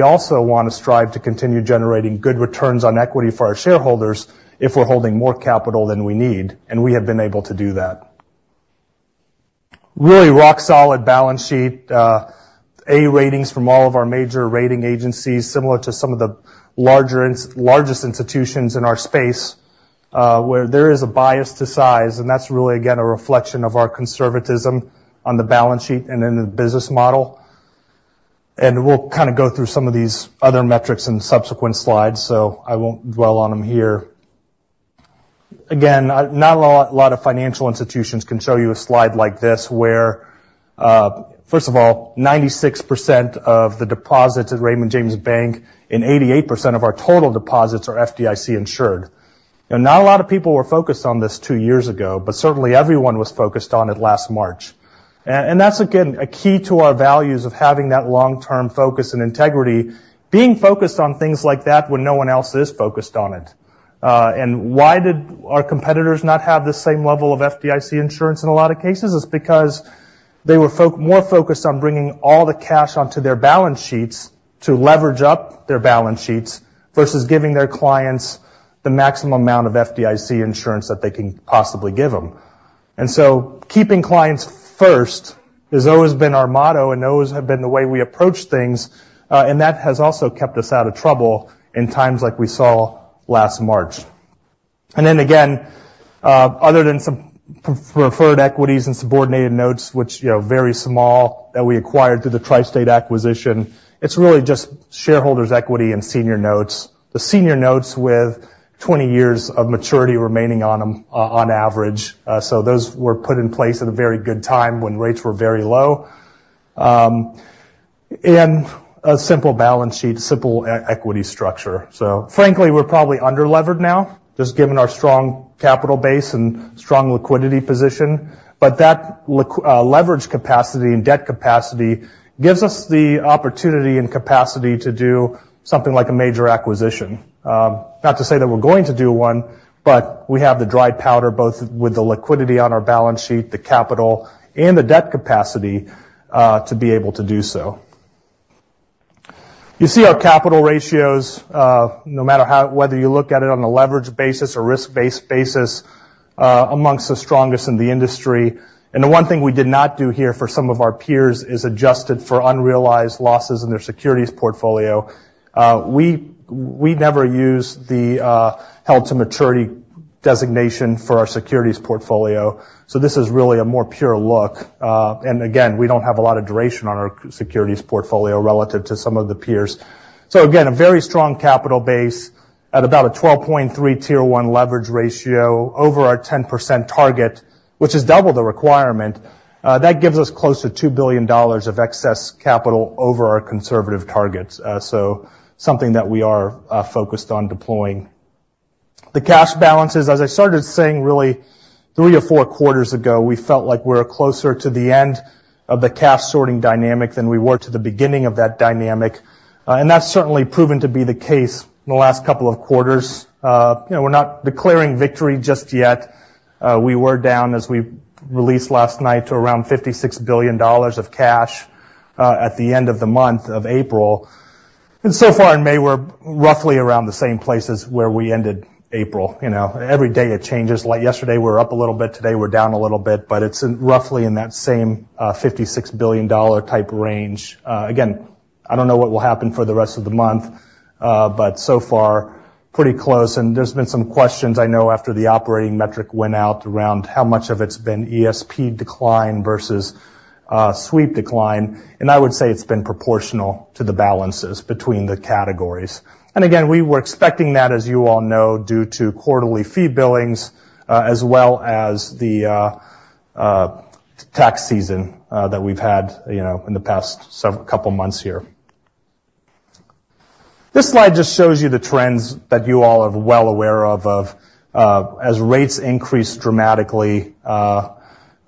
also want to strive to continue generating good returns on equity for our shareholders if we're holding more capital than we need, and we have been able to do that. Really rock-solid balance sheet. A ratings from all of our major rating agencies, similar to some of the largest institutions in our space, where there is a bias to size, and that's really, again, a reflection of our conservatism on the balance sheet and in the business model. We'll kind of go through some of these other metrics in subsequent slides, so I won't dwell on them here. Again, not a lot of financial institutions can show you a slide like this where, first of all, 96% of the deposits at Raymond James Bank and 88% of our total deposits are FDIC insured. You know, not a lot of people were focused on this two years ago, but certainly everyone was focused on it last March. And that's, again, a key to our values of having that long-term focus and integrity, being focused on things like that when no one else is focused on it. And why did our competitors not have the same level of FDIC insurance in a lot of cases? It's because they were more focused on bringing all the cash onto their balance sheets to leverage up their balance sheets, versus giving their clients the maximum amount of FDIC insurance that they can possibly give them. Keeping clients first has always been our motto, and always have been the way we approach things, and that has also kept us out of trouble in times like we saw last March. And then again, other than some preferred equities and subordinated notes, which, you know, very small, that we acquired through the TriState acquisition, it's really just shareholders' equity and senior notes. The senior notes with 20 years of maturity remaining on them, on average. So those were put in place at a very good time when rates were very low. And a simple balance sheet, simple equity structure. So frankly, we're probably under-levered now, just given our strong capital base and strong liquidity position. But that leverage capacity and debt capacity gives us the opportunity and capacity to do something like a major acquisition. Not to say that we're going to do one, but we have the dry powder, both with the liquidity on our balance sheet, the capital, and the debt capacity, to be able to do so. You see our capital ratios, no matter whether you look at it on a leverage basis or risk-based basis, amongst the strongest in the industry. And the one thing we did not do here for some of our peers is adjusted for unrealized losses in their securities portfolio. We never use the held-to-maturity designation for our securities portfolio, so this is really a more pure look. And again, we don't have a lot of duration on our securities portfolio relative to some of the peers. So again, a very strong capital base at about a 12.3 Tier 1 leverage ratio over our 10% target, which is double the requirement. That gives us close to $2 billion of excess capital over our conservative targets. So something that we are focused on deploying. The cash balances, as I started saying, really three or four quarters ago, we felt like we're closer to the end of the cash sorting dynamic than we were to the beginning of that dynamic. And that's certainly proven to be the case in the last couple of quarters. You know, we're not declaring victory just yet. We were down, as we released last night, to around $56 billion of cash at the end of the month of April. So far in May, we're roughly around the same place as where we ended April. You know, every day it changes. Like yesterday, we're up a little bit. Today, we're down a little bit. But it's roughly in that same $56 billion type range. Again, I don't know what will happen for the rest of the month, but so far, pretty close. And there's been some questions, I know, after the operating metric went out, around how much of it's been ESP decline versus sweep decline, and I would say it's been proportional to the balances between the categories. And again, we were expecting that, as you all know, due to quarterly fee billings, as well as the tax season that we've had, you know, in the past couple months here. This slide just shows you the trends that you all are well aware of. As rates increased dramatically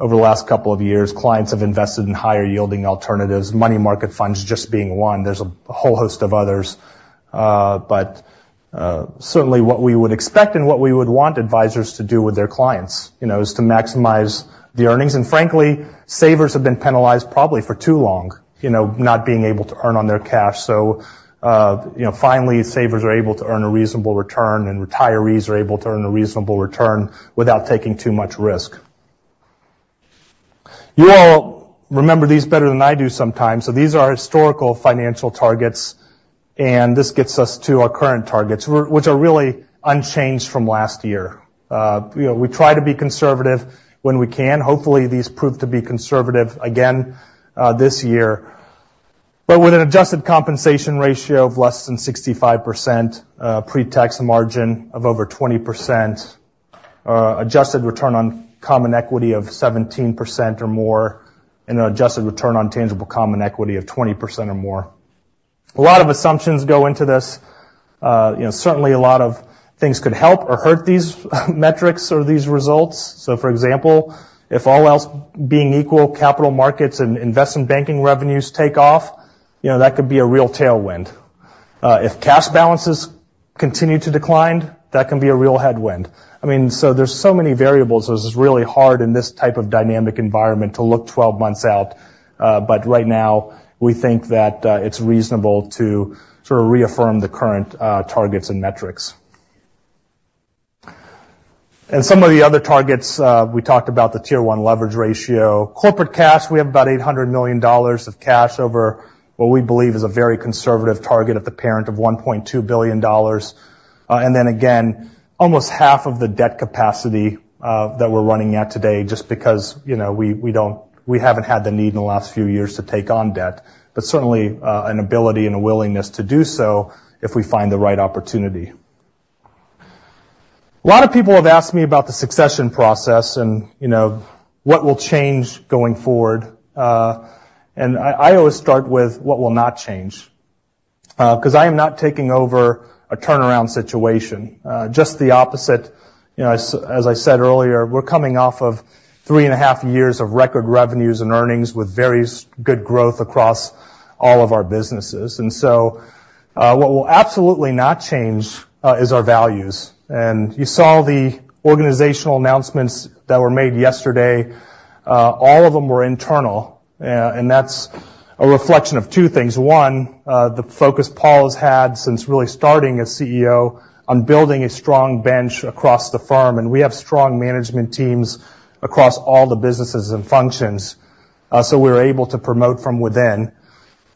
over the last couple of years, clients have invested in higher-yielding alternatives, money market funds just being one. There's a whole host of others. But certainly what we would expect and what we would want advisors to do with their clients, you know, is to maximize the earnings. And frankly, savers have been penalized probably for too long, you know, not being able to earn on their cash. So, you know, finally, savers are able to earn a reasonable return, and retirees are able to earn a reasonable return without taking too much risk. You all remember these better than I do sometimes. So these are historical financial targets, and this gets us to our current targets, which are really unchanged from last year. You know, we try to be conservative when we can. Hopefully, these prove to be conservative again this year. But with an adjusted compensation ratio of less than 65%, pre-tax margin of over 20%, adjusted return on common equity of 17% or more, and an adjusted return on tangible common equity of 20% or more. A lot of assumptions go into this. You know, certainly a lot of things could help or hurt these metrics or these results. So, for example, if all else being equal, capital markets and investment banking revenues take off, you know, that could be a real tailwind. If cash balances continue to decline, that can be a real headwind. I mean, so there's so many variables, so it's really hard in this type of dynamic environment to look 12 months out. But right now, we think that it's reasonable to sort of reaffirm the current targets and metrics. And some of the other targets, we talked about the Tier 1 leverage ratio. Corporate cash, we have about $800 million of cash over what we believe is a very conservative target of the parent of $1.2 billion. And then again, almost half of the debt capacity that we're running at today, just because, you know, we haven't had the need in the last few years to take on debt, but certainly an ability and a willingness to do so if we find the right opportunity. A lot of people have asked me about the succession process and, you know, what will change going forward, and I always start with what will not change, 'cause I am not taking over a turnaround situation, just the opposite. You know, as I said earlier, we're coming off of 3.5 years of record revenues and earnings with various good growth across all of our businesses. And so, what will absolutely not change is our values. And you saw the organizational announcements that were made yesterday. All of them were internal. And that's a reflection of two things. One, the focus Paul has had since really starting as CEO on building a strong bench across the firm, and we have strong management teams across all the businesses and functions, so we're able to promote from within.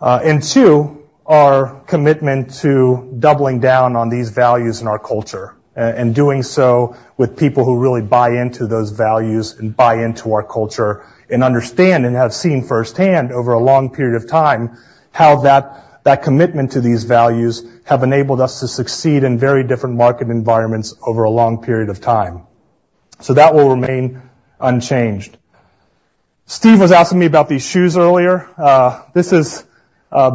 and two, our commitment to doubling down on these values in our culture, and doing so with people who really buy into those values and buy into our culture, and understand, and have seen firsthand over a long period of time, how that, that commitment to these values have enabled us to succeed in very different market environments over a long period of time. So that will remain unchanged. Steve was asking me about these shoes earlier. This is,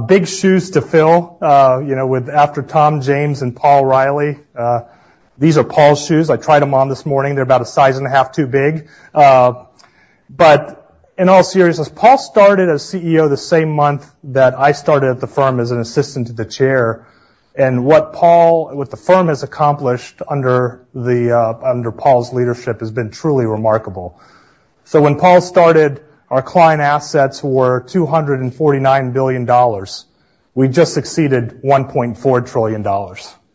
big shoes to fill, you know, with after Tom James and Paul Reilly. These are Paul's shoes. I tried them on this morning. They're about a size and a half too big. But in all seriousness, Paul started as CEO the same month that I started at the firm as an assistant to the chair, and what Paul-- what the firm has accomplished under the, under Paul's leadership has been truly remarkable. So when Paul started, our client assets were $249 billion. We just exceeded $1.4 trillion.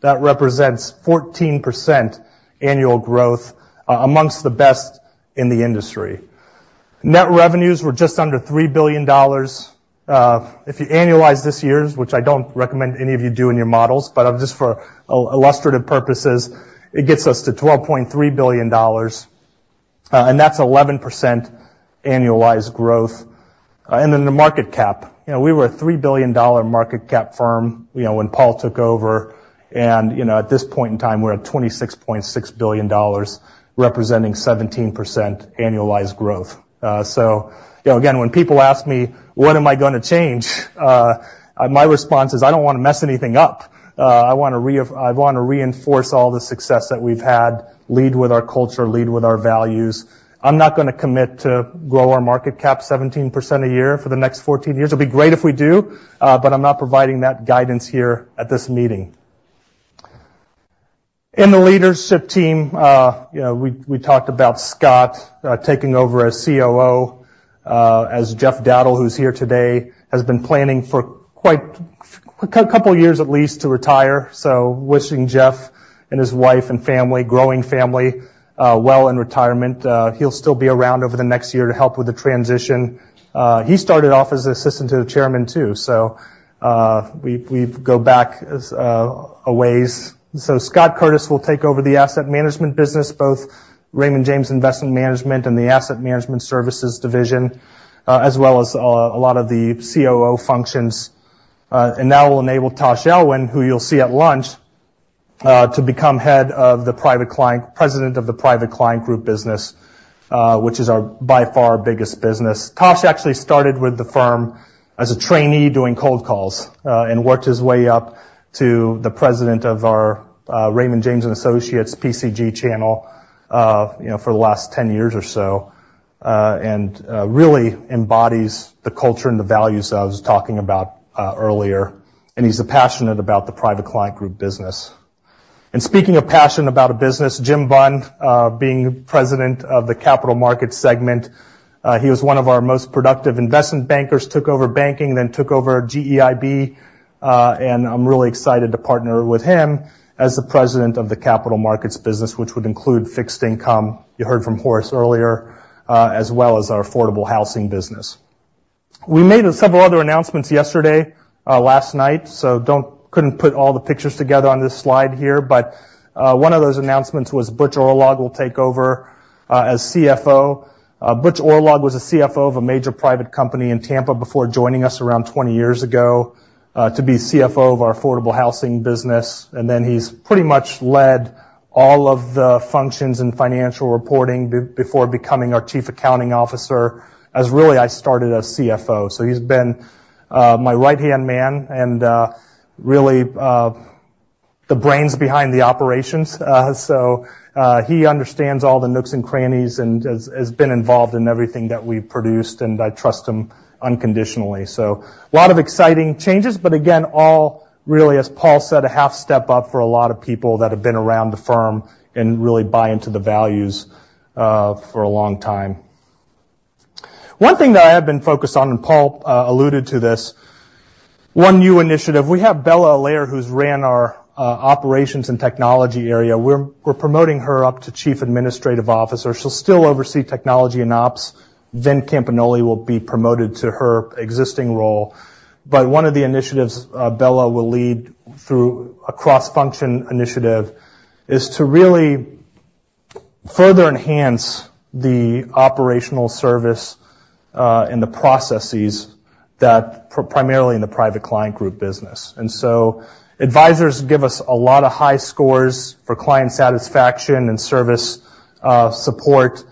That represents 14% annual growth, among the best in the industry. Net revenues were just under $3 billion. If you annualize this year's, which I don't recommend any of you do in your models, but just for illustrative purposes, it gets us to $12.3 billion, and that's 11% annualized growth. And then the market cap. You know, we were a $3 billion market cap firm, you know, when Paul took over, and, you know, at this point in time, we're at $26.6 billion, representing 17% annualized growth. So, you know, again, when people ask me, "What am I gonna change?" My response is, "I don't want to mess anything up." I wanna reinforce all the success that we've had, lead with our culture, lead with our values. I'm not gonna commit to grow our market cap 17% a year for the next 14 years. It'll be great if we do, but I'm not providing that guidance here at this meeting. In the leadership team, you know, we talked about Scott taking over as COO, as Jeff Dowdle, who's here today, has been planning for quite a couple of years at least, to retire. So wishing Jeff and his wife and family, growing family, well in retirement. He'll still be around over the next year to help with the transition. He started off as an assistant to the chairman, too. So, we go back a ways. So Scott Curtis will take over the asset management business, both Raymond James Investment Management and the Asset Management Services Division, as well as a lot of the COO functions. And that will enable Tash Elwyn, who you'll see at lunch, to become head of the private client group, president of the Private Client Group business, which is our, by far, our biggest business. Tash actually started with the firm as a trainee doing cold calls, and worked his way up to the president of our, Raymond James and Associates, PCG Channel, you know, for the last 10 years or so, and really embodies the culture and the values I was talking about, earlier. And he's passionate about the Private Client Group business. And speaking of passion about a business, Jim Bunn, being president of the Capital Markets segment, he was one of our most productive investment bankers, took over banking, then took over GEIB. I'm really excited to partner with him as the president of the Capital Markets business, which would include fixed income. You heard from Horace earlier, as well as our affordable housing business. We made several other announcements yesterday, last night, so couldn't put all the pictures together on this slide here. But, one of those announcements was Butch Oorlog will take over, as CFO. Butch Oorlog was a CFO of a major private company in Tampa before joining us around 20 years ago, to be CFO of our affordable housing business. And then he's pretty much led all of the functions and financial reporting before becoming our chief accounting officer, as really, I started as CFO. So he's been my right-hand man and really the brains behind the operations. So, he understands all the nooks and crannies, and has been involved in everything that we've produced, and I trust him unconditionally. So a lot of exciting changes, but again, all really, as Paul said, a half step up for a lot of people that have been around the firm and really buy into the values for a long time. One thing that I have been focused on, and Paul alluded to this, one new initiative. We have Bella Allaire, who's ran our operations and technology area. We're promoting her up to Chief Administrative Officer. She'll still oversee technology and ops, Vin Campagnoli will be promoted to her existing role. But one of the initiatives, Bella will lead through a cross-functional initiative is to really further enhance the operational service and the processes that primarily in the Private Client Group business. And so advisors give us a lot of high scores for client satisfaction and service, support,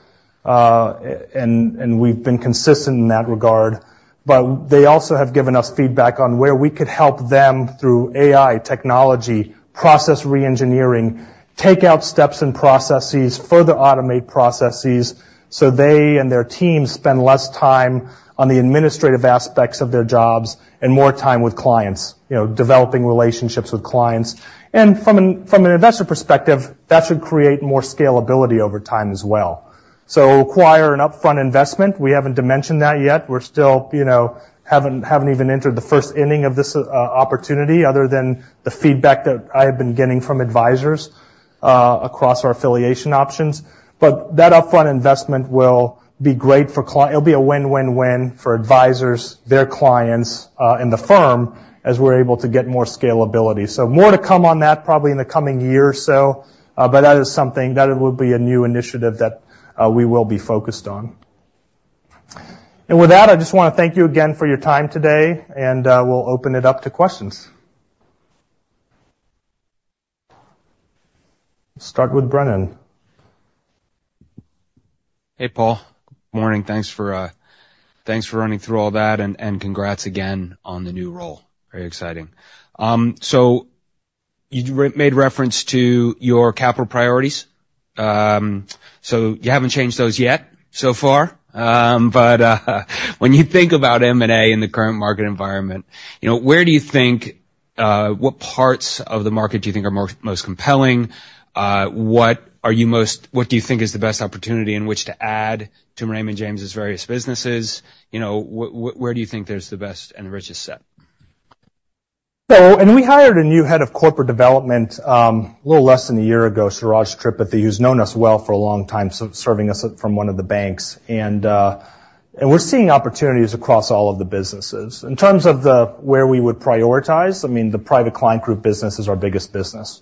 and we've been consistent in that regard. But they also have given us feedback on where we could help them through AI technology, process reengineering, take out steps and processes, further automate processes, so they and their teams spend less time on the administrative aspects of their jobs and more time with clients, you know, developing relationships with clients. And from an investor perspective, that should create more scalability over time as well. So require an upfront investment. We haven't dimensioned that yet. We're still, you know, haven't even entered the first inning of this opportunity other than the feedback that I have been getting from advisors across our affiliation options. But that upfront investment will be great for—it'll be a win-win-win for advisors, their clients, and the firm, as we're able to get more scalability. So more to come on that, probably in the coming year or so, but that is something that would be a new initiative that we will be focused on. And with that, I just wanna thank you again for your time today, and we'll open it up to questions. Start with Brennan.
Hey, Paul. Morning. Thanks for running through all that, and congrats again on the new role. Very exciting. So you made reference to your capital priorities. So you haven't changed those yet, so far, but when you think about M&A in the current market environment, you know, where do you think what parts of the market do you think are most compelling? What do you think is the best opportunity in which to add to Raymond James' various businesses? You know, where do you think there's the best and richest set?
So, and we hired a new head of corporate development, a little less than a year ago, Suraj Tripathi, who's known us well for a long time, so serving us from one of the banks. And, and we're seeing opportunities across all of the businesses. In terms of where we would prioritize, I mean, the Private Client Group business is our biggest business.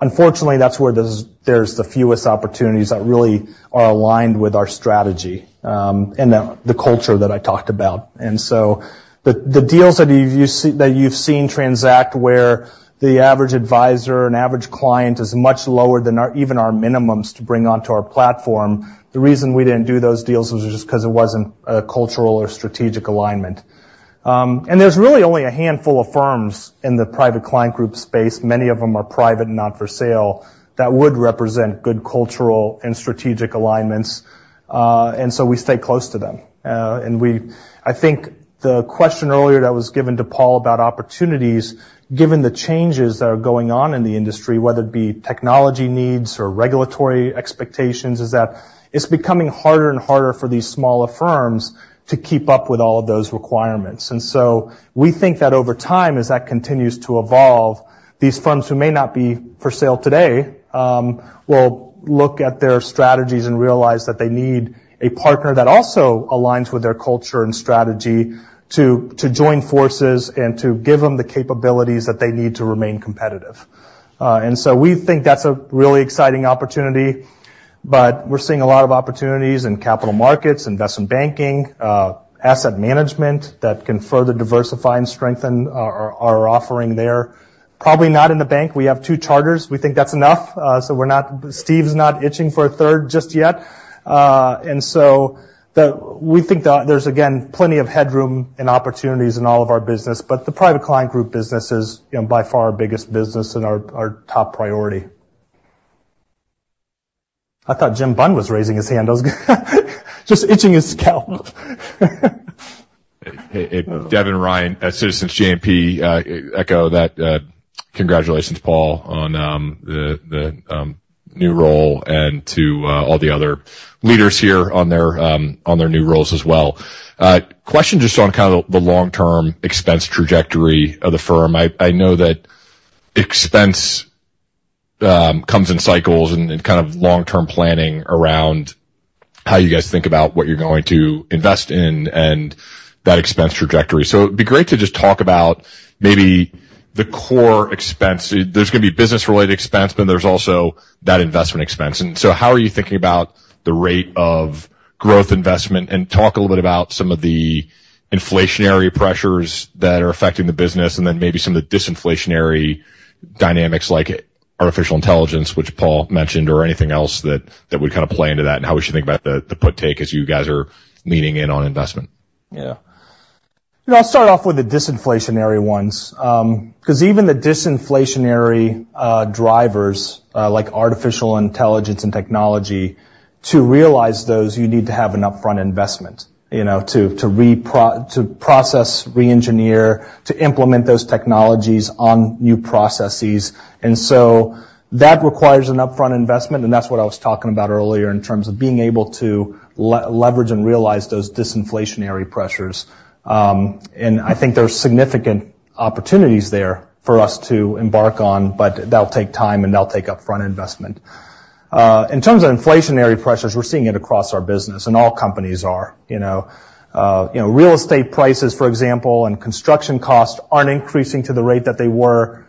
Unfortunately, that's where there's the fewest opportunities that really are aligned with our strategy, and the culture that I talked about. And so the deals that you've seen transact, where the average advisor and average client is much lower than our even our minimums to bring onto our platform, the reason we didn't do those deals was just 'cause it wasn't a cultural or strategic alignment. There's really only a handful of firms in the private client group space. Many of them are private, not for sale, that would represent good cultural and strategic alignments. And so we stay close to them. I think the question earlier that was given to Paul about opportunities, given the changes that are going on in the industry, whether it be technology needs or regulatory expectations, is that it's becoming harder and harder for these smaller firms to keep up with all of those requirements. And so we think that over time, as that continues to evolve, these firms who may not be for sale today, will look at their strategies and realize that they need a partner that also aligns with their culture and strategy, to, to join forces and to give them the capabilities that they need to remain competitive. And so we think that's a really exciting opportunity, but we're seeing a lot of opportunities in capital markets, investment banking, asset management, that can further diversify and strengthen our offering there. Probably not in the bank. We have two charters. We think that's enough. So we're not. Steve's not itching for a third just yet. We think that there's, again, plenty of headroom and opportunities in all of our business, but the Private Client Group business is, you know, by far our biggest business and our top priority. I thought Jim Bunn was raising his hand. I was just itching his scalp.
Hey, hey, Devin Ryan at Citizens JMP, echo that, congratulations, Paul, on the new role and to all the other leaders here on their new roles as well. Question just on kind of the long-term expense trajectory of the firm. I know that expense- Comes in cycles and kind of long-term planning around how you guys think about what you're going to invest in and that expense trajectory. So it'd be great to just talk about maybe the core expense. There's gonna be business-related expense, but there's also that investment expense. And so how are you thinking about the rate of growth investment? And talk a little bit about some of the inflationary pressures that are affecting the business, and then maybe some of the disinflationary dynamics, like artificial intelligence, which Paul mentioned, or anything else that would kind of play into that, and how we should think about the put take as you guys are leaning in on investment.
Yeah. You know, I'll start off with the disinflationary ones. 'Cause even the disinflationary drivers, like artificial intelligence and technology, to realize those, you need to have an upfront investment, you know, to process, reengineer, to implement those technologies on new processes. And so that requires an upfront investment, and that's what I was talking about earlier, in terms of being able to leverage and realize those disinflationary pressures. And I think there are significant opportunities there for us to embark on, but that'll take time, and that'll take upfront investment. In terms of inflationary pressures, we're seeing it across our business, and all companies are, you know. You know, real estate prices, for example, and construction costs aren't increasing to the rate that they were,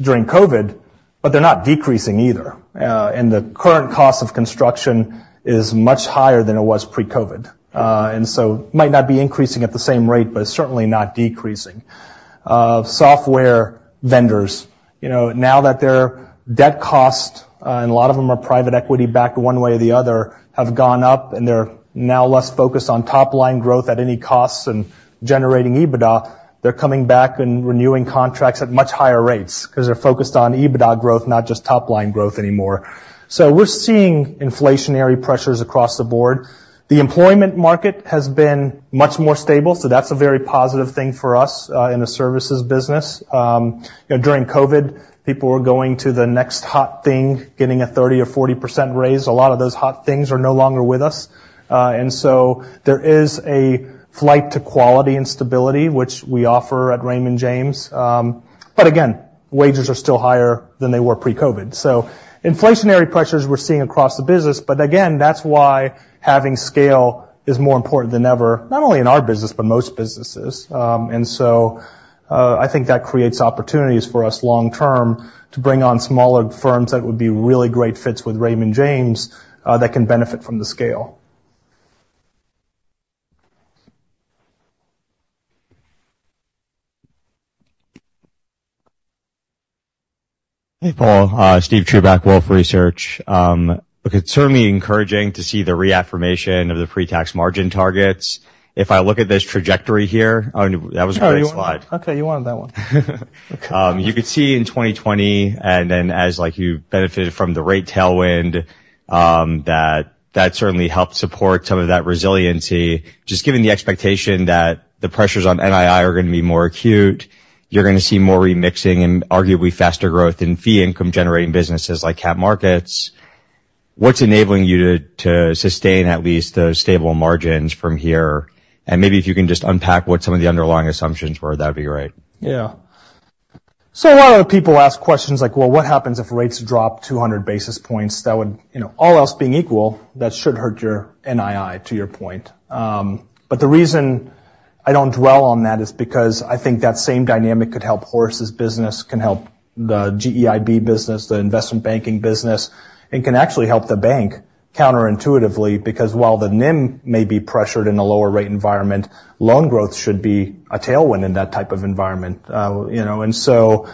during COVID, but they're not decreasing either. And the current cost of construction is much higher than it was pre-COVID. And so might not be increasing at the same rate, but certainly not decreasing. Software vendors, you know, now that their debt cost, and a lot of them are private equity backed one way or the other, have gone up, and they're now less focused on top line growth at any cost and generating EBITDA. They're coming back and renewing contracts at much higher rates 'cause they're focused on EBITDA growth, not just top line growth anymore. So we're seeing inflationary pressures across the board. The employment market has been much more stable, so that's a very positive thing for us, in the services business. You know, during COVID, people were going to the next hot thing, getting a 30% or 40% raise. A lot of those hot things are no longer with us, and so there is a flight to quality and stability, which we offer at Raymond James. But again, wages are still higher than they were pre-COVID. So inflationary pressures we're seeing across the business, but again, that's why having scale is more important than ever, not only in our business, but most businesses. And so, I think that creates opportunities for us long term to bring on smaller firms that would be really great fits with Raymond James, that can benefit from the scale.
Hey, Paul. Steve Chubak, Wolfe Research. Look, it's certainly encouraging to see the reaffirmation of the pre-tax margin targets. If I look at this trajectory here... Oh, that was a great slide.
Okay, you wanted that one.
You could see in 2020, and then as, like, you benefited from the rate tailwind, that that certainly helped support some of that resiliency. Just given the expectation that the pressures on NII are gonna be more acute, you're gonna see more remixing and arguably faster growth in fee income generating businesses like cap markets, what's enabling you to, to sustain at least those stable margins from here? And maybe if you can just unpack what some of the underlying assumptions were, that'd be great.
Yeah. So a lot of people ask questions like, "Well, what happens if rates drop 200 basis points?" That would, you know, all else being equal, that should hurt your NII, to your point. But the reason I don't dwell on that is because I think that same dynamic could help Horace's business, can help the GEIB business, the investment banking business, and can actually help the bank, counterintuitively, because while the NIM may be pressured in a lower rate environment, loan growth should be a tailwind in that type of environment. You know, and so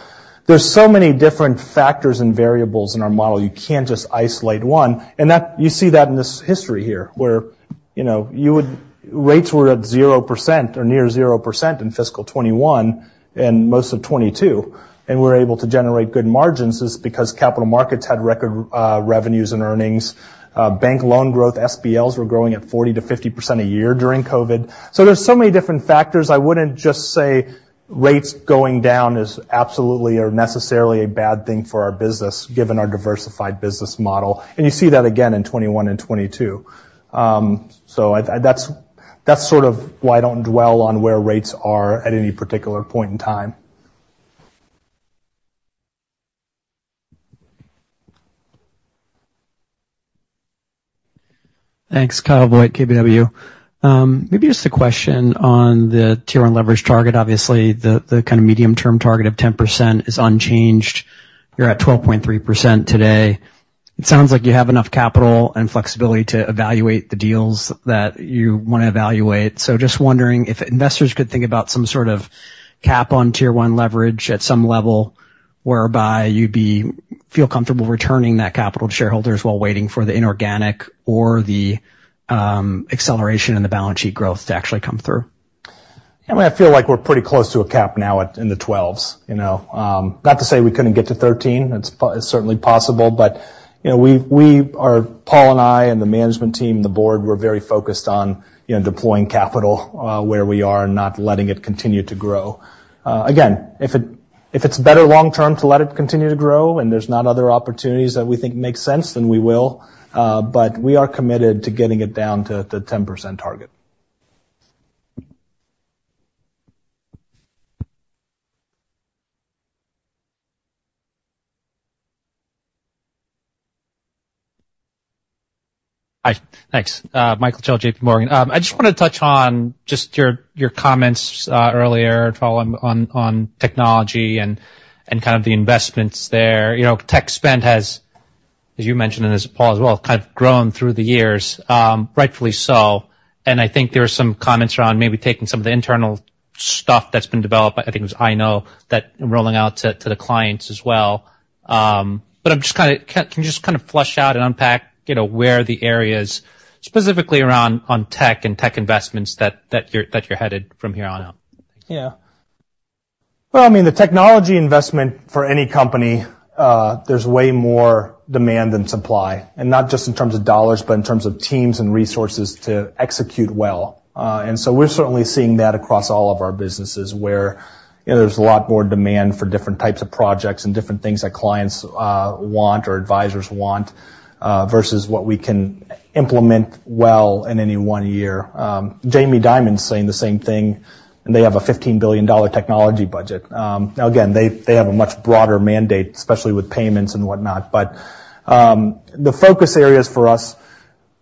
there's so many different factors and variables in our model, you can't just isolate one. You see that in this history here, where, you know, rates were at 0% or near 0% in fiscal 2021 and most of 2022, and we're able to generate good margins. It's because capital markets had record revenues and earnings, bank loan growth, SBLs were growing at 40%-50% a year during COVID. So there's so many different factors. I wouldn't just say rates going down is absolutely or necessarily a bad thing for our business, given our diversified business model, and you see that again in 2021 and 2022. So that's sort of why I don't dwell on where rates are at any particular point in time.
Thanks, Kyle Voigt, KBW. Maybe just a question on the Tier 1 leverage target. Obviously, the kind of medium-term target of 10% is unchanged. You're at 12.3% today. It sounds like you have enough capital and flexibility to evaluate the deals that you want to evaluate. So just wondering if investors could think about some sort of cap on Tier 1 leverage at some level, whereby you'd feel comfortable returning that capital to shareholders while waiting for the inorganic or the acceleration in the balance sheet growth to actually come through.
Yeah, I feel like we're pretty close to a cap now, in the 12s, you know. Not to say we couldn't get to 13, it's certainly possible, but, you know, we are Paul and I and the management team, the board, we're very focused on, you know, deploying capital where we are and not letting it continue to grow. Again, if it's better long term to let it continue to grow and there's not other opportunities that we think make sense, then we will. But we are committed to getting it down to 10% target.
Hi, thanks. Michael Cho, J.P. Morgan. I just want to touch on just your, your comments earlier, Paul, on, on, on technology and, and kind of the investments there. You know, tech spend has, as you mentioned, and as Paul as well, kind of grown through the years, rightfully so. And I think there are some comments around maybe taking some of the internal stuff that's been developed, I think it was iKnow, that rolling out to, to the clients as well. But I'm just kind of—can you just kind of flesh out and unpack, you know, where the areas, specifically around on tech and tech investments that, that you're, that you're headed from here on out?
Yeah. Well, I mean, the technology investment for any company, there's way more demand than supply, and not just in terms of dollars, but in terms of teams and resources to execute well. And so we're certainly seeing that across all of our businesses where, you know, there's a lot more demand for different types of projects and different things that clients want or advisors want versus what we can implement well in any one year. Jamie Dimon's saying the same thing, and they have a $15 billion technology budget. Now, again, they have a much broader mandate, especially with payments and whatnot. But the focus areas for us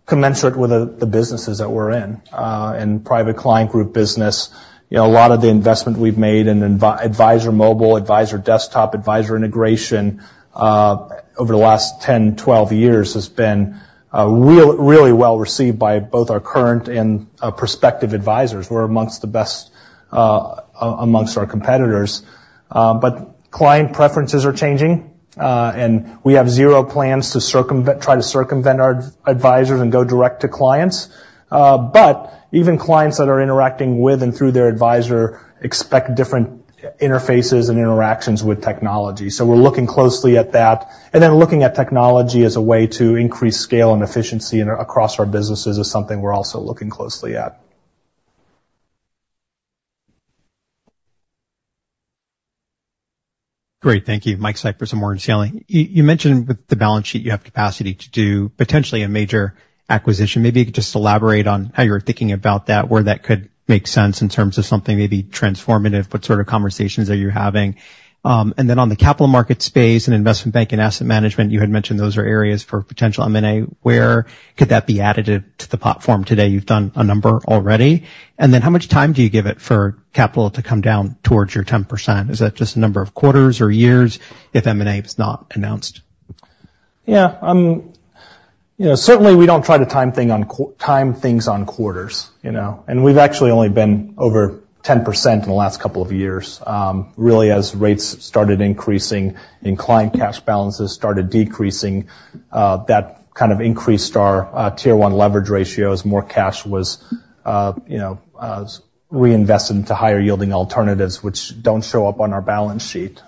commensurate with the businesses that we're in. Private Client Group business, you know, a lot of the investment we've made in advisor, mobile advisor, desktop advisor integration over the last 10, 12 years has been really well received by both our current and prospective advisors. We're among the best among our competitors. But client preferences are changing, and we have zero plans to try to circumvent our advisors and go direct to clients. But even clients that are interacting with and through their advisor expect different interfaces and interactions with technology. So we're looking closely at that, and then looking at technology as a way to increase scale and efficiency and across our businesses is something we're also looking closely at.
Great. Thank you. Michael Cyprys, Morgan Stanley. You mentioned with the balance sheet, you have capacity to do potentially a major acquisition. Maybe you could just elaborate on how you're thinking about that, where that could make sense in terms of something maybe transformative. What sort of conversations are you having? And then on the capital market space and investment bank and asset management, you had mentioned those are areas for potential M&A. Where could that be additive to the platform today? You've done a number already. And then how much time do you give it for capital to come down towards your 10%? Is that just a number of quarters or years if M&A is not announced?
Yeah. You know, certainly we don't try to time things on quarters, you know, and we've actually only been over 10% in the last couple of years. Really, as rates started increasing and client cash balances started decreasing, that kind of increased our Tier 1 leverage ratios. More cash was, you know, reinvested into higher-yielding alternatives, which don't show up on our balance sheet.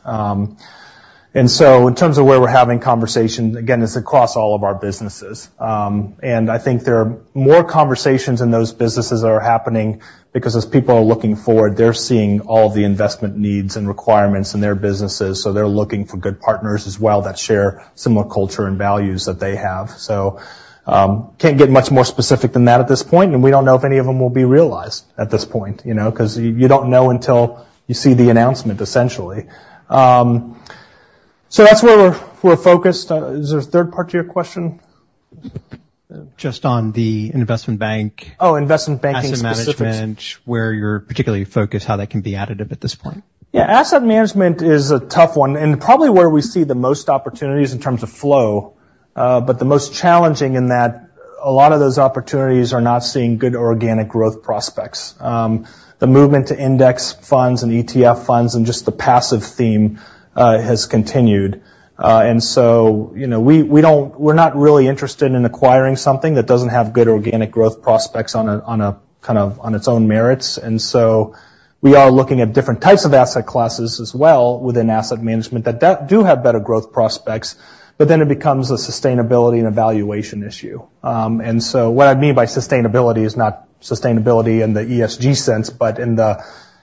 And so in terms of where we're having conversations, again, it's across all of our businesses. And I think there are more conversations in those businesses that are happening because as people are looking forward, they're seeing all the investment needs and requirements in their businesses. So they're looking for good partners as well that share similar culture and values that they have. So, can't get much more specific than that at this point, and we don't know if any of them will be realized at this point, you know, because you don't know until you see the announcement, essentially. So that's where we're focused. Is there a third part to your question?
Just on the Investment Bank-
Oh, investment banking specific.
Asset management, where you're particularly focused, how that can be additive at this point.
Yeah, asset management is a tough one, and probably where we see the most opportunities in terms of flow, but the most challenging in that a lot of those opportunities are not seeing good organic growth prospects. The movement to index funds and ETF funds and just the passive theme has continued. And so, you know, we're not really interested in acquiring something that doesn't have good organic growth prospects on a kind of on its own merits. And so we are looking at different types of asset classes as well, within asset management that do have better growth prospects, but then it becomes a sustainability and evaluation issue. And so what I mean by sustainability is not sustainability in the ESG sense, but in the,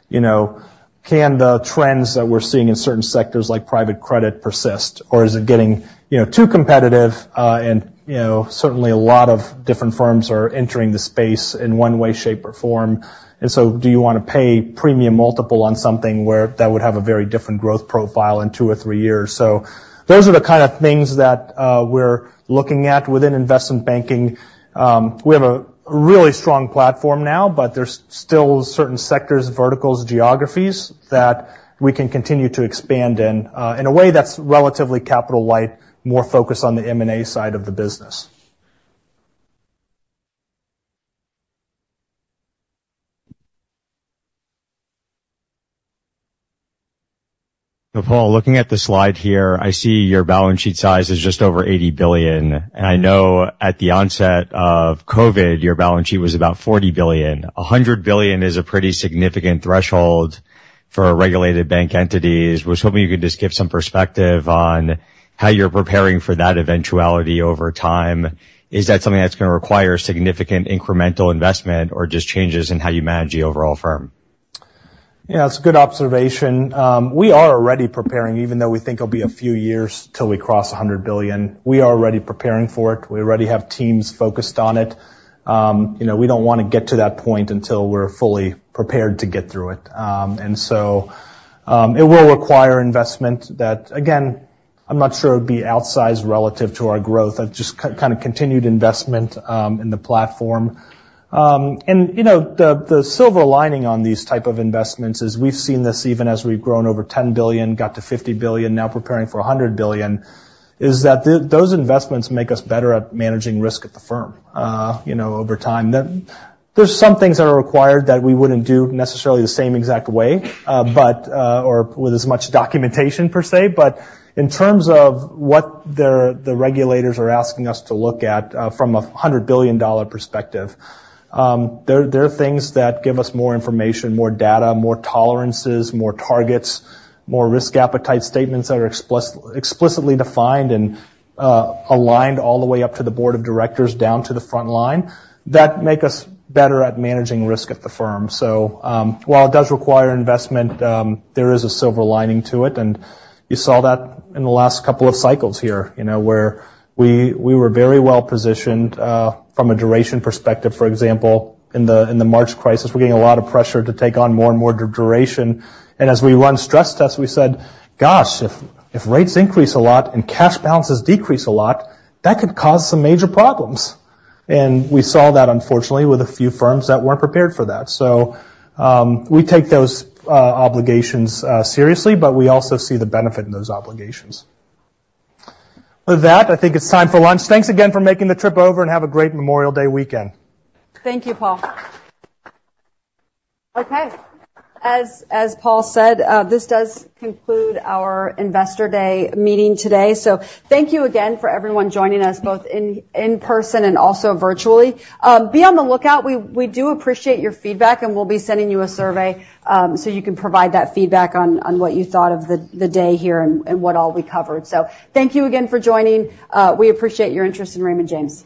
you know, can the trends that we're seeing in certain sectors, like private credit, persist, or is it getting, you know, too competitive? And, you know, certainly a lot of different firms are entering the space in one way, shape, or form. And so do you want to pay premium multiple on something where that would have a very different growth profile in two or three years? So those are the kind of things that, we're looking at within investment banking. We have a really strong platform now, but there's still certain sectors, verticals, geographies that we can continue to expand in, in a way that's relatively capital light, more focused on the M&A side of the business.
Paul, looking at the slide here, I see your balance sheet size is just over $80 billion, and I know at the onset of COVID, your balance sheet was about $40 billion. $100 billion is a pretty significant threshold for regulated bank entities. I was hoping you could just give some perspective on how you're preparing for that eventuality over time. Is that something that's going to require significant incremental investment or just changes in how you manage the overall firm?
Yeah, it's a good observation. We are already preparing, even though we think it'll be a few years till we cross $100 billion. We are already preparing for it. We already have teams focused on it. You know, we don't want to get to that point until we're fully prepared to get through it. And so, it will require investment that, again, I'm not sure it would be outsized relative to our growth. I've just kind of continued investment in the platform. And, you know, the silver lining on these type of investments is we've seen this even as we've grown over $10 billion, got to $50 billion, now preparing for $100 billion, is that those investments make us better at managing risk at the firm, you know, over time. There's some things that are required that we wouldn't do necessarily the same exact way, but, or with as much documentation per se. But in terms of what the regulators are asking us to look at, from a $100 billion perspective, there are things that give us more information, more data, more tolerances, more targets, more risk appetite statements that are explicitly defined and, aligned all the way up to the board of directors, down to the front line, that make us better at managing risk at the firm. So, while it does require investment, there is a silver lining to it, and you saw that in the last couple of cycles here, you know, where we were very well positioned, from a duration perspective. For example, in the March crisis, we're getting a lot of pressure to take on more and more duration. And as we run stress tests, we said, "Gosh, if rates increase a lot and cash balances decrease a lot, that could cause some major problems." And we saw that, unfortunately, with a few firms that weren't prepared for that. So, we take those obligations seriously, but we also see the benefit in those obligations. With that, I think it's time for lunch. Thanks again for making the trip over, and have a great Memorial Day weekend.
Thank you, Paul. Okay. As Paul said, this does conclude our Investor Day meeting today. So thank you again for everyone joining us, both in person and also virtually. Be on the lookout. We do appreciate your feedback, and we'll be sending you a survey, so you can provide that feedback on what you thought of the day here and what all we covered. So thank you again for joining. We appreciate your interest in Raymond James.